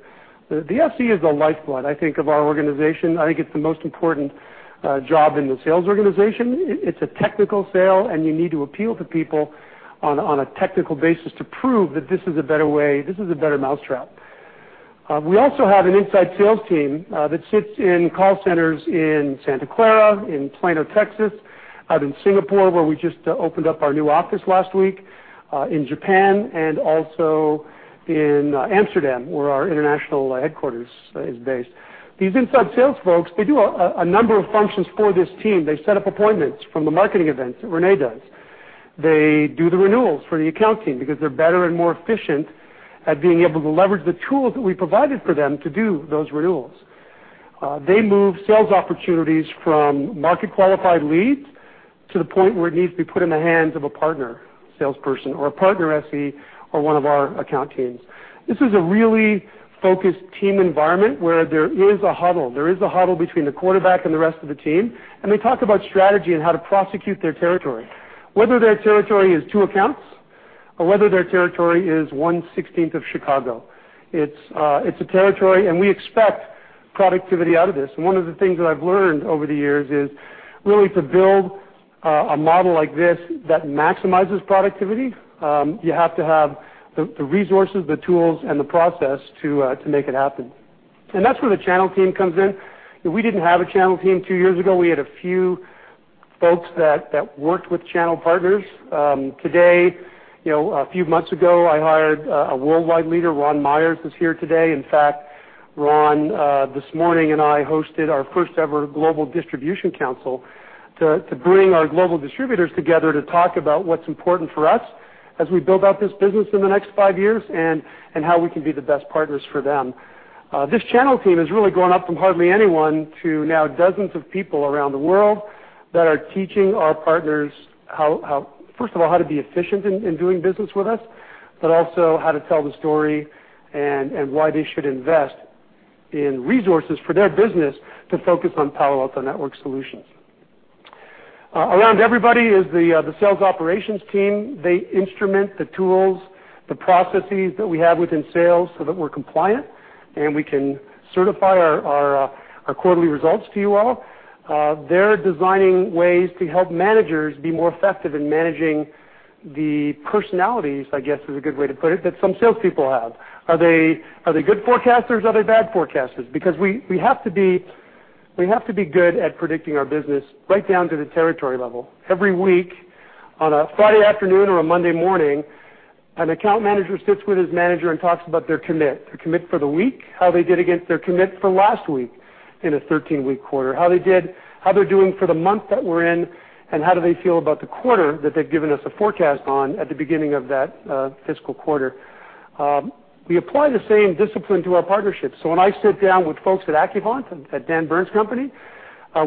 The SE is the lifeblood, I think, of our organization. I think it's the most important job in the sales organization. It's a technical sale, you need to appeal to people on a technical basis to prove that this is a better way, this is a better mousetrap. We also have an inside sales team that sits in call centers in Santa Clara, in Plano, Texas, out in Singapore, where we just opened up our new office last week, in Japan and also in Amsterdam, where our international headquarters is based. These inside sales folks, they do a number of functions for this team. They set up appointments from the marketing events that René does. They do the renewals for the account team because they're better and more efficient at being able to leverage the tools that we provided for them to do those renewals. They move sales opportunities from market-qualified leads to the point where it needs to be put in the hands of a partner salesperson or a partner SE or one of our account teams. This is a really focused team environment where there is a huddle. There is a huddle between the quarterback and the rest of the team, and they talk about strategy and how to prosecute their territory, whether their territory is two accounts or whether their territory is one-sixteenth of Chicago. It's a territory, we expect productivity out of this. One of the things that I've learned over the years is really to build a model like this that maximizes productivity, you have to have the resources, the tools, and the process to make it happen. That's where the channel team comes in. We didn't have a channel team two years ago. We had a few folks that worked with channel partners. A few months ago, I hired a worldwide leader, Ron Myers, who's here today. In fact, Ron, this morning, and I hosted our first-ever Global Distribution Council to bring our global distributors together to talk about what's important for us as we build out this business in the next five years and how we can be the best partners for them. This channel team has really gone up from hardly anyone to now dozens of people around the world that are teaching our partners, first of all, how to be efficient in doing business with us, but also how to tell the story and why they should invest in resources for their business to focus on Palo Alto Networks solutions. Around everybody is the sales operations team. They instrument the tools, the processes that we have within sales so that we're compliant and we can certify our quarterly results to you all. They're designing ways to help managers be more effective in managing the personalities, I guess, is a good way to put it, that some salespeople have. Are they good forecasters? Are they bad forecasters? We have to be good at predicting our business right down to the territory level. Every week on a Friday afternoon or a Monday morning, an account manager sits with his manager and talks about their commit, their commit for the week, how they did against their commit for last week in a 13-week quarter, how they're doing for the month that we're in, and how do they feel about the quarter that they've given us a forecast on at the beginning of that fiscal quarter. We apply the same discipline to our partnerships. When I sit down with folks at Accuvant, at Dan Burns' company,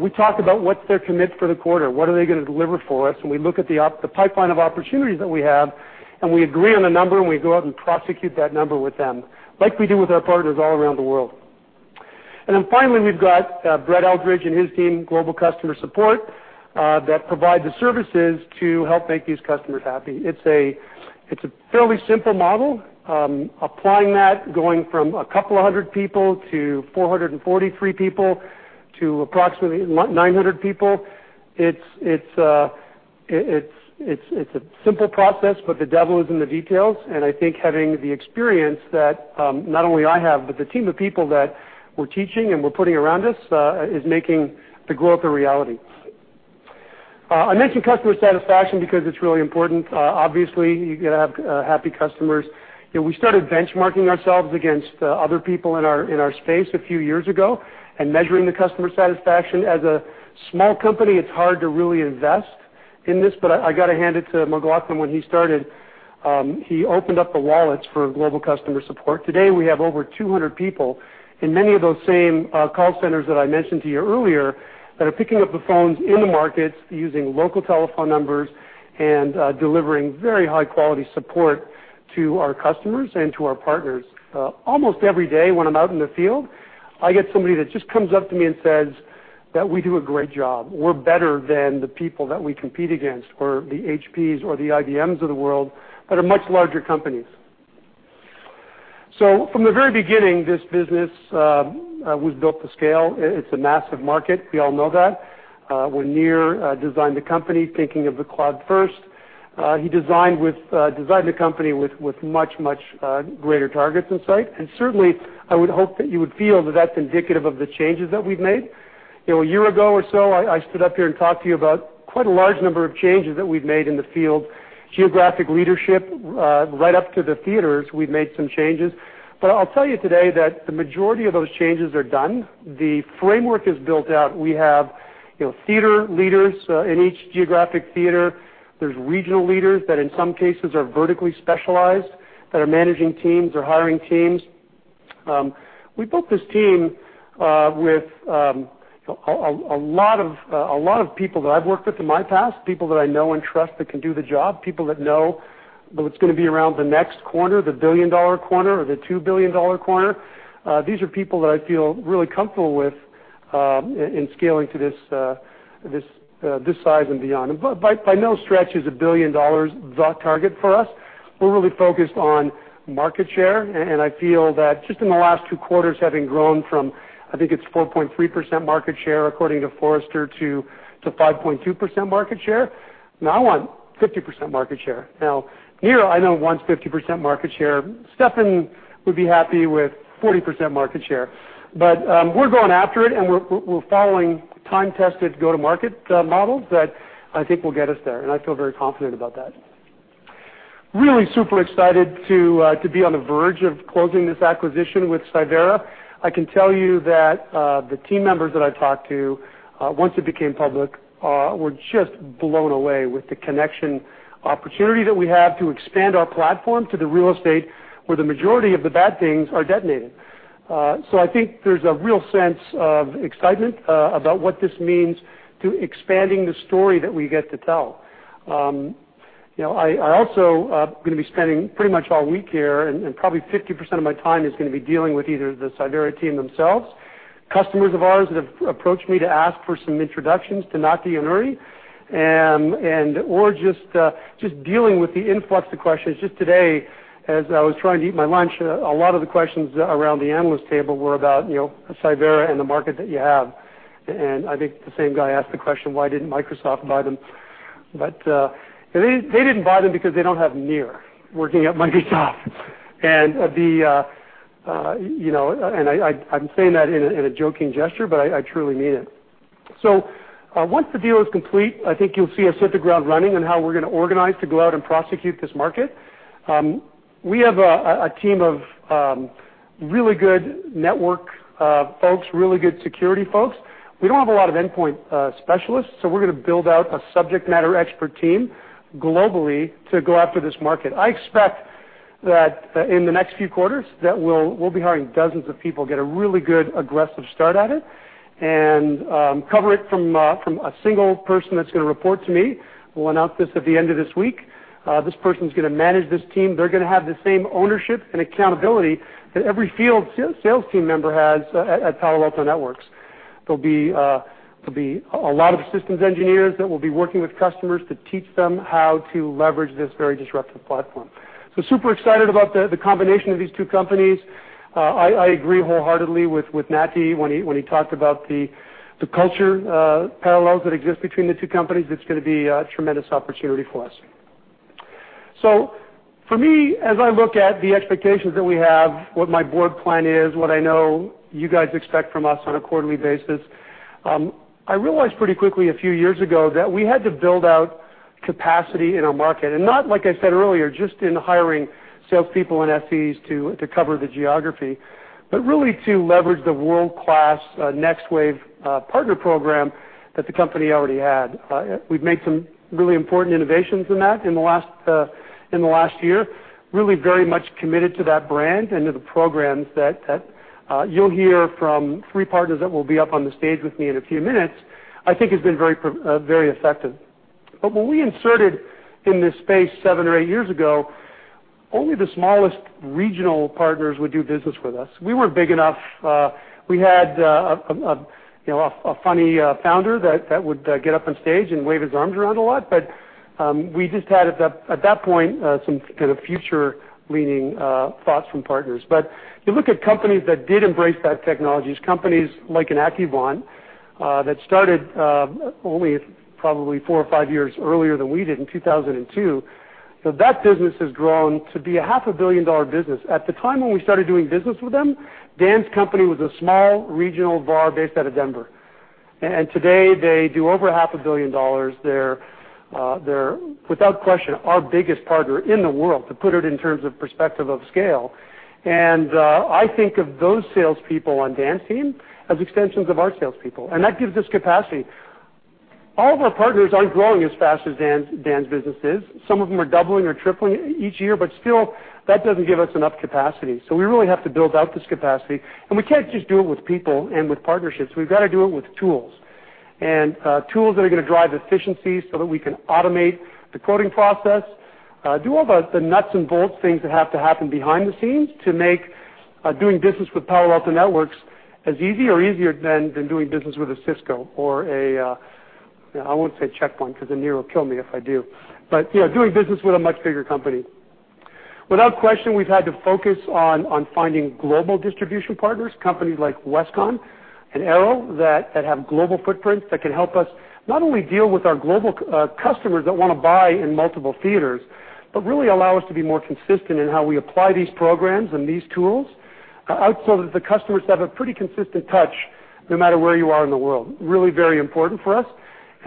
we talk about what's their commit for the quarter, what are they going to deliver for us, and we look at the pipeline of opportunities that we have, and we agree on a number, and we go out and prosecute that number with them, like we do with our partners all around the world. Finally, we've got Brett Eldridge and his team, Global Customer Support, that provide the services to help make these customers happy. It's a fairly simple model. Applying that, going from a couple of hundred people to 443 people to approximately 900 people, it's a simple process. The devil is in the details, I think having the experience that not only I have, but the team of people that we're teaching and we're putting around us, is making the growth a reality. I mention customer satisfaction because it's really important. Obviously, you got to have happy customers. We started benchmarking ourselves against other people in our space a few years ago and measuring the customer satisfaction. As a small company, it's hard to really invest in this, I got to hand it to McLaughlin when he started. He opened up the wallets for global customer support. Today, we have over 200 people in many of those same call centers that I mentioned to you earlier that are picking up the phones in the markets, using local telephone numbers, and delivering very high-quality support to our customers and to our partners. Almost every day when I'm out in the field, I get somebody that just comes up to me and says that we do a great job. We're better than the people that we compete against, or the HP or the IBM of the world that are much larger companies. From the very beginning, this business was built to scale. It's a massive market. We all know that. When Nir designed the company thinking of the cloud first, he designed the company with much, much greater targets in sight. Certainly, I would hope that you would feel that that's indicative of the changes that we've made. A year ago or so, I stood up here and talked to you about quite a large number of changes that we've made in the field, geographic leadership, right up to the theaters, we've made some changes. I'll tell you today that the majority of those changes are done. The framework is built out. Theater leaders in each geographic theater, there's regional leaders that in some cases are vertically specialized, that are managing teams or hiring teams. We built this team with a lot of people that I've worked with in my past, people that I know and trust that can do the job, people that know what's going to be around the next corner, the billion-dollar corner, or the $2 billion corner. These are people that I feel really comfortable with in scaling to this size and beyond. By no stretch is $1 billion the target for us. We're really focused on market share. I feel that just in the last two quarters, having grown from, I think it's 4.3% market share, according to Forrester, to 5.2% market share. Now I want 50% market share. Nir, I know, wants 50% market share. Steffan would be happy with 40% market share. We're going after it, and we're following time-tested go-to-market models that I think will get us there, and I feel very confident about that. Really super excited to be on the verge of closing this acquisition with Cyvera. I can tell you that the team members that I've talked to, once it became public, were just blown away with the connection opportunity that we have to expand our platform to the real estate where the majority of the bad things are detonated. I think there's a real sense of excitement about what this means to expanding the story that we get to tell. I also am going to be spending pretty much all week here, and probably 50% of my time is going to be dealing with either the Cyvera team themselves, customers of ours that have approached me to ask for some introductions to Nati and Uri, or just dealing with the influx of questions. Just today, as I was trying to eat my lunch, a lot of the questions around the analyst table were about Cyvera and the market that you have. I think the same guy asked the question, why didn't Microsoft buy them? They didn't buy them because they don't have Nir working at Microsoft. I'm saying that in a joking gesture, but I truly mean it. Once the deal is complete, I think you'll see us hit the ground running and how we're going to organize to go out and prosecute this market. We have a team of really good network folks, really good security folks. We don't have a lot of endpoint specialists, so we're going to build out a subject matter expert team globally to go after this market. I expect that in the next few quarters, that we'll be hiring dozens of people, get a really good, aggressive start at it, and cover it from a single person that's going to report to me. We'll announce this at the end of this week. This person's going to manage this team. They're going to have the same ownership and accountability that every field sales team member has at Palo Alto Networks. There'll be a lot of systems engineers that will be working with customers to teach them how to leverage this very disruptive platform. Super excited about the combination of these two companies. I agree wholeheartedly with Nati when he talked about the culture parallels that exist between the two companies. It's going to be a tremendous opportunity for us. For me, as I look at the expectations that we have, what my board plan is, what I know you guys expect from us on a quarterly basis, I realized pretty quickly a few years ago that we had to build out capacity in our market. Not, like I said earlier, just in hiring salespeople and SEs to cover the geography, but really to leverage the world-class NextWave partner program that the company already had. We've made some really important innovations in that in the last year, really very much committed to that brand and to the programs that you'll hear from three partners that will be up on the stage with me in a few minutes, I think has been very effective. When we inserted in this space seven or eight years ago, only the smallest regional partners would do business with us. We weren't big enough. We had a funny founder that would get up on stage and wave his arms around a lot. We just had, at that point, some future-leaning thoughts from partners. You look at companies that did embrace that technology, companies like an Accuvant that started only probably four or five years earlier than we did in 2002. That business has grown to be a half a billion-dollar business. At the time when we started doing business with them, Dan's company was a small regional VAR based out of Denver. Today they do over half a billion dollars. They're, without question, our biggest partner in the world, to put it in terms of perspective of scale. I think of those salespeople on Dan's team as extensions of our salespeople, and that gives us capacity. All of our partners aren't growing as fast as Dan's business is. Some of them are doubling or tripling each year, but still, that doesn't give us enough capacity. We really have to build out this capacity, and we can't just do it with people and with partnerships. We've got to do it with tools. Tools that are going to drive efficiency so that we can automate the coding process, do all the nuts and bolts things that have to happen behind the scenes to make doing business with Palo Alto Networks as easy or easier than doing business with a Cisco or a. I won't say Check Point because then Nir will kill me if I do. Doing business with a much bigger company. Without question, we've had to focus on finding global distribution partners, companies like Westcon and Arrow, that have global footprints that can help us not only deal with our global customers that want to buy in multiple theaters, but really allow us to be more consistent in how we apply these programs and these tools out so that the customers have a pretty consistent touch no matter where you are in the world. Really very important for us.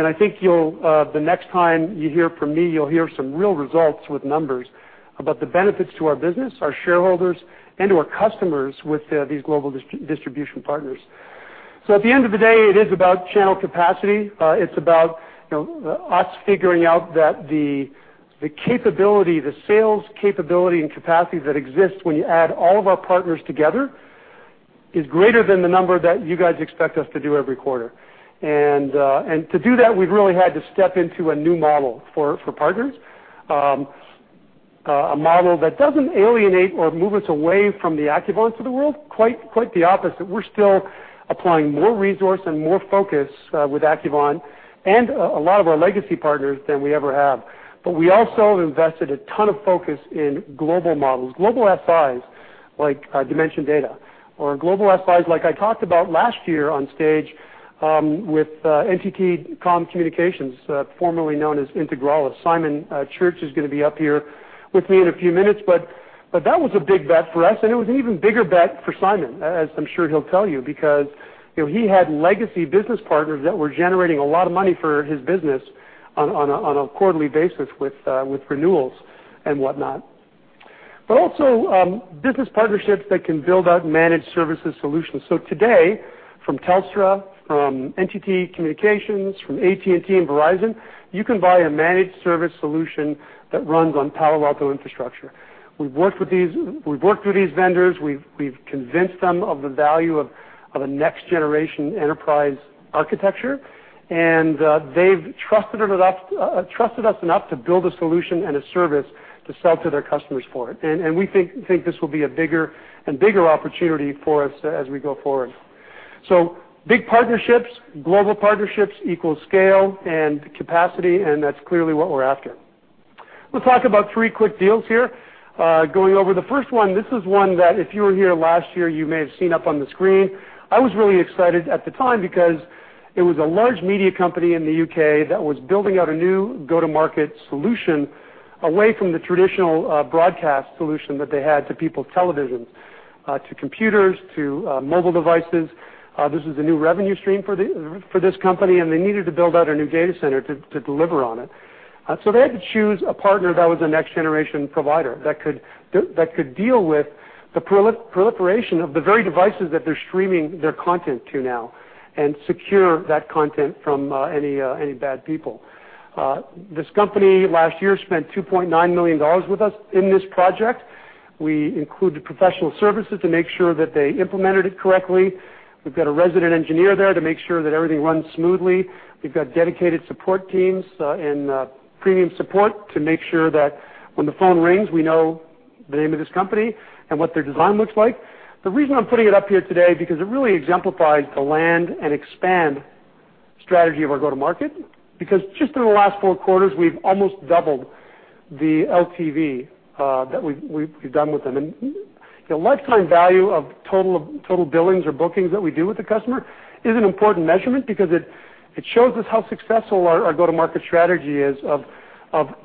I think the next time you hear from me, you'll hear some real results with numbers about the benefits to our business, our shareholders, and to our customers with these global distribution partners. At the end of the day, it is about channel capacity. It's about us figuring out that the sales capability and capacity that exists when you add all of our partners together is greater than the number that you guys expect us to do every quarter. To do that, we've really had to step into a new model for partners. A model that doesn't alienate or move us away from the Accuvants of the world. Quite the opposite. We're still applying more resource and more focus with Accuvant and a lot of our legacy partners than we ever have. We also have invested a ton of focus in global models, global FIs, like Dimension Data or global FIs like I talked about last year on stage, with NTT Com Communications, formerly known as Integralis. Simon Church is going to be up here with me in a few minutes, that was a big bet for us, and it was an even bigger bet for Simon, as I'm sure he'll tell you, because he had legacy business partners that were generating a lot of money for his business on a quarterly basis with renewals and whatnot. Also business partnerships that can build out managed services solutions. Today, from Telstra, from NTT Communications, from AT&T and Verizon, you can buy a managed service solution that runs on Palo Alto infrastructure. We've worked with these vendors. We've convinced them of the value of a next-generation enterprise architecture, and they've trusted us enough to build a solution and a service to sell to their customers for it. We think this will be a bigger and bigger opportunity for us as we go forward. Big partnerships, global partnerships equal scale and capacity, and that's clearly what we're after. We'll talk about three quick deals here. Going over the first one, this is one that if you were here last year, you may have seen up on the screen. I was really excited at the time because it was a large media company in the U.K. that was building out a new go-to-market solution away from the traditional broadcast solution that they had to people's televisions, to computers, to mobile devices. This is a new revenue stream for this company, and they needed to build out a new data center to deliver on it. They had to choose a partner that was a next-generation provider that could deal with the proliferation of the very devices that they're streaming their content to now and secure that content from any bad people. This company last year spent $2.9 million with us in this project. We included professional services to make sure that they implemented it correctly. We've got a resident engineer there to make sure that everything runs smoothly. We've got dedicated support teams and premium support to make sure that when the phone rings, we know the name of this company and what their design looks like. The reason I'm putting it up here today is because it really exemplifies the land and expand strategy of our go-to-market. Just in the last four quarters, we've almost doubled the LTV that we've done with them. The lifetime value of total billings or bookings that we do with the customer is an important measurement because it shows us how successful our go-to-market strategy is of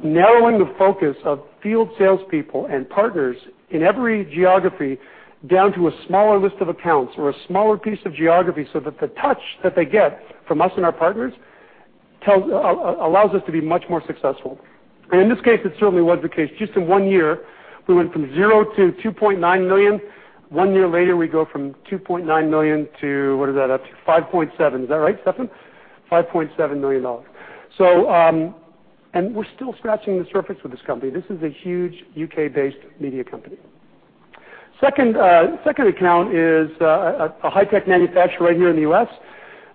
narrowing the focus of field salespeople and partners in every geography down to a smaller list of accounts or a smaller piece of geography, so that the touch that they get from us and our partners allows us to be much more successful. In this case, it certainly was the case. Just in one year, we went from zero to $2.9 million. One year later, we go from $2.9 million to, what is that up to, $5.7 million. Is that right, Steffan? $5.7 million. We're still scratching the surface with this company. This is a huge U.K.-based media company. Second account is a high-tech manufacturer right here in the U.S.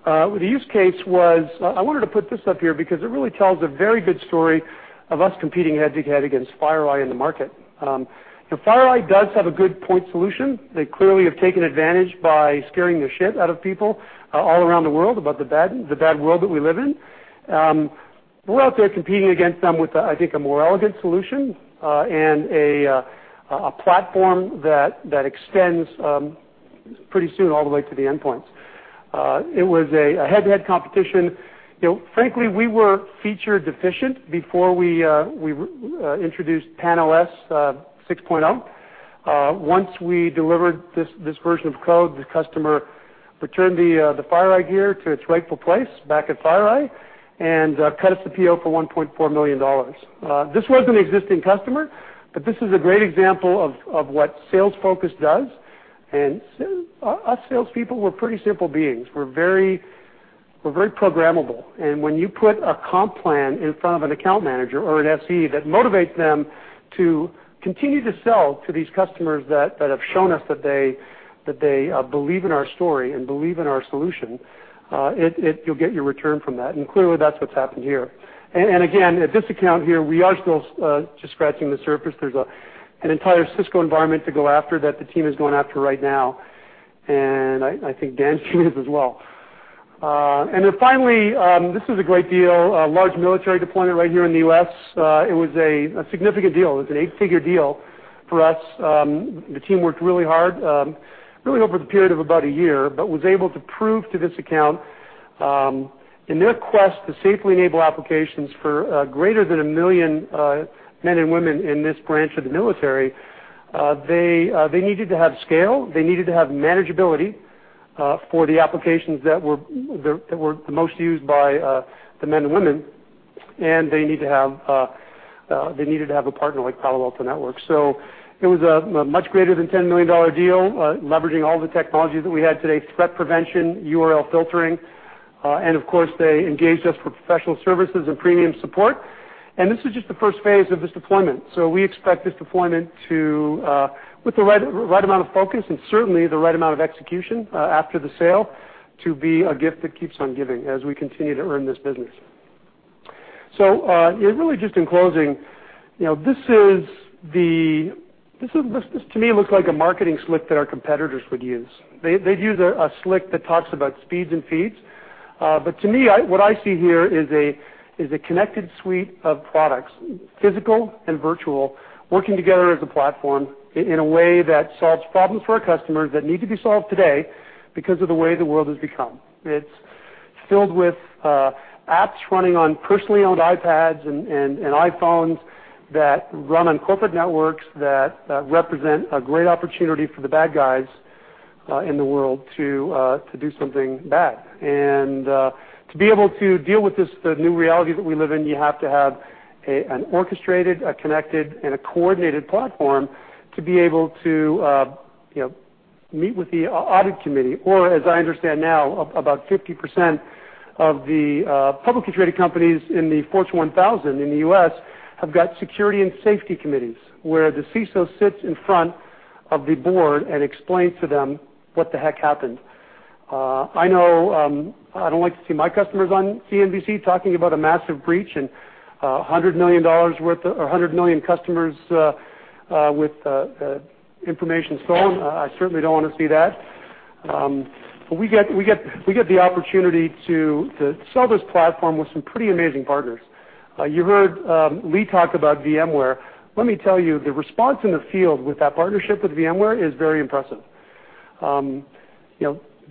The use case was, I wanted to put this up here because it really tells a very good story of us competing head-to-head against FireEye in the market. FireEye does have a good point solution. They clearly have taken advantage by scaring the shit out of people all around the world about the bad world that we live in. We're out there competing against them with, I think, a more elegant solution, and a platform that extends pretty soon all the way to the endpoints. It was a head-to-head competition. Frankly, we were feature deficient before we introduced PAN-OS 6.0. Once we delivered this version of code, the customer returned the FireEye gear to its rightful place back at FireEye and cut us a PO for $1.4 million. This was an existing customer, but this is a great example of what sales focus does. Us salespeople, we're pretty simple beings. We're very programmable. When you put a comp plan in front of an account manager or an SE that motivates them to continue to sell to these customers that have shown us that they believe in our story and believe in our solution, you'll get your return from that. Clearly, that's what's happened here. Again, at this account here, we are still just scratching the surface. There's an entire Cisco environment to go after that the team is going after right now. I think Dan's team is as well. Finally, this is a great deal, a large military deployment right here in the U.S. It was a significant deal. It was an 8-figure deal for us. The team worked really hard, really over the period of about a year, was able to prove to this account, in their quest to safely enable applications for greater than 1 million men and women in this branch of the military. They needed to have scale, they needed to have manageability for the applications that were the most used by the men and women, and they needed to have a partner like Palo Alto Networks. It was a much greater than $10 million deal, leveraging all the technologies that we had today: threat prevention, URL filtering, and of course, they engaged us for professional services and premium support. This is just the first phase of this deployment. We expect this deployment to, with the right amount of focus and certainly the right amount of execution after the sale, to be a gift that keeps on giving as we continue to earn this business. Really just in closing, this to me looks like a marketing slick that our competitors would use. They'd use a slick that talks about speeds and feeds. To me, what I see here is a connected suite of products, physical and virtual, working together as a platform in a way that solves problems for our customers that need to be solved today because of the way the world has become. It's filled with apps running on personally owned iPads and iPhones that run on corporate networks that represent a great opportunity for the bad guys in the world to do something bad. To be able to deal with this, the new reality that we live in, you have to have an orchestrated, a connected, and a coordinated platform to be able to meet with the audit committee, or as I understand now, about 50% of the publicly traded companies in the Fortune 1000 in the U.S. have got security and safety committees, where the CISO sits in front of the board and explains to them what the heck happened. I know, I don't like to see my customers on CNBC talking about a massive breach and $100 million worth, or 100 million customers with information stolen. I certainly don't want to see that. We get the opportunity to sell this platform with some pretty amazing partners. You heard Lee talk about VMware. Let me tell you, the response in the field with that partnership with VMware is very impressive. One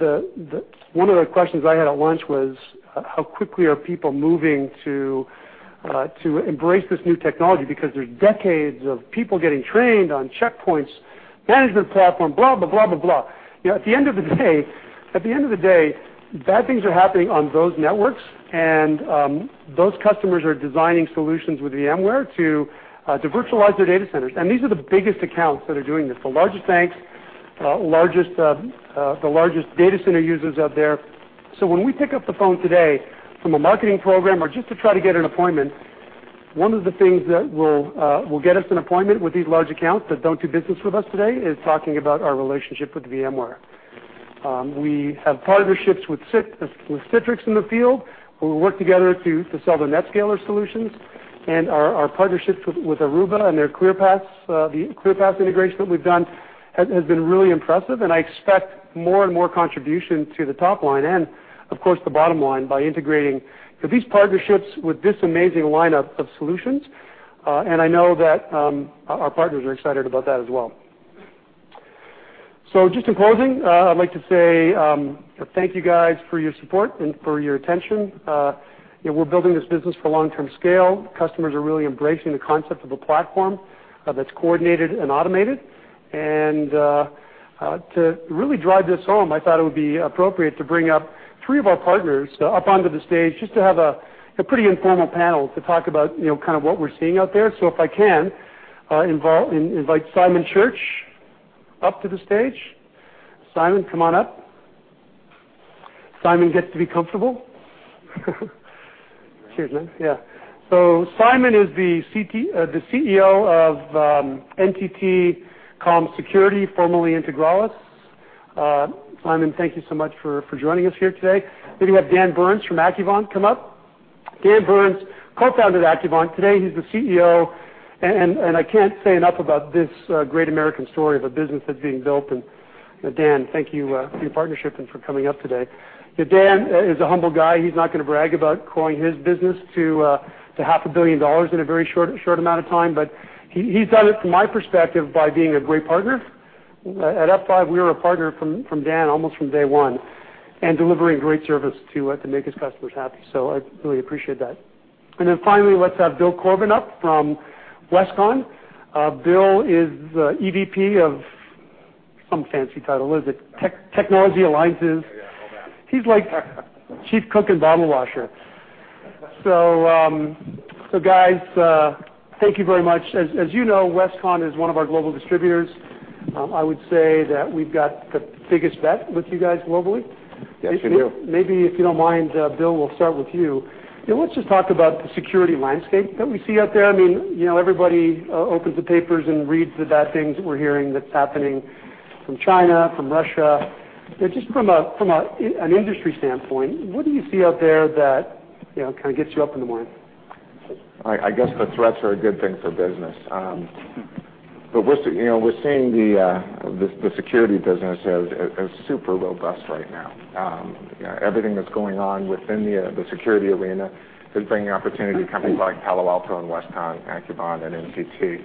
of the questions I had at lunch was, how quickly are people moving to embrace this new technology because there's decades of people getting trained on Check Point's management platform, blah, blah, blah. At the end of the day, bad things are happening on those networks, and those customers are designing solutions with VMware to virtualize their data centers. These are the biggest accounts that are doing this, the largest banks, the largest data center users out there. When we pick up the phone today from a marketing program or just to try to get an appointment, one of the things that will get us an appointment with these large accounts that don't do business with us today is talking about our relationship with VMware. We have partnerships with Citrix in the field, where we work together to sell the NetScaler solutions. Our partnerships with Aruba and the ClearPass integration that we've done has been really impressive, and I expect more and more contribution to the top line and, of course, the bottom line by integrating these partnerships with this amazing lineup of solutions. I know that our partners are excited about that as well. Just in closing, I'd like to say thank you, guys, for your support and for your attention. We're building this business for long-term scale. Customers are really embracing the concept of a platform that's coordinated and automated. To really drive this home, I thought it would be appropriate to bring up three of our partners up onto the stage just to have a pretty informal panel to talk about what we're seeing out there. If I can, invite Simon Church up to the stage. Simon, come on up. Simon gets to be comfortable. Cheers, man. Yeah. Simon is the CEO of NTT Com Security, formerly Integralis. Simon, thank you so much for joining us here today. Maybe have Dan Burns from Accuvant come up. Dan Burns co-founded Accuvant. Today, he's the CEO, and I can't say enough about this great American story of a business that's being built, and Dan, thank you for your partnership and for coming up today. Dan is a humble guy. He's not going to brag about growing his business to half a billion dollars in a very short amount of time, but he's done it, from my perspective, by being a great partner. At F5, we were a partner from Dan almost from day one and delivering great service to make his customers happy. I really appreciate that. Finally, let's have Bill Corbin up from Westcon. Bill is EVP of some fancy title. What is it? Technology Alliances. Yeah, all that. He's like chief cook and bottle washer. Guys, thank you very much. As you know, Westcon is one of our global distributors. I would say that we've got the biggest bet with you guys globally. Yes, we do. Maybe if you don't mind, Bill, we'll start with you. Let's just talk about the security landscape that we see out there. Everybody opens the papers and reads the bad things that we're hearing that's happening from China, from Russia. Just from an industry standpoint, what do you see out there that kind of gets you up in the morning? I guess the threats are a good thing for business. We're seeing the security business as super robust right now. Everything that's going on within the security arena is bringing opportunity to companies like Palo Alto and Westcon, Accuvant, and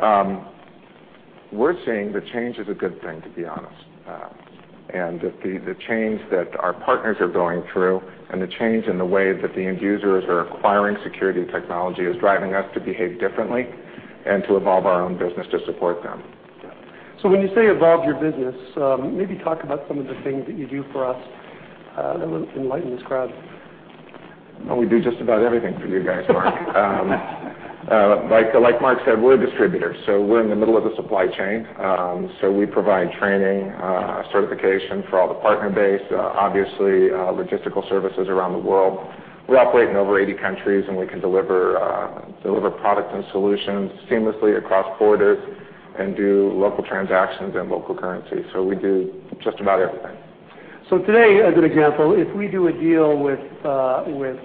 NTT. We're seeing that change is a good thing, to be honest. The change that our partners are going through and the change in the way that the end users are acquiring security technology is driving us to behave differently and to evolve our own business to support them. When you say evolve your business, maybe talk about some of the things that you do for us that will enlighten this crowd. We do just about everything for you guys, Mark. Like Mark said, we're distributors, we're in the middle of the supply chain. We provide training, certification for all the partner base, obviously logistical services around the world. We operate in over 80 countries, we can deliver products and solutions seamlessly across borders and do local transactions in local currency. We do just about everything. Today, as an example, if we do a deal with Accuvant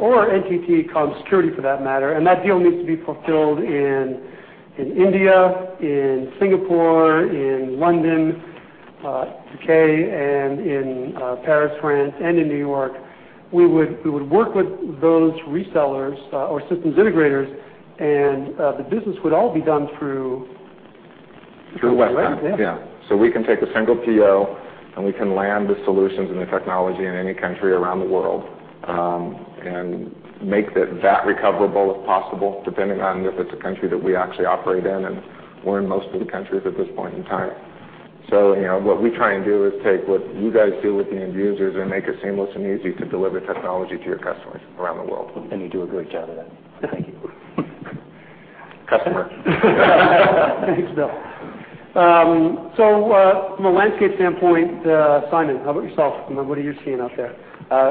or NTT Com Security for that matter, that deal needs to be fulfilled in India, in Singapore, in London, U.K., in Paris, France, and in New York, we would work with those resellers or systems integrators, the business would all be done through Through Westcon through Westcon. Yeah. Yeah. We can take a single PO, we can land the solutions and the technology in any country around the world, make that recoverable if possible, depending on if it is a country that we actually operate in, we're in most of the countries at this point in time. What we try and do is take what you guys do with the end users and make it seamless and easy to deliver technology to your customers around the world. You do a great job of that. Thank you. Customer. Thanks, Bill. From a landscape standpoint, Simon, how about yourself? What are you seeing out there?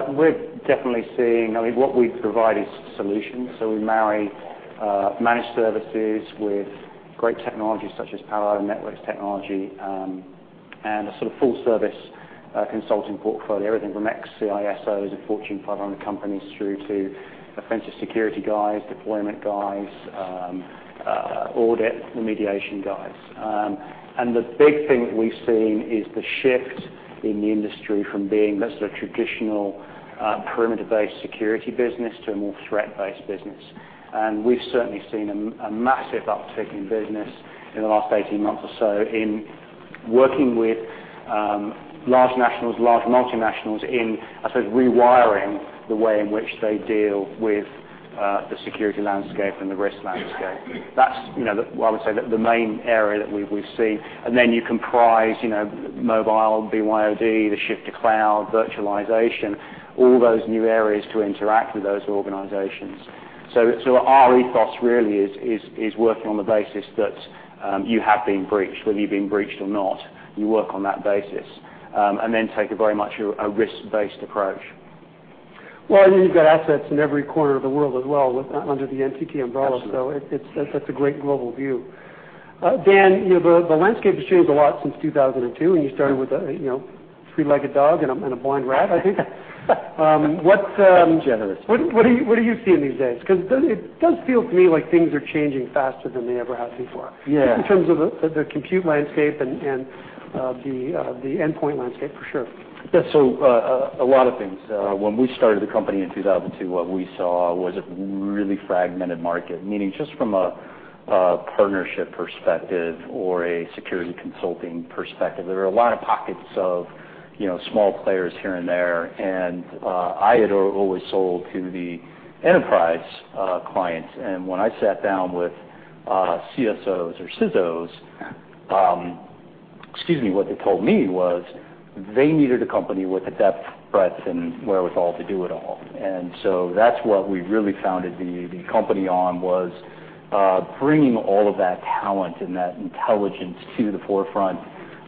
We're definitely seeing, what we provide is solutions. We marry managed services with great technologies such as Palo Alto Networks technology, and a sort of full service consulting portfolio. Everything from ex-CISOs of Fortune 500 companies through to offensive security guys, deployment guys, audit remediation guys. The big thing that we've seen is the shift in the industry from being less of a traditional perimeter-based security business to a more threat-based business. We've certainly seen a massive uptick in business in the last 18 months or so in working with large multinationals in, I say, rewiring the way in which they deal with the security landscape and the risk landscape. That's what I would say the main area that we've seen. You comprise mobile, BYOD, the shift to cloud, virtualization, all those new areas to interact with those organizations. Our ethos really is working on the basis that you have been breached, whether you've been breached or not. You work on that basis. Take a very much a risk-based approach. You've got assets in every corner of the world as well under the NTT umbrella. Absolutely. That's a great global view. Dan, the landscape has changed a lot since 2002 when you started with a three-legged dog and a blind rat, I think. That's generous. What are you seeing these days? It does feel to me like things are changing faster than they ever have before. Yeah. Just in terms of the compute landscape and the endpoint landscape for sure. When we started the company in 2002, what we saw was a really fragmented market, meaning just from a partnership perspective or a security consulting perspective, there were a lot of pockets of small players here and there. I had always sold to the enterprise clients. When I sat down with CSOs or CISOs, what they told me was they needed a company with the depth, breadth, and wherewithal to do it all. That's what we really founded the company on, was bringing all of that talent and that intelligence to the forefront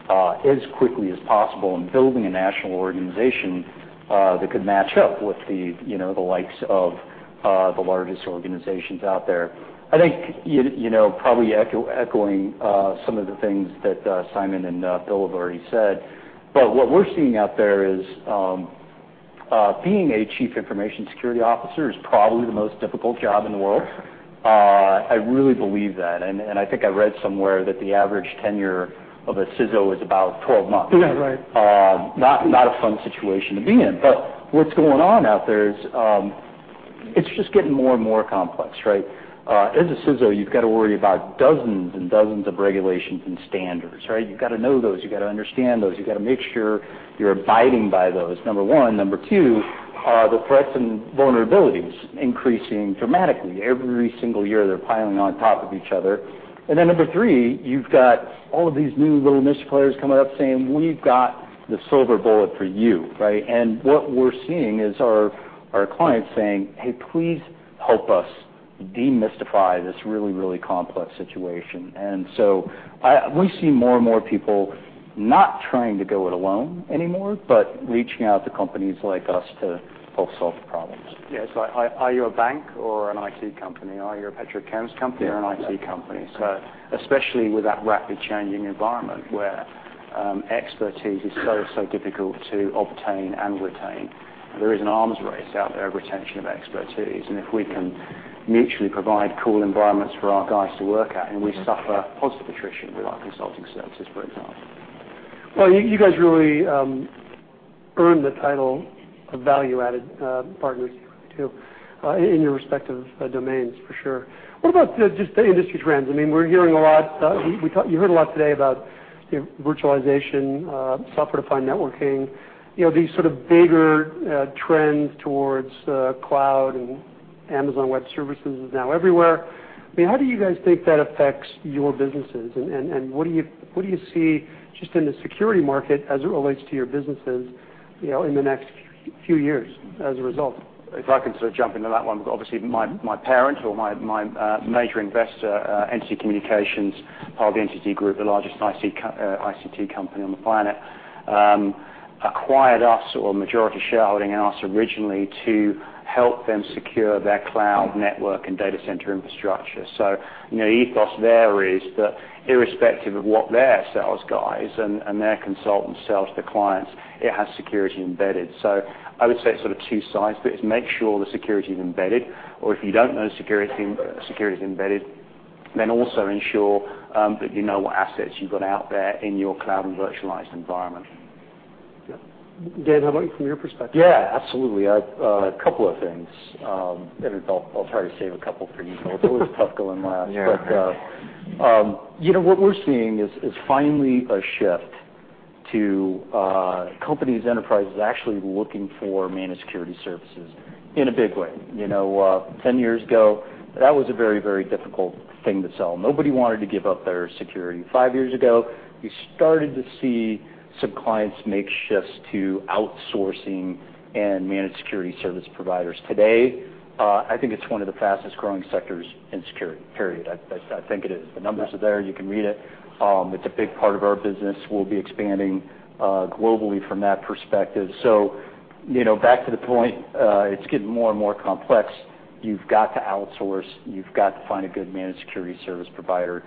as quickly as possible and building a national organization that could match up with the likes of the largest organizations out there. I think, probably echoing some of the things that Simon and Bill have already said, what we're seeing out there is being a Chief Information Security Officer is probably the most difficult job in the world. I really believe that, I think I read somewhere that the average tenure of a CISO is about 12 months. Right. Not a fun situation to be in. What's going on out there is it's just getting more and more complex, right? As a CISO, you've got to worry about dozens and dozens of regulations and standards, right? You've got to know those. You've got to understand those. You've got to make sure you're abiding by those, number one. Number two, the threats and vulnerabilities increasing dramatically. Every single year, they're piling on top of each other. Number three, you've got all of these new little niche players coming up saying, "We've got the silver bullet for you," right? What we're seeing is our clients saying, "Hey, please help us demystify this really, really complex situation." We see more and more people not trying to go it alone anymore, but reaching out to companies like us to help solve the problems. Yeah. Are you a bank or an IT company? Are you a petrochemical company or an IT company? Especially with that rapid changing environment where expertise is so difficult to obtain and retain, there is an arms race out there of retention of expertise, and if we can mutually provide cool environments for our guys to work at, and we suffer positive attrition with our consulting services, for example. Well, you guys really earn the title of value-added partners too, in your respective domains for sure. What about just the industry trends? We're hearing a lot, you heard a lot today about virtualization, software-defined networking, these sort of bigger trends towards cloud, Amazon Web Services is now everywhere. How do you guys think that affects your businesses, and what do you see just in the security market as it relates to your businesses in the next few years as a result? If I can sort of jump into that one, because obviously my parent or my major investor, NTT Communications, part of the NTT group, the largest ICT company on the planet, acquired us or majority shareholding in us originally to help them secure their cloud network and data center infrastructure. The ethos there is that irrespective of what their sales guys and their consultants sell to the clients, it has security embedded. I would say sort of two sides, but it's make sure the security is embedded, or if you don't know security is embedded, then also ensure that you know what assets you've got out there in your cloud and virtualized environment. Yeah. Dan, how about from your perspective? Yeah, absolutely. A couple of things. I'll try to save a couple for you, Phil. It's always tough going last. Yeah. What we're seeing is finally a shift to companies, enterprises actually looking for managed security services in a big way. 10 years ago, that was a very difficult thing to sell. Nobody wanted to give up their security. Five years ago, you started to see some clients make shifts to outsourcing and managed security service providers. Today, I think it's one of the fastest-growing sectors in security, period. I think it is. The numbers are there. You can read it. It's a big part of our business. We'll be expanding globally from that perspective. Back to the point, it's getting more and more complex. You've got to outsource. You've got to find a good managed security service provider,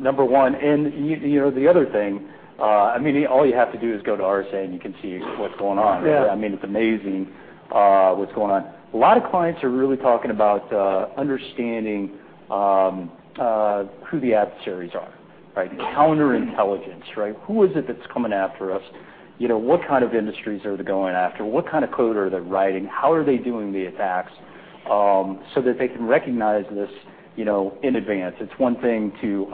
number one. The other thing, all you have to do is go to RSA, and you can see what's going on. Yeah. It's amazing what's going on. A lot of clients are really talking about understanding who the adversaries are, right? Counterintelligence, right? Who is it that's coming after us? What kind of industries are they going after? What kind of code are they writing? How are they doing the attacks so that they can recognize this in advance. It's one thing to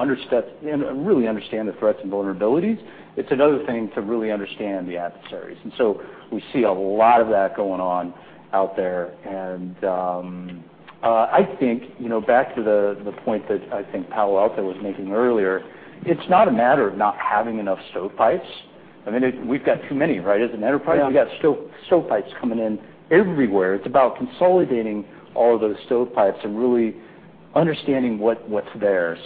really understand the threats and vulnerabilities. It's another thing to really understand the adversaries. We see a lot of that going on out there. I think back to the point that I think Palo Alto was making earlier, it's not a matter of not having enough stovepipes. We've got too many, right? As an enterprise- Yeah we've got stovepipes coming in everywhere. It's about consolidating all of those stovepipes and really understanding what's there.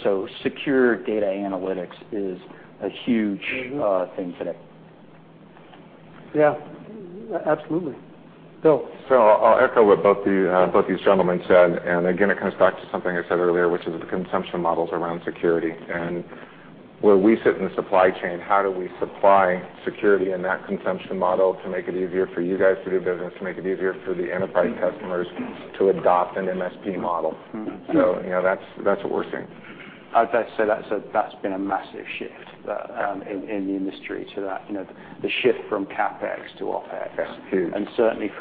Secure data analytics is a huge- thing today. Yeah. Absolutely. Phil. I'll echo what both these gentlemen said, and again, it comes back to something I said earlier, which is the consumption models around security. Where we sit in the supply chain, how do we supply security in that consumption model to make it easier for you guys to do business, to make it easier for the enterprise customers to adopt an MSP model. That's what we're seeing. I'd say that's been a massive shift in the industry to that. The shift from CapEx to OpEx. Yeah. Huge. Certainly,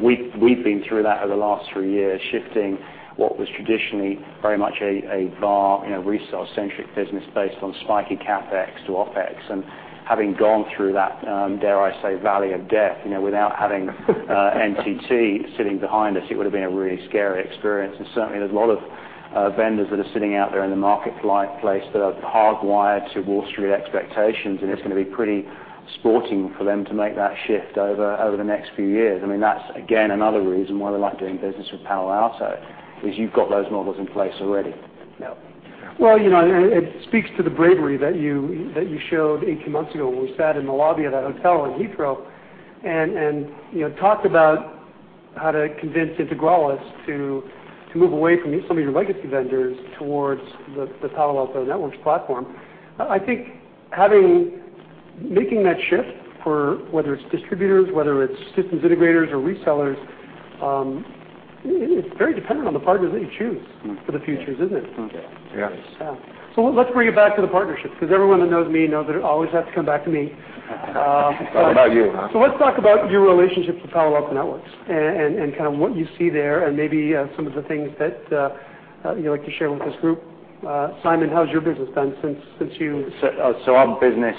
we've been through that over the last three years, shifting what was traditionally very much a VAR, resale-centric business based on spiky CapEx to OpEx. Having gone through that, dare I say, valley of death, without having NTT sitting behind us, it would've been a really scary experience, and certainly there's a lot of vendors that are sitting out there in the marketplace that are hardwired to Wall Street expectations, and it's going to be pretty sporting for them to make that shift over the next few years. That's, again, another reason why they like doing business with Palo Alto, is you've got those models in place already. Yeah. Well, it speaks to the bravery that you showed 18 months ago when we sat in the lobby of that hotel in Heathrow and talked about how to convince Integralis to move away from some of your legacy vendors towards the Palo Alto Networks platform. I think making that shift for whether it's distributors, whether it's systems integrators or resellers, it's very dependent on the partners that you choose for the future, isn't it? Yeah. Yes. Let's bring it back to the partnership because everyone that knows me knows that it always has to come back to me. It's all about you, huh? Let's talk about your relationship with Palo Alto Networks and kind of what you see there and maybe some of the things that you'd like to share with this group. Simon, how's your business been since you- Our business,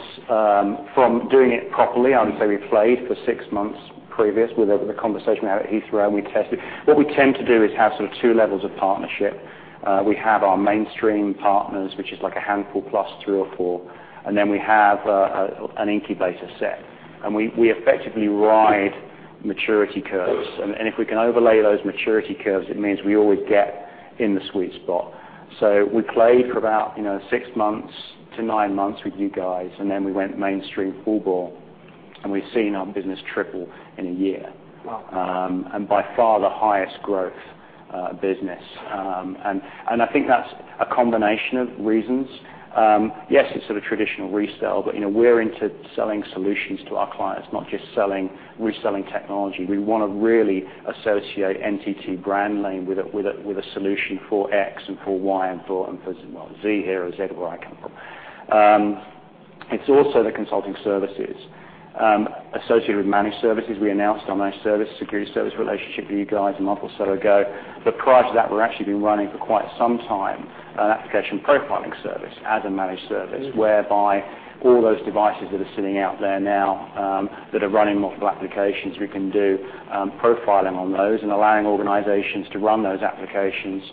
from doing it properly, I would say we played for six months previous with the conversation we had at Heathrow, and we tested. What we tend to do is have sort of two levels of partnership. We have our mainstream partners, which is like a handful plus three or four, and then we have an incubator set, and we effectively ride maturity curves, and if we can overlay those maturity curves, it means we always get in the sweet spot. We played for about six months to nine months with you guys, and then we went mainstream full bore, and we've seen our business triple in a year. Wow. By far, the highest growth business. I think that's a combination of reasons. Yes, it's sort of traditional resale, but we're into selling solutions to our clients, not just reselling technology. We want to really associate NTT brand name with a solution for X and for Y and for Z here or Zed, or however I can. It's also the consulting services associated with managed services. We announced our managed service security service relationship with you guys a month or so ago. Prior to that, we've actually been running for quite some time an application profiling service as a managed service, whereby all those devices that are sitting out there now that are running multiple applications, we can do profiling on those and allowing organizations to run those applications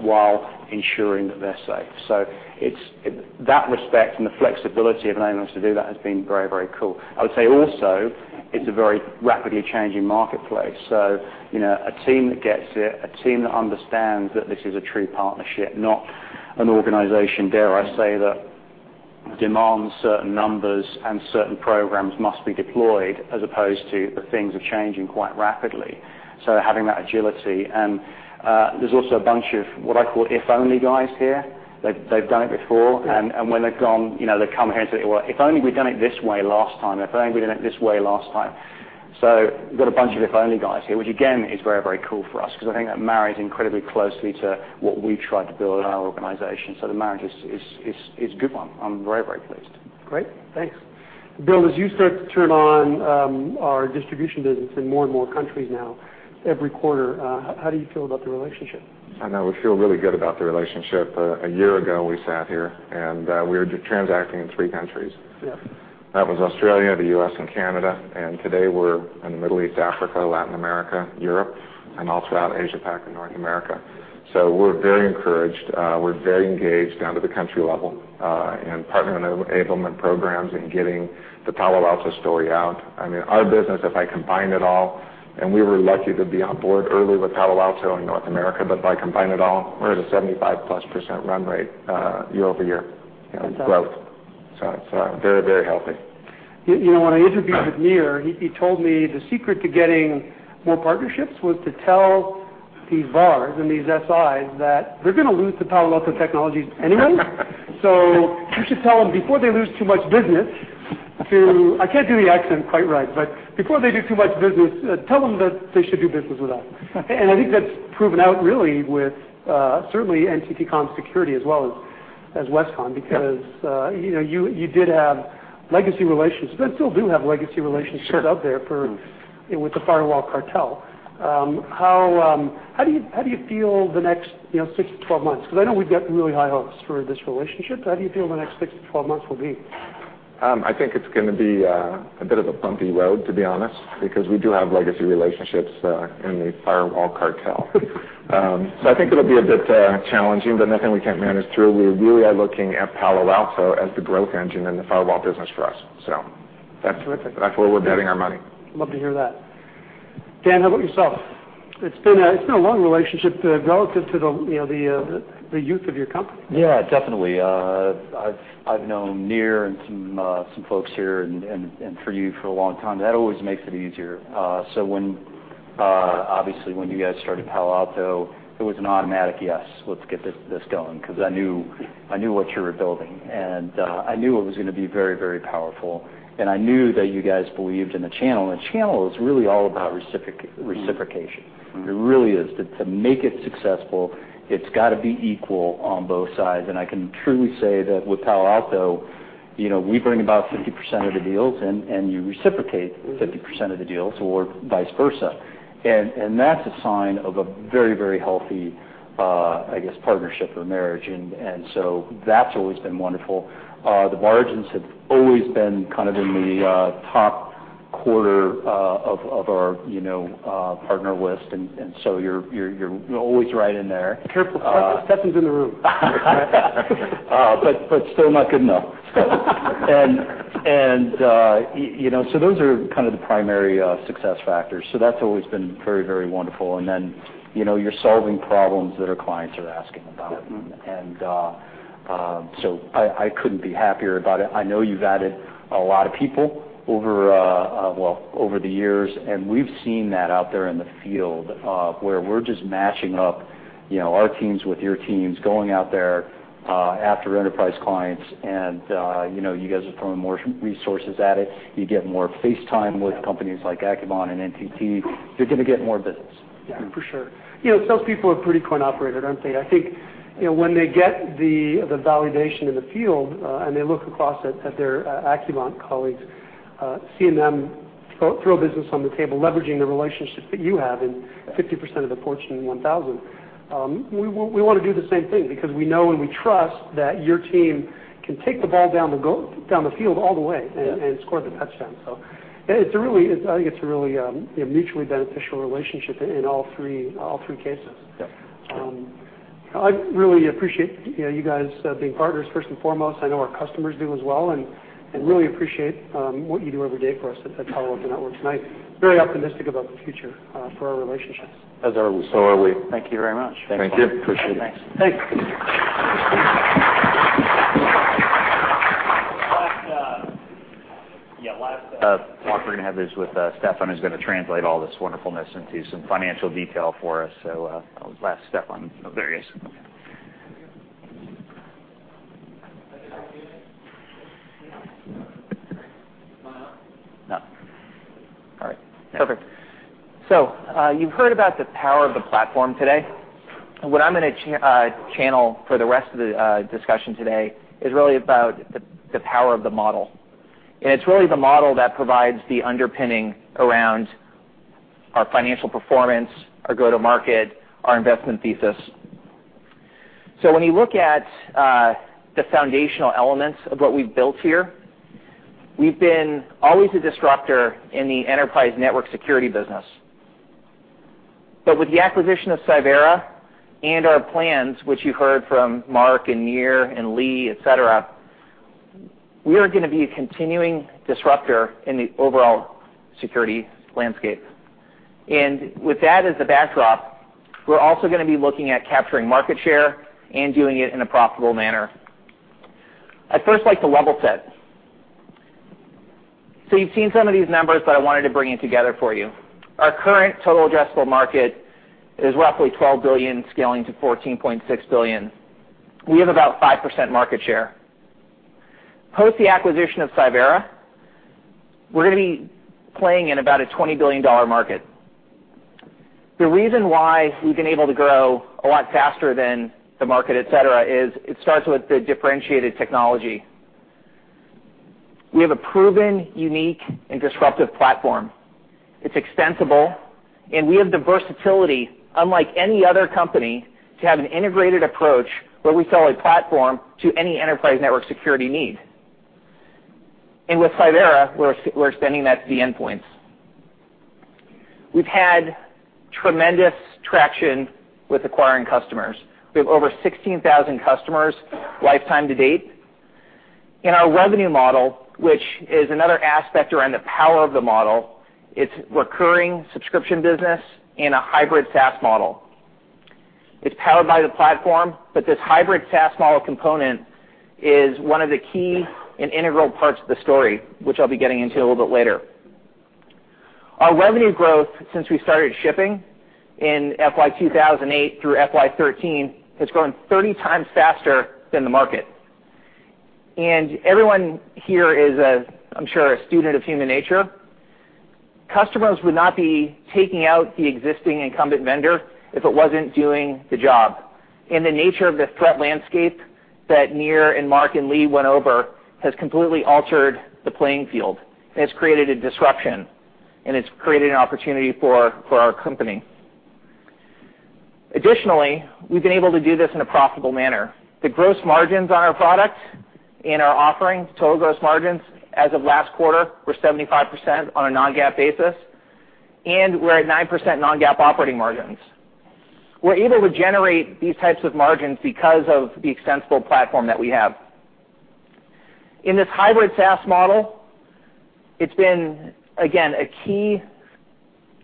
while ensuring that they're safe. That respect and the flexibility of enabling us to do that has been very, very cool. I would say also, it's a very rapidly changing marketplace. A team that gets it, a team that understands that this is a true partnership, not an organization, dare I say, that demands certain numbers and certain programs must be deployed as opposed to the things are changing quite rapidly. Having that agility. There's also a bunch of what I call if-only guys here. They've done it before, and when they've gone, they come here and say, "Well, if only we'd done it this way last time. If only we'd done it this way last time." We've got a bunch of if-only guys here, which again, is very, very cool for us because I think that marries incredibly closely to what we've tried to build in our organization. The marriage is a good one. I'm very, very pleased. Great. Thanks. Bill, as you start to turn on our distribution business in more and more countries now every quarter, how do you feel about the relationship? I know we feel really good about the relationship. A year ago, we sat here, and we were transacting in three countries. Yeah. That was Australia, the U.S., and Canada. Today we're in the Middle East, Africa, Latin America, Europe, and all throughout Asia Pac and North America. We're very encouraged. We're very engaged down to the country level, and partnering on enablement programs and getting the Palo Alto story out. Our business, if I combined it all, and we were lucky to be on board early with Palo Alto in North America, but if I combine it all, we're at a 75-plus % run rate year-over-year- That's awesome growth. It's very, very healthy. When I interviewed with Nir, he told me the secret to getting more partnerships was to tell these VARs and these SIs that they're going to lose to Palo Alto Networks anyway. You should tell them before they lose too much business to I can't do the accent quite right, but before they do too much business, tell them that they should do business with us. I think that's proven out really with certainly NTT Com Security as well as Westcon because you did have legacy relationships, and still do have legacy relationships Sure out there with the firewall cartel. How do you feel the next six to 12 months? I know we've got really high hopes for this relationship. How do you feel the next six to 12 months will be? I think it's going to be a bit of a bumpy road, to be honest, because we do have legacy relationships in the firewall cartel. I think it'll be a bit challenging, but nothing we can't manage through. We really are looking at Palo Alto as the growth engine in the firewall business for us. That's terrific That's where we're betting our money. Love to hear that. Dan, how about yourself? It's been a long relationship relative to the youth of your company. Definitely. I've known Nir and some folks here and for you for a long time. That always makes it easier. Obviously, when you guys started Palo Alto, it was an automatic yes, let's get this going, because I knew what you were building, and I knew it was going to be very, very powerful. The channel is really all about reciprocation. It really is. To make it successful, it's got to be equal on both sides. I can truly say that with Palo Alto, we bring about 50% of the deals, and you reciprocate 50% of the deals, or vice versa. That's a sign of a very, very healthy partnership or marriage. That's always been wonderful. The margins have always been kind of in the top quarter of our partner list. You're always right in there. Careful. Steffan's in the room. Still not good enough. Those are kind of the primary success factors. That's always been very, very wonderful. You're solving problems that our clients are asking about. Yeah. I couldn't be happier about it. I know you've added a lot of people over the years, and we've seen that out there in the field, where we're just matching up our teams with your teams going out there after enterprise clients, and you guys are throwing more resources at it. You get more face time with companies like Accuvant and NTT. You're going to get more business. Yeah, for sure. Those people are pretty coin operated, aren't they? I think when they get the validation in the field, and they look across at their Accuvant colleagues, seeing them throw business on the table, leveraging the relationships that you have in 50% of the Fortune 1000, we want to do the same thing because we know and we trust that your team can take the ball down the field all the way. Yeah score the touchdown. I think it's a really mutually beneficial relationship in all three cases. Yeah. I really appreciate you guys being partners, first and foremost. I know our customers do as well, and really appreciate what you do every day for us at Palo Alto Networks, and I'm very optimistic about the future for our relationships. As are we. Are we. Thank you very much. Thank you. Appreciate it. Thanks. Last talk we're going to have is with Steffan, who's going to translate all this wonderfulness into some financial detail for us. Last, Steffan. Oh, there he is. No. All right, perfect. You've heard about the power of the platform today. What I'm going to channel for the rest of the discussion today is really about the power of the model. It's really the model that provides the underpinning around our financial performance, our go-to market, our investment thesis. When you look at the foundational elements of what we've built here, we've been always a disruptor in the enterprise network security business. With the acquisition of Cyvera and our plans, which you heard from Mark and Nir and Lee, et cetera, we are going to be a continuing disruptor in the overall security landscape. With that as the backdrop, we're also going to be looking at capturing market share and doing it in a profitable manner. I'd first like to level set. You've seen some of these numbers, but I wanted to bring it together for you. Our current total addressable market is roughly $12 billion, scaling to $14.6 billion. We have about 5% market share. Post the acquisition of Cyvera, we're going to be playing in about a $20 billion market. The reason why we've been able to grow a lot faster than the market, et cetera, is it starts with the differentiated technology. We have a proven, unique and disruptive platform. It's extensible, we have the versatility, unlike any other company, to have an integrated approach where we sell a platform to any enterprise network security need. With Cyvera, we're extending that to the endpoints. We've had tremendous traction with acquiring customers. We have over 16,000 customers lifetime to date. Our revenue model, which is another aspect around the power of the model, it's recurring subscription business and a hybrid SaaS model. It's powered by the platform, this hybrid SaaS model component is one of the key and integral parts of the story, which I'll be getting into a little bit later. Our revenue growth since we started shipping in FY 2008 through FY 2013, has grown 30 times faster than the market. Everyone here is, I'm sure, a student of human nature. Customers would not be taking out the existing incumbent vendor if it wasn't doing the job. The nature of the threat landscape that Nir and Mark and Lee went over has completely altered the playing field, it's created a disruption, it's created an opportunity for our company. Additionally, we've been able to do this in a profitable manner. The gross margins on our product and our offering, total gross margins as of last quarter were 75% on a non-GAAP basis, we're at 9% non-GAAP operating margins. We're able to generate these types of margins because of the extensible platform that we have. In this hybrid SaaS model, it's been, again, a key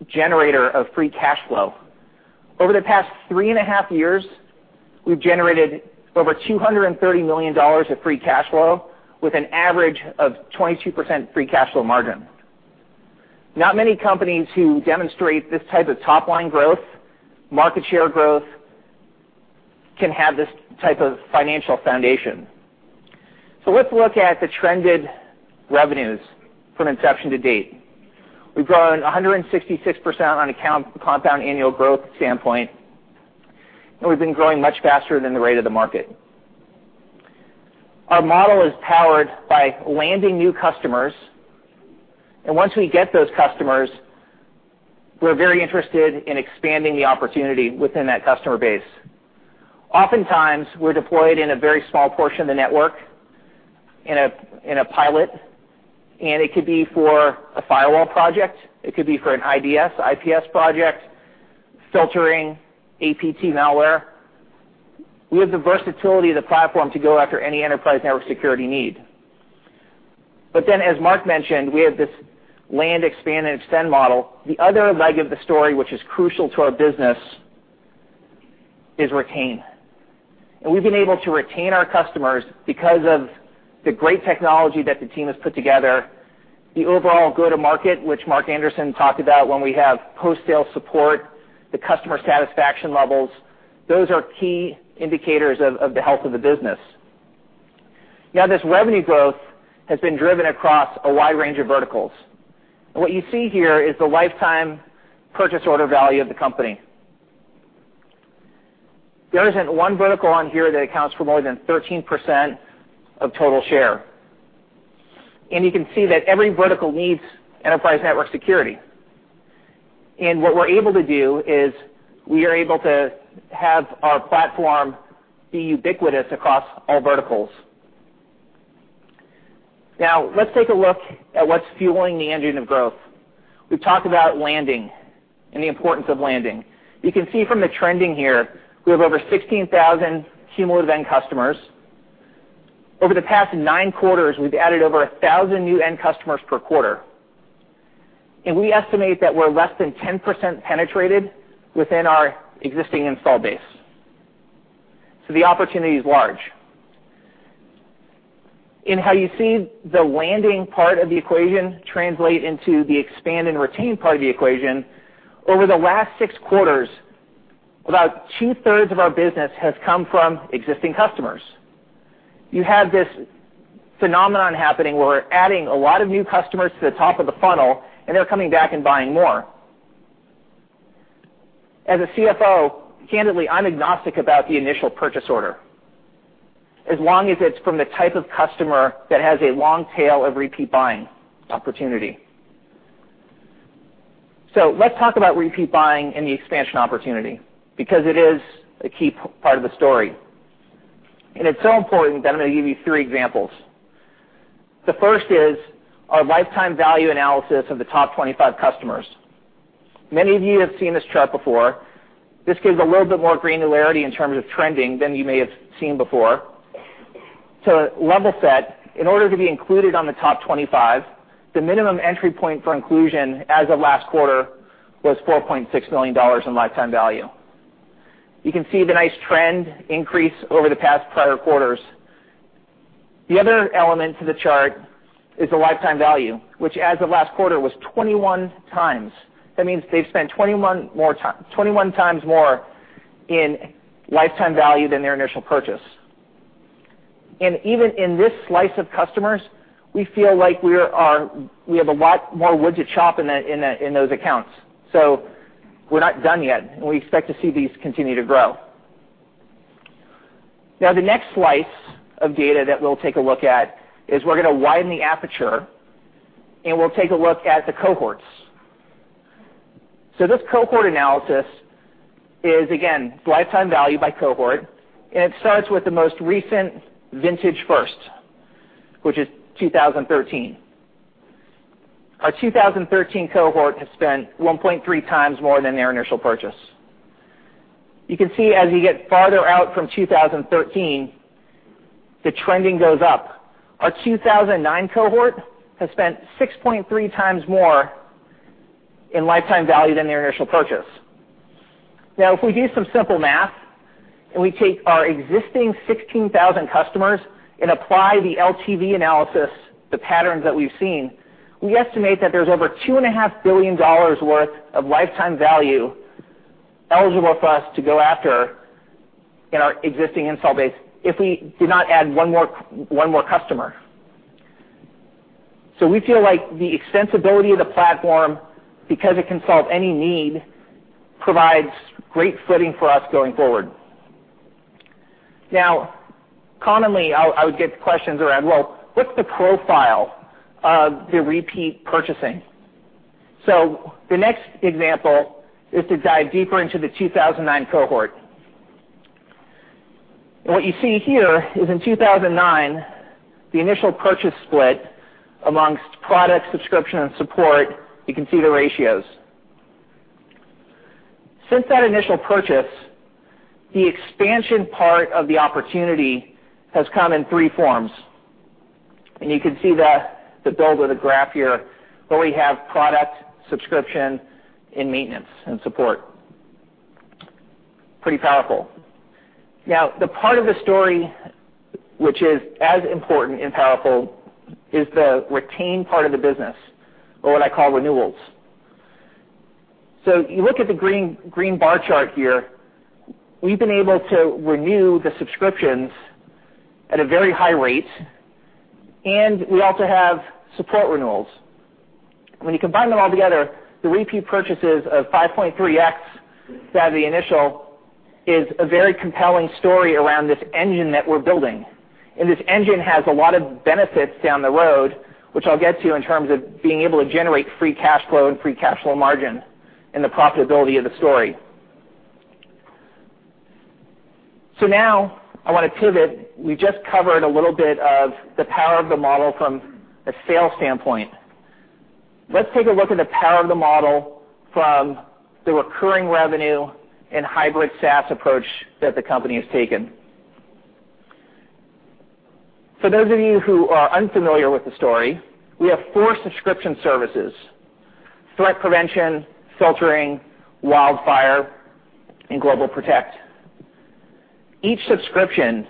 generator of free cash flow. Over the past three and a half years, we've generated over $230 million of free cash flow with an average of 22% free cash flow margin. Not many companies who demonstrate this type of top-line growth, market share growth, can have this type of financial foundation. Let's look at the trended revenues from inception to date. We've grown 166% on a compound annual growth standpoint, we've been growing much faster than the rate of the market. Our model is powered by landing new customers, once we get those customers, we're very interested in expanding the opportunity within that customer base. Oftentimes, we're deployed in a very small portion of the network in a pilot, it could be for a firewall project. It could be for an IDS, IPS project, filtering APT malware. We have the versatility of the platform to go after any enterprise network security need. As Mark mentioned, we have this land, expand, and extend model. The other leg of the story, which is crucial to our business, is retain. We've been able to retain our customers because of the great technology that the team has put together, the overall go-to market, which Mark Anderson talked about when we have post-sale support, the customer satisfaction levels, those are key indicators of the health of the business. This revenue growth has been driven across a wide range of verticals. What you see here is the lifetime purchase order value of the company. There isn't one vertical on here that accounts for more than 13% of total share. You can see that every vertical needs enterprise network security. What we're able to do is we are able to have our platform be ubiquitous across all verticals. Let's take a look at what's fueling the engine of growth. We've talked about landing and the importance of landing. You can see from the trending here, we have over 16,000 cumulative end customers. Over the past 9 quarters, we've added over 1,000 new end customers per quarter. We estimate that we're less than 10% penetrated within our existing install base. The opportunity is large. In how you see the landing part of the equation translate into the expand and retain part of the equation, over the last 6 quarters, about two-thirds of our business has come from existing customers. You have this phenomenon happening where we're adding a lot of new customers to the top of the funnel, and they're coming back and buying more. As a CFO, candidly, I'm agnostic about the initial purchase order as long as it's from the type of customer that has a long tail of repeat buying opportunity. Let's talk about repeat buying and the expansion opportunity because it is a key part of the story. It's so important that I'm going to give you three examples. The first is our lifetime value analysis of the top 25 customers. Many of you have seen this chart before. This gives a little bit more granularity in terms of trending than you may have seen before. To level set, in order to be included on the top 25, the minimum entry point for inclusion as of last quarter was $4.6 million in lifetime value. You can see the nice trend increase over the past prior quarters. The other element to the chart is the lifetime value, which as of last quarter was 21 times. That means they've spent 21 times more in lifetime value than their initial purchase. Even in this slice of customers, we feel like we have a lot more wood to chop in those accounts. We're not done yet, and we expect to see these continue to grow. The next slice of data that we'll take a look at is we're going to widen the aperture, we'll take a look at the cohorts. This cohort analysis is, again, lifetime value by cohort, it starts with the most recent vintage first, which is 2013. Our 2013 cohort has spent 1.3 times more than their initial purchase. You can see as we get farther out from 2013, the trending goes up. Our 2009 cohort has spent 6.3 times more in lifetime value than their initial purchase. If we do some simple math and we take our existing 16,000 customers and apply the LTV analysis, the patterns that we've seen, we estimate that there's over $2.5 billion worth of lifetime value eligible for us to go after in our existing install base if we do not add one more customer. We feel like the extensibility of the platform, because it can solve any need, provides great footing for us going forward. Commonly, I would get questions around, well, what's the profile of the repeat purchasing? The next example is to dive deeper into the 2009 cohort. What you see here is in 2009, the initial purchase split amongst product subscription and support, you can see the ratios. Since that initial purchase, the expansion part of the opportunity has come in three forms, and you can see the build of the graph here, where we have product subscription and maintenance and support. Pretty powerful. The part of the story which is as important and powerful is the retain part of the business, or what I call renewals. You look at the green bar chart here. We've been able to renew the subscriptions at a very high rate, and we also have support renewals. When you combine them all together, the repeat purchases of 5.3x that of the initial is a very compelling story around this engine that we're building, and this engine has a lot of benefits down the road, which I'll get to in terms of being able to generate free cash flow and free cash flow margin and the profitability of the story. Now I want to pivot. We just covered a little bit of the power of the model from a sales standpoint. Let's take a look at the power of the model from the recurring revenue and hybrid SaaS approach that the company has taken. For those of you who are unfamiliar with the story, we have four subscription services: threat prevention, filtering, WildFire, and GlobalProtect. Each subscription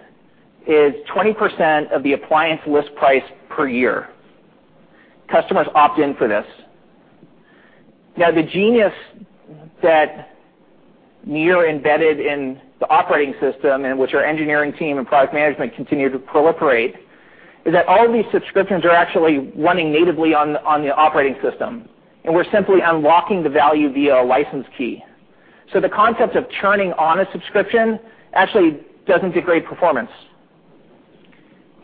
is 20% of the appliance list price per year. Customers opt in for this. The genius that Nir embedded in the operating system, and which our engineering team and product management continue to proliferate, is that all these subscriptions are actually running natively on the operating system, and we're simply unlocking the value via a license key. The concept of churning on a subscription actually doesn't degrade performance,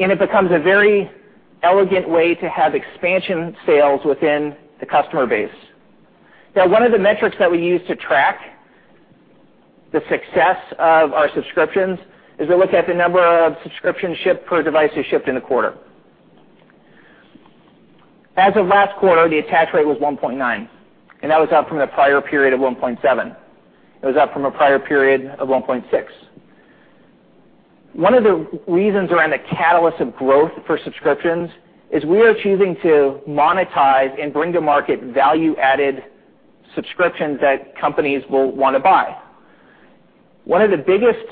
and it becomes a very elegant way to have expansion sales within the customer base. One of the metrics that we use to track the success of our subscriptions is we look at the number of subscriptions shipped per devices shipped in the quarter. As of last quarter, the attach rate was 1.9, and that was up from the prior period of 1.7. It was up from a prior period of 1.6. One of the reasons around the catalyst of growth for subscriptions is we are choosing to monetize and bring to market value-added subscriptions that companies will want to buy. One of the biggest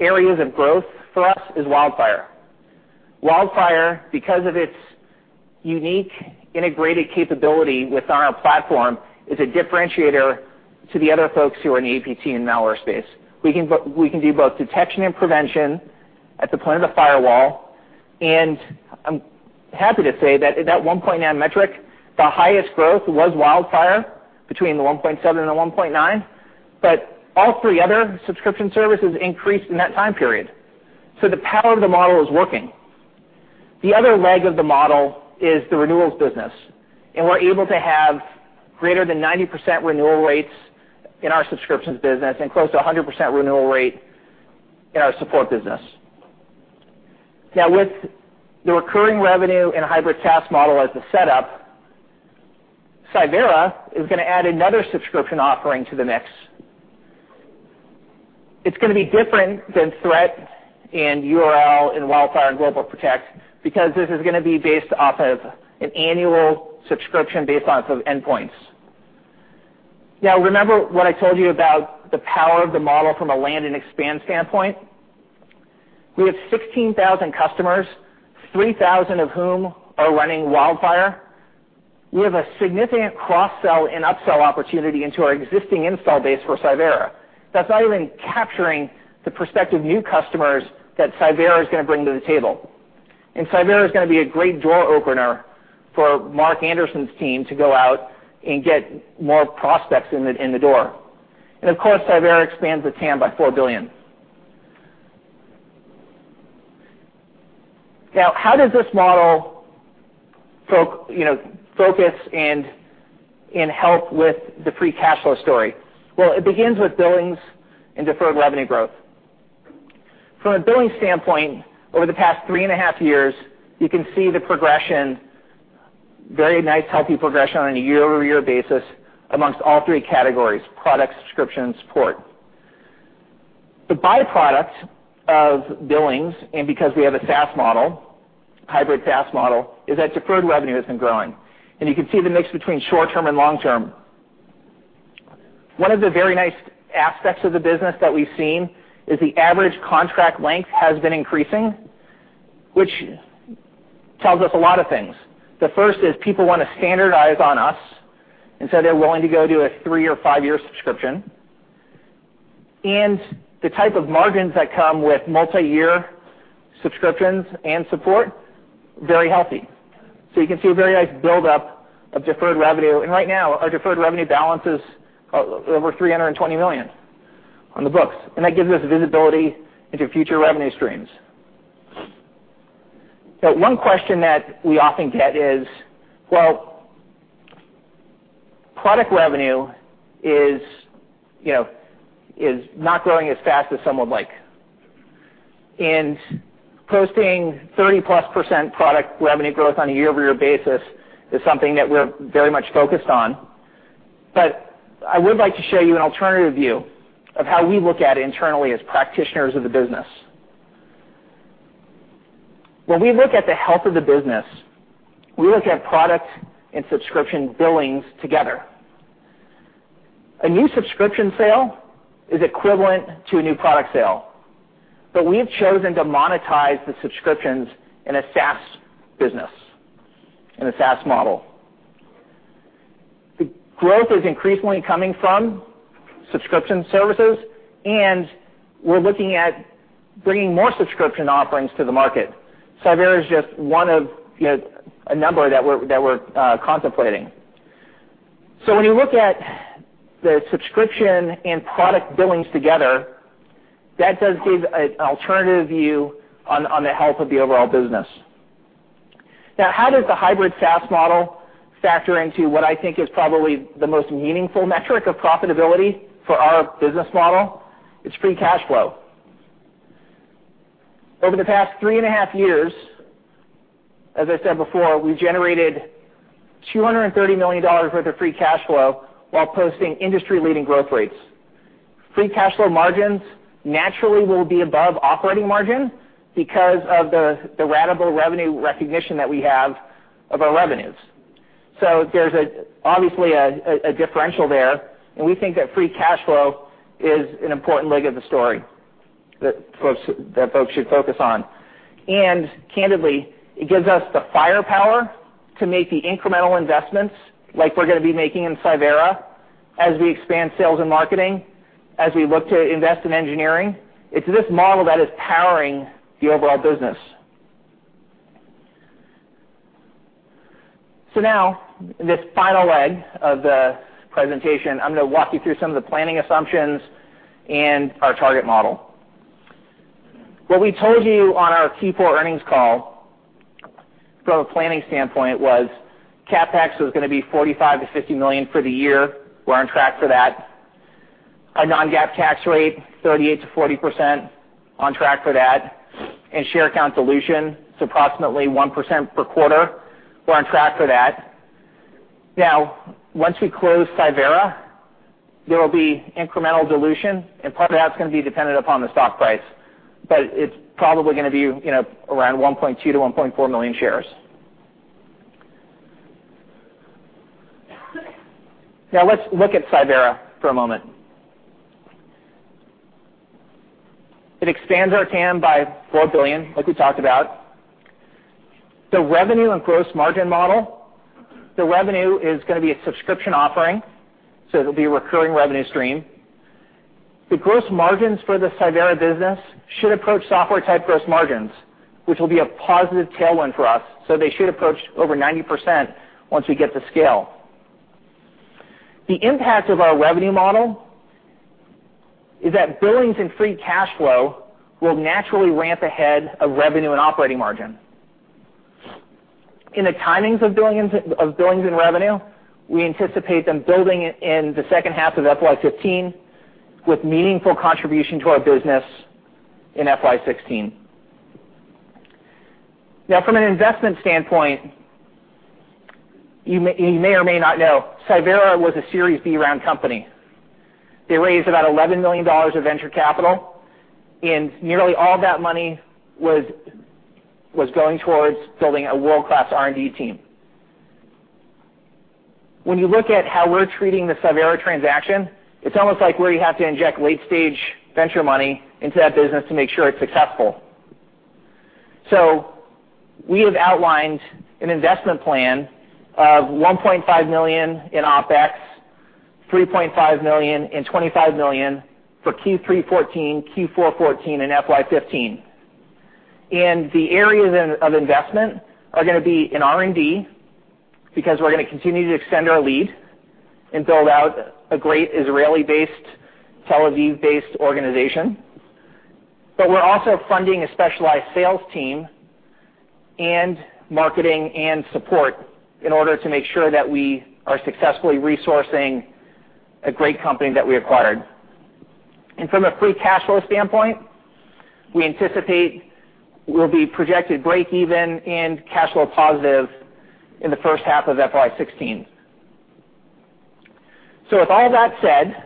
areas of growth for us is WildFire. WildFire, because of its unique integrated capability with our platform is a differentiator to the other folks who are in the APT and malware space. We can do both detection and prevention at the point of the firewall, and I'm happy to say that, at that 1.9 metric, the highest growth was WildFire between the 1.7 and the 1.9, but all three other subscription services increased in that time period. The power of the model is working. The other leg of the model is the renewals business, we're able to have greater than 90% renewal rates in our subscriptions business and close to 100% renewal rate in our support business. With the recurring revenue and hybrid SaaS model as the setup, Cyvera is going to add another subscription offering to the mix. It's going to be different than Threat and URL and WildFire and GlobalProtect because this is going to be based off of an annual subscription based off of endpoints. Remember what I told you about the power of the model from a land and expand standpoint? We have 16,000 customers, 3,000 of whom are running WildFire. We have a significant cross-sell and upsell opportunity into our existing install base for Cyvera. That's not even capturing the prospective new customers that Cyvera is going to bring to the table. Cyvera is going to be a great door opener for Mark Anderson's team to go out and get more prospects in the door. Of course, Cyvera expands the TAM by $4 billion. How does this model focus and help with the free cash flow story? It begins with billings and deferred revenue growth. From a billing standpoint, over the past three and a half years, you can see the progression, very nice, healthy progression on a year-over-year basis amongst all three categories, product, subscription, and support. The byproduct of billings, because we have a SaaS model, hybrid SaaS model, is that deferred revenue has been growing, and you can see the mix between short-term and long-term. One of the very nice aspects of the business that we've seen is the average contract length has been increasing, which tells us a lot of things. The first is people want to standardize on us, they're willing to go do a three or five-year subscription. The type of margins that come with multi-year subscriptions and support, very healthy. You can see a very nice buildup of deferred revenue. Right now, our deferred revenue balance is over $320 million on the books, and that gives us visibility into future revenue streams. One question that we often get is, product revenue is not growing as fast as some would like. Posting 30-plus% product revenue growth on a year-over-year basis is something that we're very much focused on. I would like to show you an alternative view of how we look at it internally as practitioners of the business. When we look at the health of the business, we look at product and subscription billings together. A new subscription sale is equivalent to a new product sale, we have chosen to monetize the subscriptions in a SaaS business, in a SaaS model. The growth is increasingly coming from subscription services, we're looking at bringing more subscription offerings to the market. Cyvera is just one of a number that we're contemplating. When you look at the subscription and product billings together, that does give an alternative view on the health of the overall business. How does the hybrid SaaS model factor into what I think is probably the most meaningful metric of profitability for our business model? It's free cash flow. Over the past three and a half years, as I said before, we generated $230 million worth of free cash flow while posting industry-leading growth rates. Free cash flow margins naturally will be above operating margin because of the ratable revenue recognition that we have of our revenues. There's obviously a differential there, and we think that free cash flow is an important leg of the story that folks should focus on. Candidly, it gives us the firepower to make the incremental investments like we're going to be making in Cyvera as we expand sales and marketing, as we look to invest in engineering. It's this model that is powering the overall business. Now, this final leg of the presentation, I'm going to walk you through some of the planning assumptions and our target model. What we told you on our Q4 earnings call from a planning standpoint was, CapEx was going to be $45 million-$50 million for the year. We're on track for that. A non-GAAP tax rate, 38%-40%, on track for that. Share count dilution, it's approximately 1% per quarter. We're on track for that. Once we close Cyvera, there will be incremental dilution, and part of that's going to be dependent upon the stock price. It's probably going to be around 1.2 million-1.4 million shares. Let's look at Cyvera for a moment. It expands our TAM by $4 billion, like we talked about. The revenue and gross margin model, the revenue is going to be a subscription offering, so it'll be a recurring revenue stream. The gross margins for the Cyvera business should approach software-type gross margins, which will be a positive tailwind for us, so they should approach over 90% once we get to scale. The impact of our revenue model is that billings and free cash flow will naturally ramp ahead of revenue and operating margin. In the timings of billings and revenue, we anticipate them building in the second half of FY 2015 with meaningful contribution to our business in FY 2016. From an investment standpoint, you may or may not know, Cyvera was a Series B round company. They raised about $11 million of venture capital, and nearly all that money was going towards building a world-class R&D team. When you look at how we're treating the Cyvera transaction, it's almost like where you have to inject late-stage venture money into that business to make sure it's successful. We have outlined an investment plan of $1.5 million in OpEx, $3.5 million and $25 million for Q3 2014, Q4 2014, and FY 2015. The areas of investment are going to be in R&D because we're going to continue to extend our lead and build out a great Israeli-based, Tel Aviv-based organization. We're also funding a specialized sales team and marketing and support in order to make sure that we are successfully resourcing a great company that we acquired. From a free cash flow standpoint, we anticipate we'll be projected breakeven and cash flow positive in the first half of FY 2016. With all that said,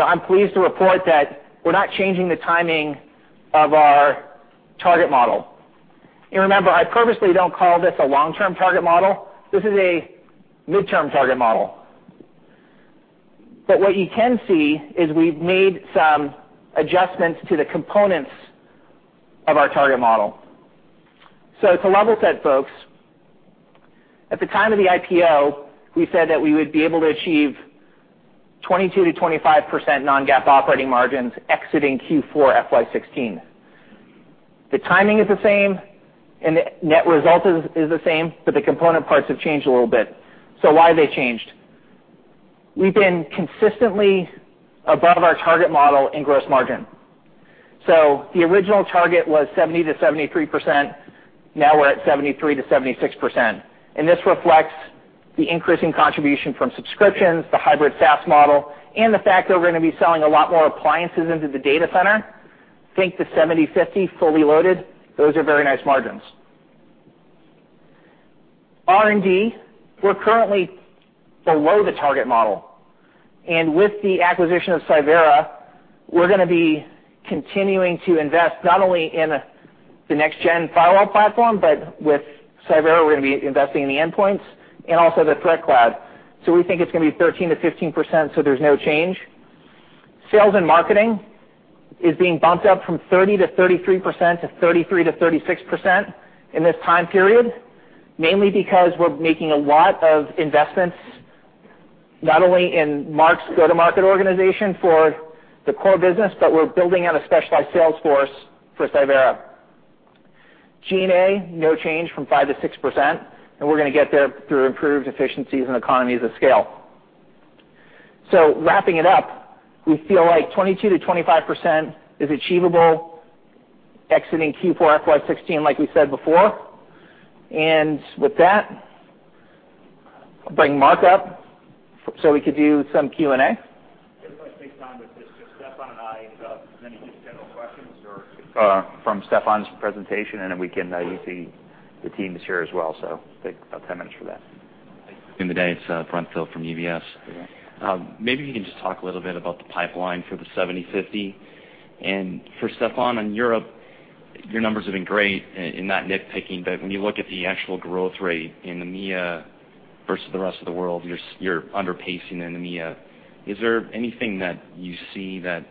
I'm pleased to report that we're not changing the timing of our target model. Remember, I purposely don't call this a long-term target model. This is a mid-term target model. What you can see is we've made some adjustments to the components of our target model. To level set, folks, at the time of the IPO, we said that we would be able to achieve 22%-25% non-GAAP operating margins exiting Q4 FY 2016. The timing is the same and the net result is the same, the component parts have changed a little bit. Why have they changed? We've been consistently above our target model in gross margin. The original target was 70%-73%. Now we're at 73%-76%. This reflects the increasing contribution from subscriptions, the hybrid SaaS model, and the fact that we're going to be selling a lot more appliances into the data center. Think the 7050 fully loaded. Those are very nice margins. R&D, we're currently below the target model. With the acquisition of Cyvera, we're going to be continuing to invest not only in the next-gen firewall platform, but with Cyvera, we're going to be investing in the endpoints and also the Threat Cloud. We think it's going to be 13%-15%, so there's no change. Sales and Marketing is being bumped up from 30%-33% to 33%-36% in this time period, mainly because we're making a lot of investments, not only in Mark's go-to-market organization for the core business, but we're building out a specialized sales force for Cyvera. G&A, no change from 5%-6%, we're going to get there through improved efficiencies and economies of scale. Wrapping it up, we feel like 22%-25% is achievable exiting Q4 FY 2016, like we said before. With that, I'll bring Mark up so we could do some Q&A. If I take time with just Steffan and I, then you do general questions or from Steffan's presentation, then we can, you see the team is here as well. Take about 10 minutes for that. In the day, it's Brent Thill from UBS. Okay. Maybe you can just talk a little bit about the pipeline for the 7050. For Steffan in Europe, your numbers have been great in not nitpicking, but when you look at the actual growth rate in EMEA versus the rest of the world, you're under pacing in EMEA. Is there anything that you see that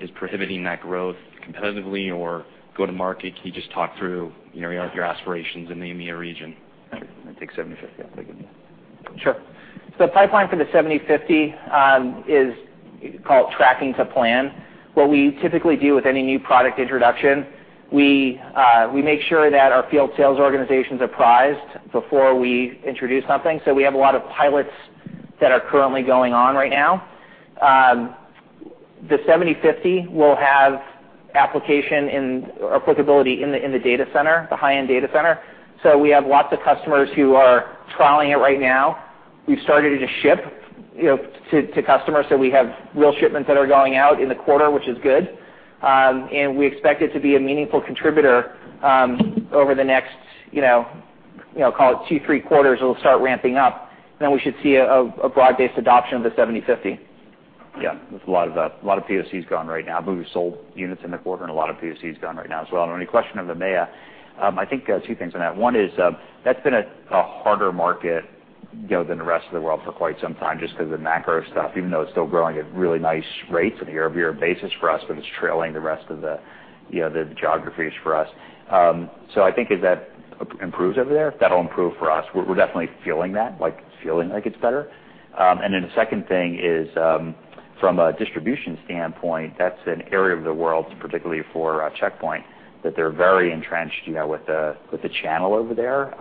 is prohibiting that growth competitively or go to market? Can you just talk through your aspirations in the EMEA region? I think 7050, that'd be good, yeah. Sure. The pipeline for the 7050 is called tracking to plan. What we typically do with any new product introduction, we make sure that our field sales organizations are prized before we introduce something. We have a lot of POCs gone right now. The 7050 will have application and applicability in the data center, the high-end data center. We have lots of customers who are trialing it right now. We've started to ship to customers, we have real shipments that are going out in the quarter, which is good. We expect it to be a meaningful contributor over the next, call it two, three quarters, it'll start ramping up. We should see a broad-based adoption of the 7050. Yeah. There's a lot of POCs gone right now. I believe we sold units in the quarter and a lot of POCs gone right now as well. On your question of EMEA, I think two things on that. One is that's been a harder market than the rest of the world for quite some time just because of the macro stuff, even though it's still growing at really nice rates on a year-over-year basis for us, it's trailing the rest of the geographies for us. The second thing is, from a distribution standpoint, that's an area of the world, particularly for Check Point, that they're very entrenched with the channel over there.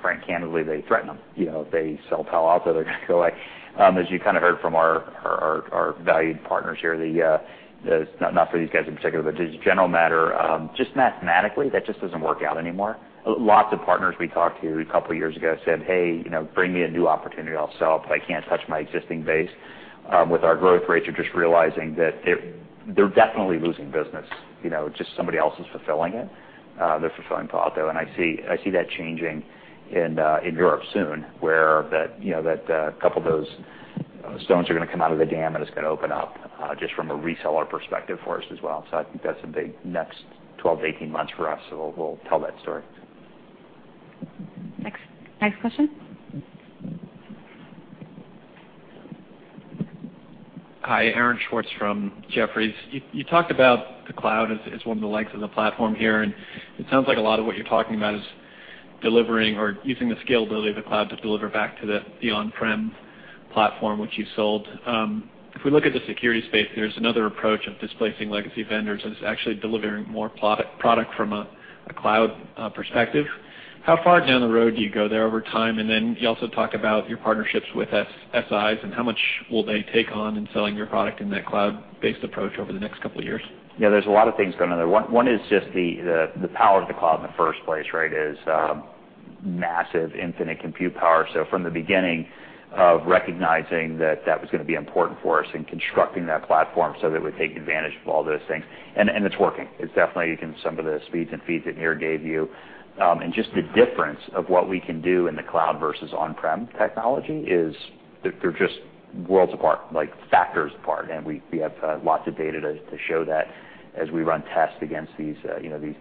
Quite candidly, they threaten them. If they sell Palo Alto, they're going to go away. As you heard from our valued partners here, not for these guys in particular, but just general matter, just mathematically, that just doesn't work out anymore. Lots of partners we talked to a couple of years ago said, "Hey, bring me a new opportunity. I'll sell, but I can't touch my existing base." With our growth rates, you're just realizing that they're definitely losing business, just somebody else is fulfilling it. They're fulfilling Palo. I see that changing in Europe soon, where a couple of those stones are going to come out of the dam, and it's going to open up just from a reseller perspective for us as well. I think that's a big next 12-18 months for us. We'll tell that story. Next question. Hi, Aaron Schwartz from Jefferies. You talked about the cloud as one of the likes of the platform here, it sounds like a lot of what you're talking about is delivering or using the scalability of the cloud to deliver back to the on-prem platform which you sold. If we look at the security space, there's another approach of displacing legacy vendors that's actually delivering more product from a cloud perspective. How far down the road do you go there over time? Then you also talk about your partnerships with SIs and how much will they take on in selling your product in that cloud-based approach over the next couple of years? Yeah, there's a lot of things going on there. One is just the power of the cloud in the first place, right? Is massive infinite compute power. From the beginning of recognizing that that was going to be important for us in constructing that platform so that we take advantage of all those things. It's working. It's definitely, you can some of the speeds and feeds that Nir gave you. Just the difference of what we can do in the cloud versus on-prem technology is, they're just worlds apart, like factors apart. We have lots of data to show that as we run tests against these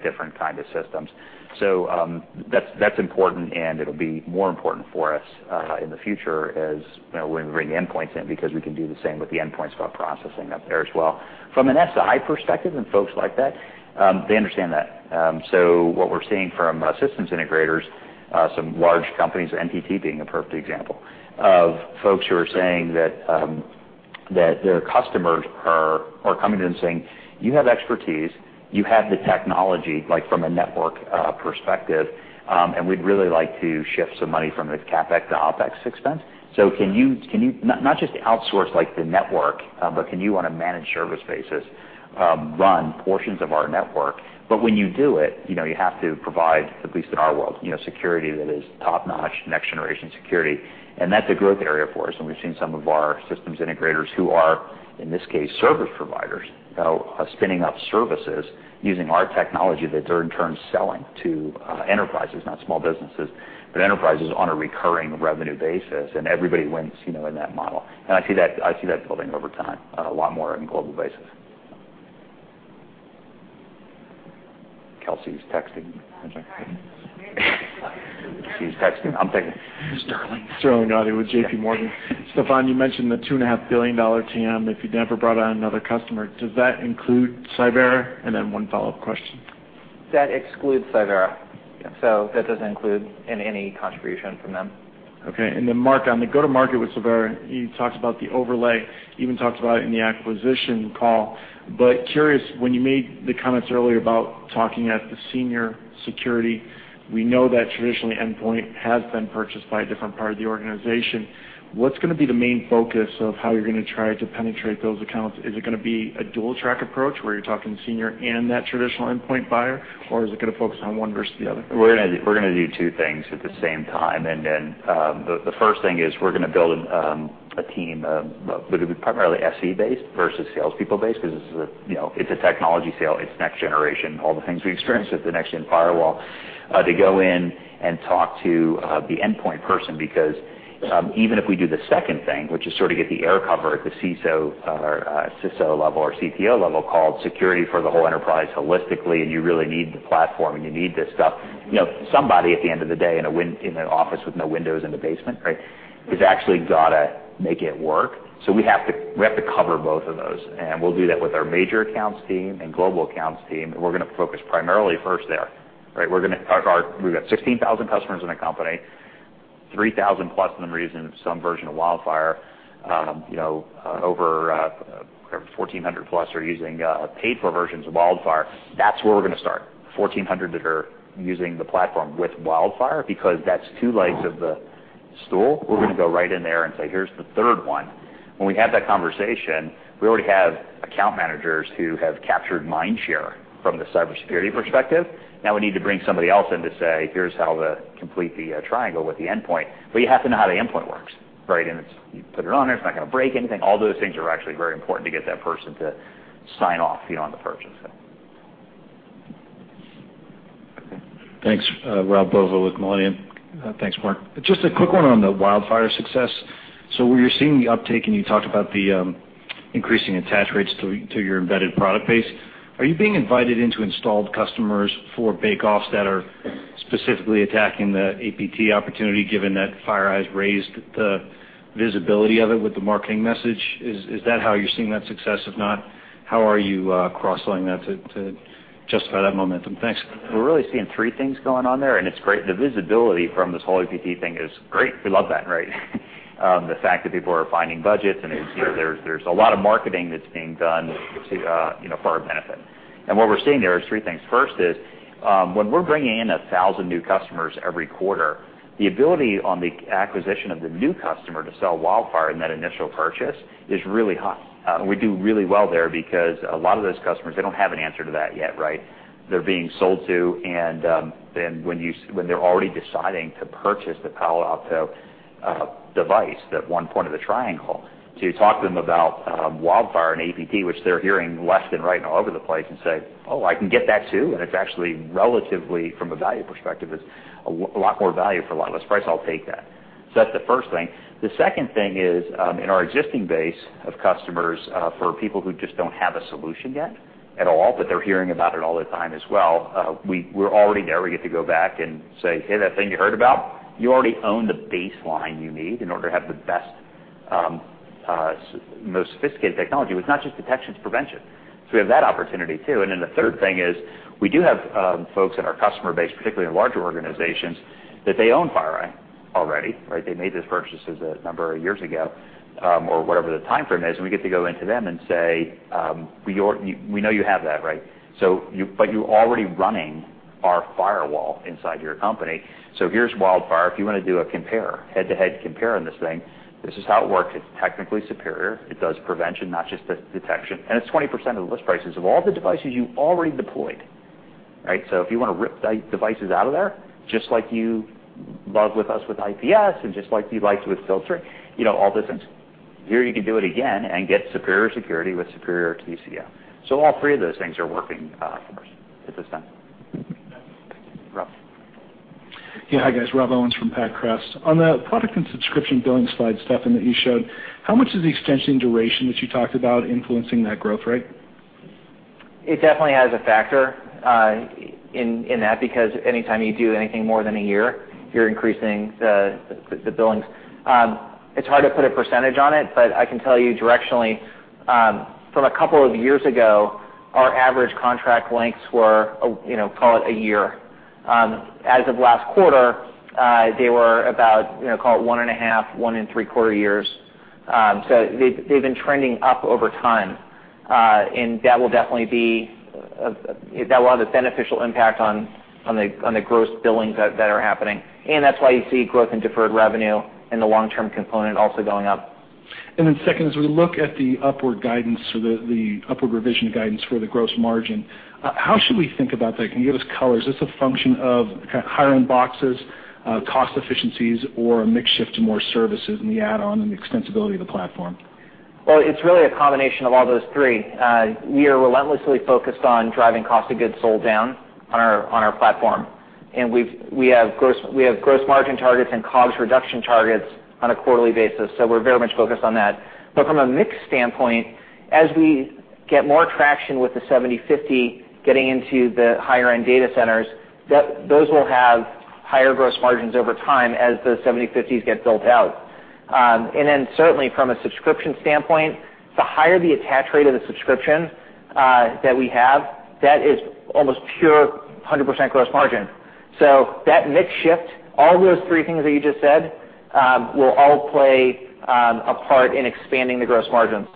different kinds of systems. That's important, and it'll be more important for us in the future as when we bring endpoints in, because we can do the same with the endpoints cloud processing up there as well. From an SI perspective and folks like that, they understand that. What we're seeing from systems integrators, some large companies, NTT being a perfect example, of folks who are saying that their customers are coming to them saying, "You have expertise, you have the technology, from a network perspective, and we'd really like to shift some money from the CapEx to OpEx expense." Can you, not just outsource the network, but can you, on a managed service basis, run portions of our network? When you do it, you have to provide, at least in our world, security that is top-notch, next-generation security. That's a growth area for us. We've seen some of our systems integrators who are, in this case, service providers, spinning up services using our technology that they're in turn selling to enterprises, not small businesses, but enterprises on a recurring revenue basis. Everybody wins in that model. I see that building over time a lot more on a global basis. Kelsey's texting. She's texting. I'm thinking, "Sterling. Sterling Auty with JPMorgan. Steffan, you mentioned the $2.5 billion TAM if you never brought on another customer. Does that include Cyvera? One follow-up question. That excludes Cyvera. That doesn't include any contribution from them. Mark, on the go-to-market with Cyvera, you talked about the overlay, even talked about it in the acquisition call. Curious, when you made the comments earlier about talking at the senior security, we know that traditionally endpoint has been purchased by a different part of the organization. What's going to be the main focus of how you're going to try to penetrate those accounts? Is it going to be a dual track approach where you're talking senior and that traditional endpoint buyer, or is it going to focus on one versus the other? We're going to do two things at the same time. The first thing is we're going to build a team that would be primarily SE-based versus salespeople-based, because it's a technology sale, it's next-generation, all the things we've experienced with the next-gen firewall, to go in and talk to the endpoint person because even if we do the second thing, which is sort of get the air cover at the CISO level or CPO level called security for the whole enterprise holistically, and you really need the platform and you need this stuff. Somebody at the end of the day in an office with no windows in the basement has actually got to make it work. We have to cover both of those. And we'll do that with our major accounts team and global accounts team, and we're going to focus primarily first there. We've got 16,000 customers in the company, 3,000+ of them are using some version of WildFire. Over 1,400+ are using paid for versions of WildFire. That's where we're going to start, 1,400 that are using the platform with WildFire, because that's two legs of the stool. We're going to go right in there and say, "Here's the third one." When we have that conversation, we already have account managers who have captured mind share from the cybersecurity perspective. Now we need to bring somebody else in to say, "Here's how to complete the triangle with the endpoint." You have to know how the endpoint works. You put it on there, it's not going to break anything. All those things are actually very important to get that person to sign off on the purchase. Thanks. Rob Bovo with Millennium. Thanks, Mark. Just a quick one on the WildFire success. Where you're seeing the uptake, and you talked about the Increasing attach rates to your embedded product base. Are you being invited into installed customers for bake-offs that are specifically attacking the APT opportunity, given that FireEye has raised the visibility of it with the marketing message? Is that how you're seeing that success? If not, how are you cross-selling that to justify that momentum? Thanks. We're really seeing three things going on there. It's great. The visibility from this whole APT thing is great. We love that, right? The fact that people are finding budgets. There's a lot of marketing that's being done for our benefit. What we're seeing there is three things. First is, when we're bringing in 1,000 new customers every quarter, the ability on the acquisition of the new customer to sell WildFire in that initial purchase is really high. We do really well there because a lot of those customers, they don't have an answer to that yet, right? They're being sold to. When they're already deciding to purchase the Palo Alto Networks device, that one point of the triangle, to talk to them about WildFire and APT, which they're hearing left and right and all over the place and say, "Oh, I can get that too?" It's actually relatively, from a value perspective, is a lot more value for a lot less price. I'll take that. That's the first thing. The second thing is, in our existing base of customers, for people who just don't have a solution yet at all. They're hearing about it all the time as well. We're already there. We get to go back and say, "Hey, that thing you heard about? You already own the baseline you need in order to have the best, most sophisticated technology. It's not just protection, it's prevention. We have that opportunity too. The third thing is we do have folks in our customer base, particularly in larger organizations, that they own FireEye already, right? They made those purchases a number of years ago, or whatever the timeframe is. We get to go into them and say, "We know you have that, right? You're already running our firewall inside your company. Here's WildFire. If you want to do a compare, head-to-head compare on this thing, this is how it works. It's technically superior. It does prevention, not just detection. It's 20% of the list prices of all the devices you've already deployed. If you want to rip the devices out of there, just like you love with us with IPS, and just like you liked with filtering, all these things, here you can do it again and get superior security with superior TCO. All three of those things are working for us at this time. Rob. Hi, guys. Rob Owens from Pac Crest. On the product and subscription billing slide, Steffan, that you showed, how much is the extension duration that you talked about influencing that growth rate? It definitely has a factor in that, because anytime you do anything more than a year, you're increasing the billings. It's hard to put a percentage on it, but I can tell you directionally, from a couple of years ago, our average contract lengths were, call it a year. As of last quarter, they were about one and a half, one and three-quarter years. They've been trending up over time. That will have a beneficial impact on the gross billings that are happening. That's why you see growth in deferred revenue and the long-term component also going up. Second is, when we look at the upward guidance or the upward revision guidance for the gross margin, how should we think about that? Can you give us colors? Is this a function of higher-end boxes, cost efficiencies, or a mix shift to more services in the add-on and extensibility of the platform? Well, it's really a combination of all those three. We are relentlessly focused on driving cost of goods sold down on our platform. We have gross margin targets and COGS reduction targets on a quarterly basis, so we're very much focused on that. From a mix standpoint, as we get more traction with the 7050 getting into the higher-end data centers, those will have higher gross margins over time as those 7050s get built out. Certainly from a subscription standpoint, the higher the attach rate of the subscription that we have, that is almost pure 100% gross margin. That mix shift, all those three things that you just said, will all play a part in expanding the gross margins.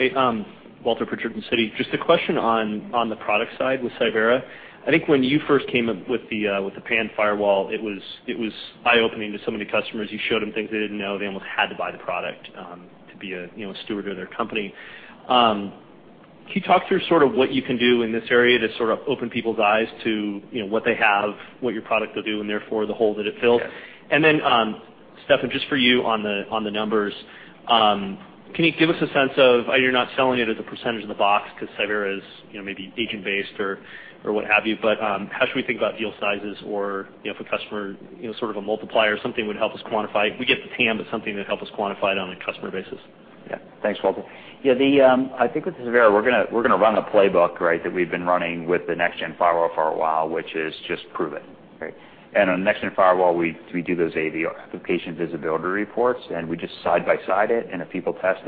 Hey. Walter Pritchard from Citi. Just a question on the product side with Cyvera. I think when you first came up with the PAN firewall, it was eye-opening to so many customers. You showed them things they didn't know. They almost had to buy the product to be a steward of their company. Can you talk through sort of what you can do in this area to sort of open people's eyes to what they have, what your product will do, and therefore the hole that it fills? Yeah. Stefan, just for you on the numbers, can you give us a sense of. I know you're not selling it at the percentage of the box because Cyvera is maybe agent-based or what have you, but how should we think about deal sizes or if a customer sort of a multiplier, something would help us quantify. We get the TAM, but something that helps us quantify it on a customer basis. Yeah. Thanks, Walter. I think with Cyvera, we're going to run a playbook, right, that we've been running with the next-gen firewall for a while, which is just prove it, right? On the next-gen firewall, we do those AV application visibility reports, and we just side-by-side it, and if people test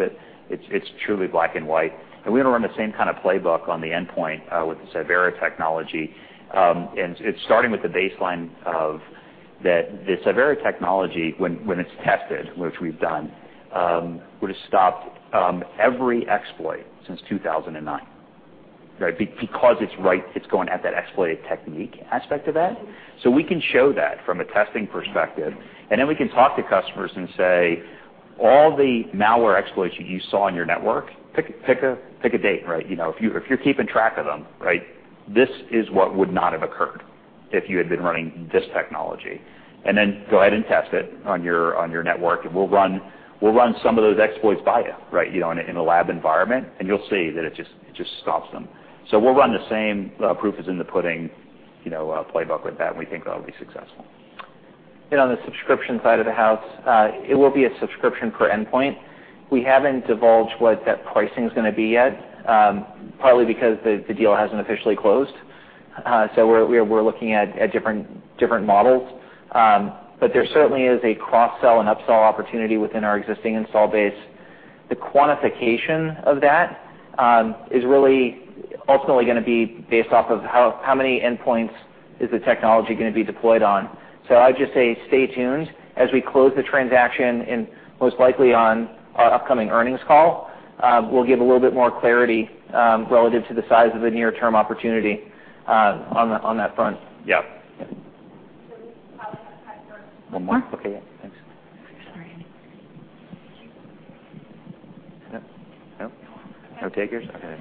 it's truly black and white. We're going to run the same kind of playbook on the endpoint with the Cyvera technology. It's starting with the baseline of the Cyvera technology, when it's tested, which we've done, would have stopped every exploit since 2009, right? Because it's going at that exploited technique aspect of that. We can show that from a testing perspective, and then we can talk to customers and say, "All the malware exploits that you saw on your network, pick a date. If you're keeping track of them, this is what would not have occurred if you had been running this technology." Go ahead and test it on your network, and we'll run some of those exploits by you in a lab environment, and you'll see that it just stops them. We'll run the same proof is in the pudding playbook with that, and we think that'll be successful. On the subscription side of the house, it will be a subscription per endpoint. We haven't divulged what that pricing's going to be yet, partly because the deal hasn't officially closed. We're looking at different models. There certainly is a cross-sell and upsell opportunity within our existing install base. The quantification of that is really ultimately going to be based off of how many endpoints is the technology going to be deployed on. I would just say stay tuned. As we close the transaction, and most likely on our upcoming earnings call, we'll give a little bit more clarity relative to the size of the near-term opportunity on that front. Yeah. We probably have time for one more. One more? Okay, yeah. Thanks. Sorry. No? No takers? Okay.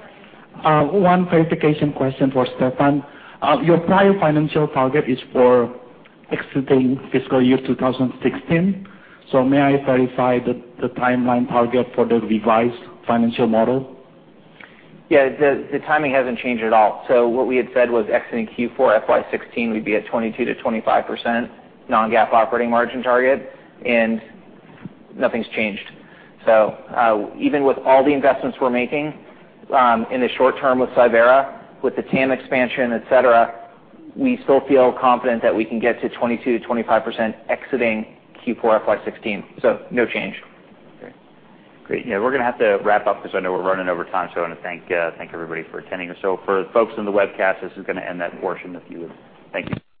One clarification question for Steffan. Your prior financial target is for exiting fiscal year 2016. May I verify the timeline target for the revised financial model? Yeah. The timing hasn't changed at all. What we had said was exiting Q4 FY 2016, we'd be at 22%-25% non-GAAP operating margin target, nothing's changed. Even with all the investments we're making in the short term with Cyvera, with the TAM expansion, et cetera, we still feel confident that we can get to 22%-25% exiting Q4 FY 2016. No change. Okay. Great. We're going to have to wrap up because I know we're running over time. I want to thank everybody for attending. For the folks in the webcast, this is going to end that portion, if you would. Thank you.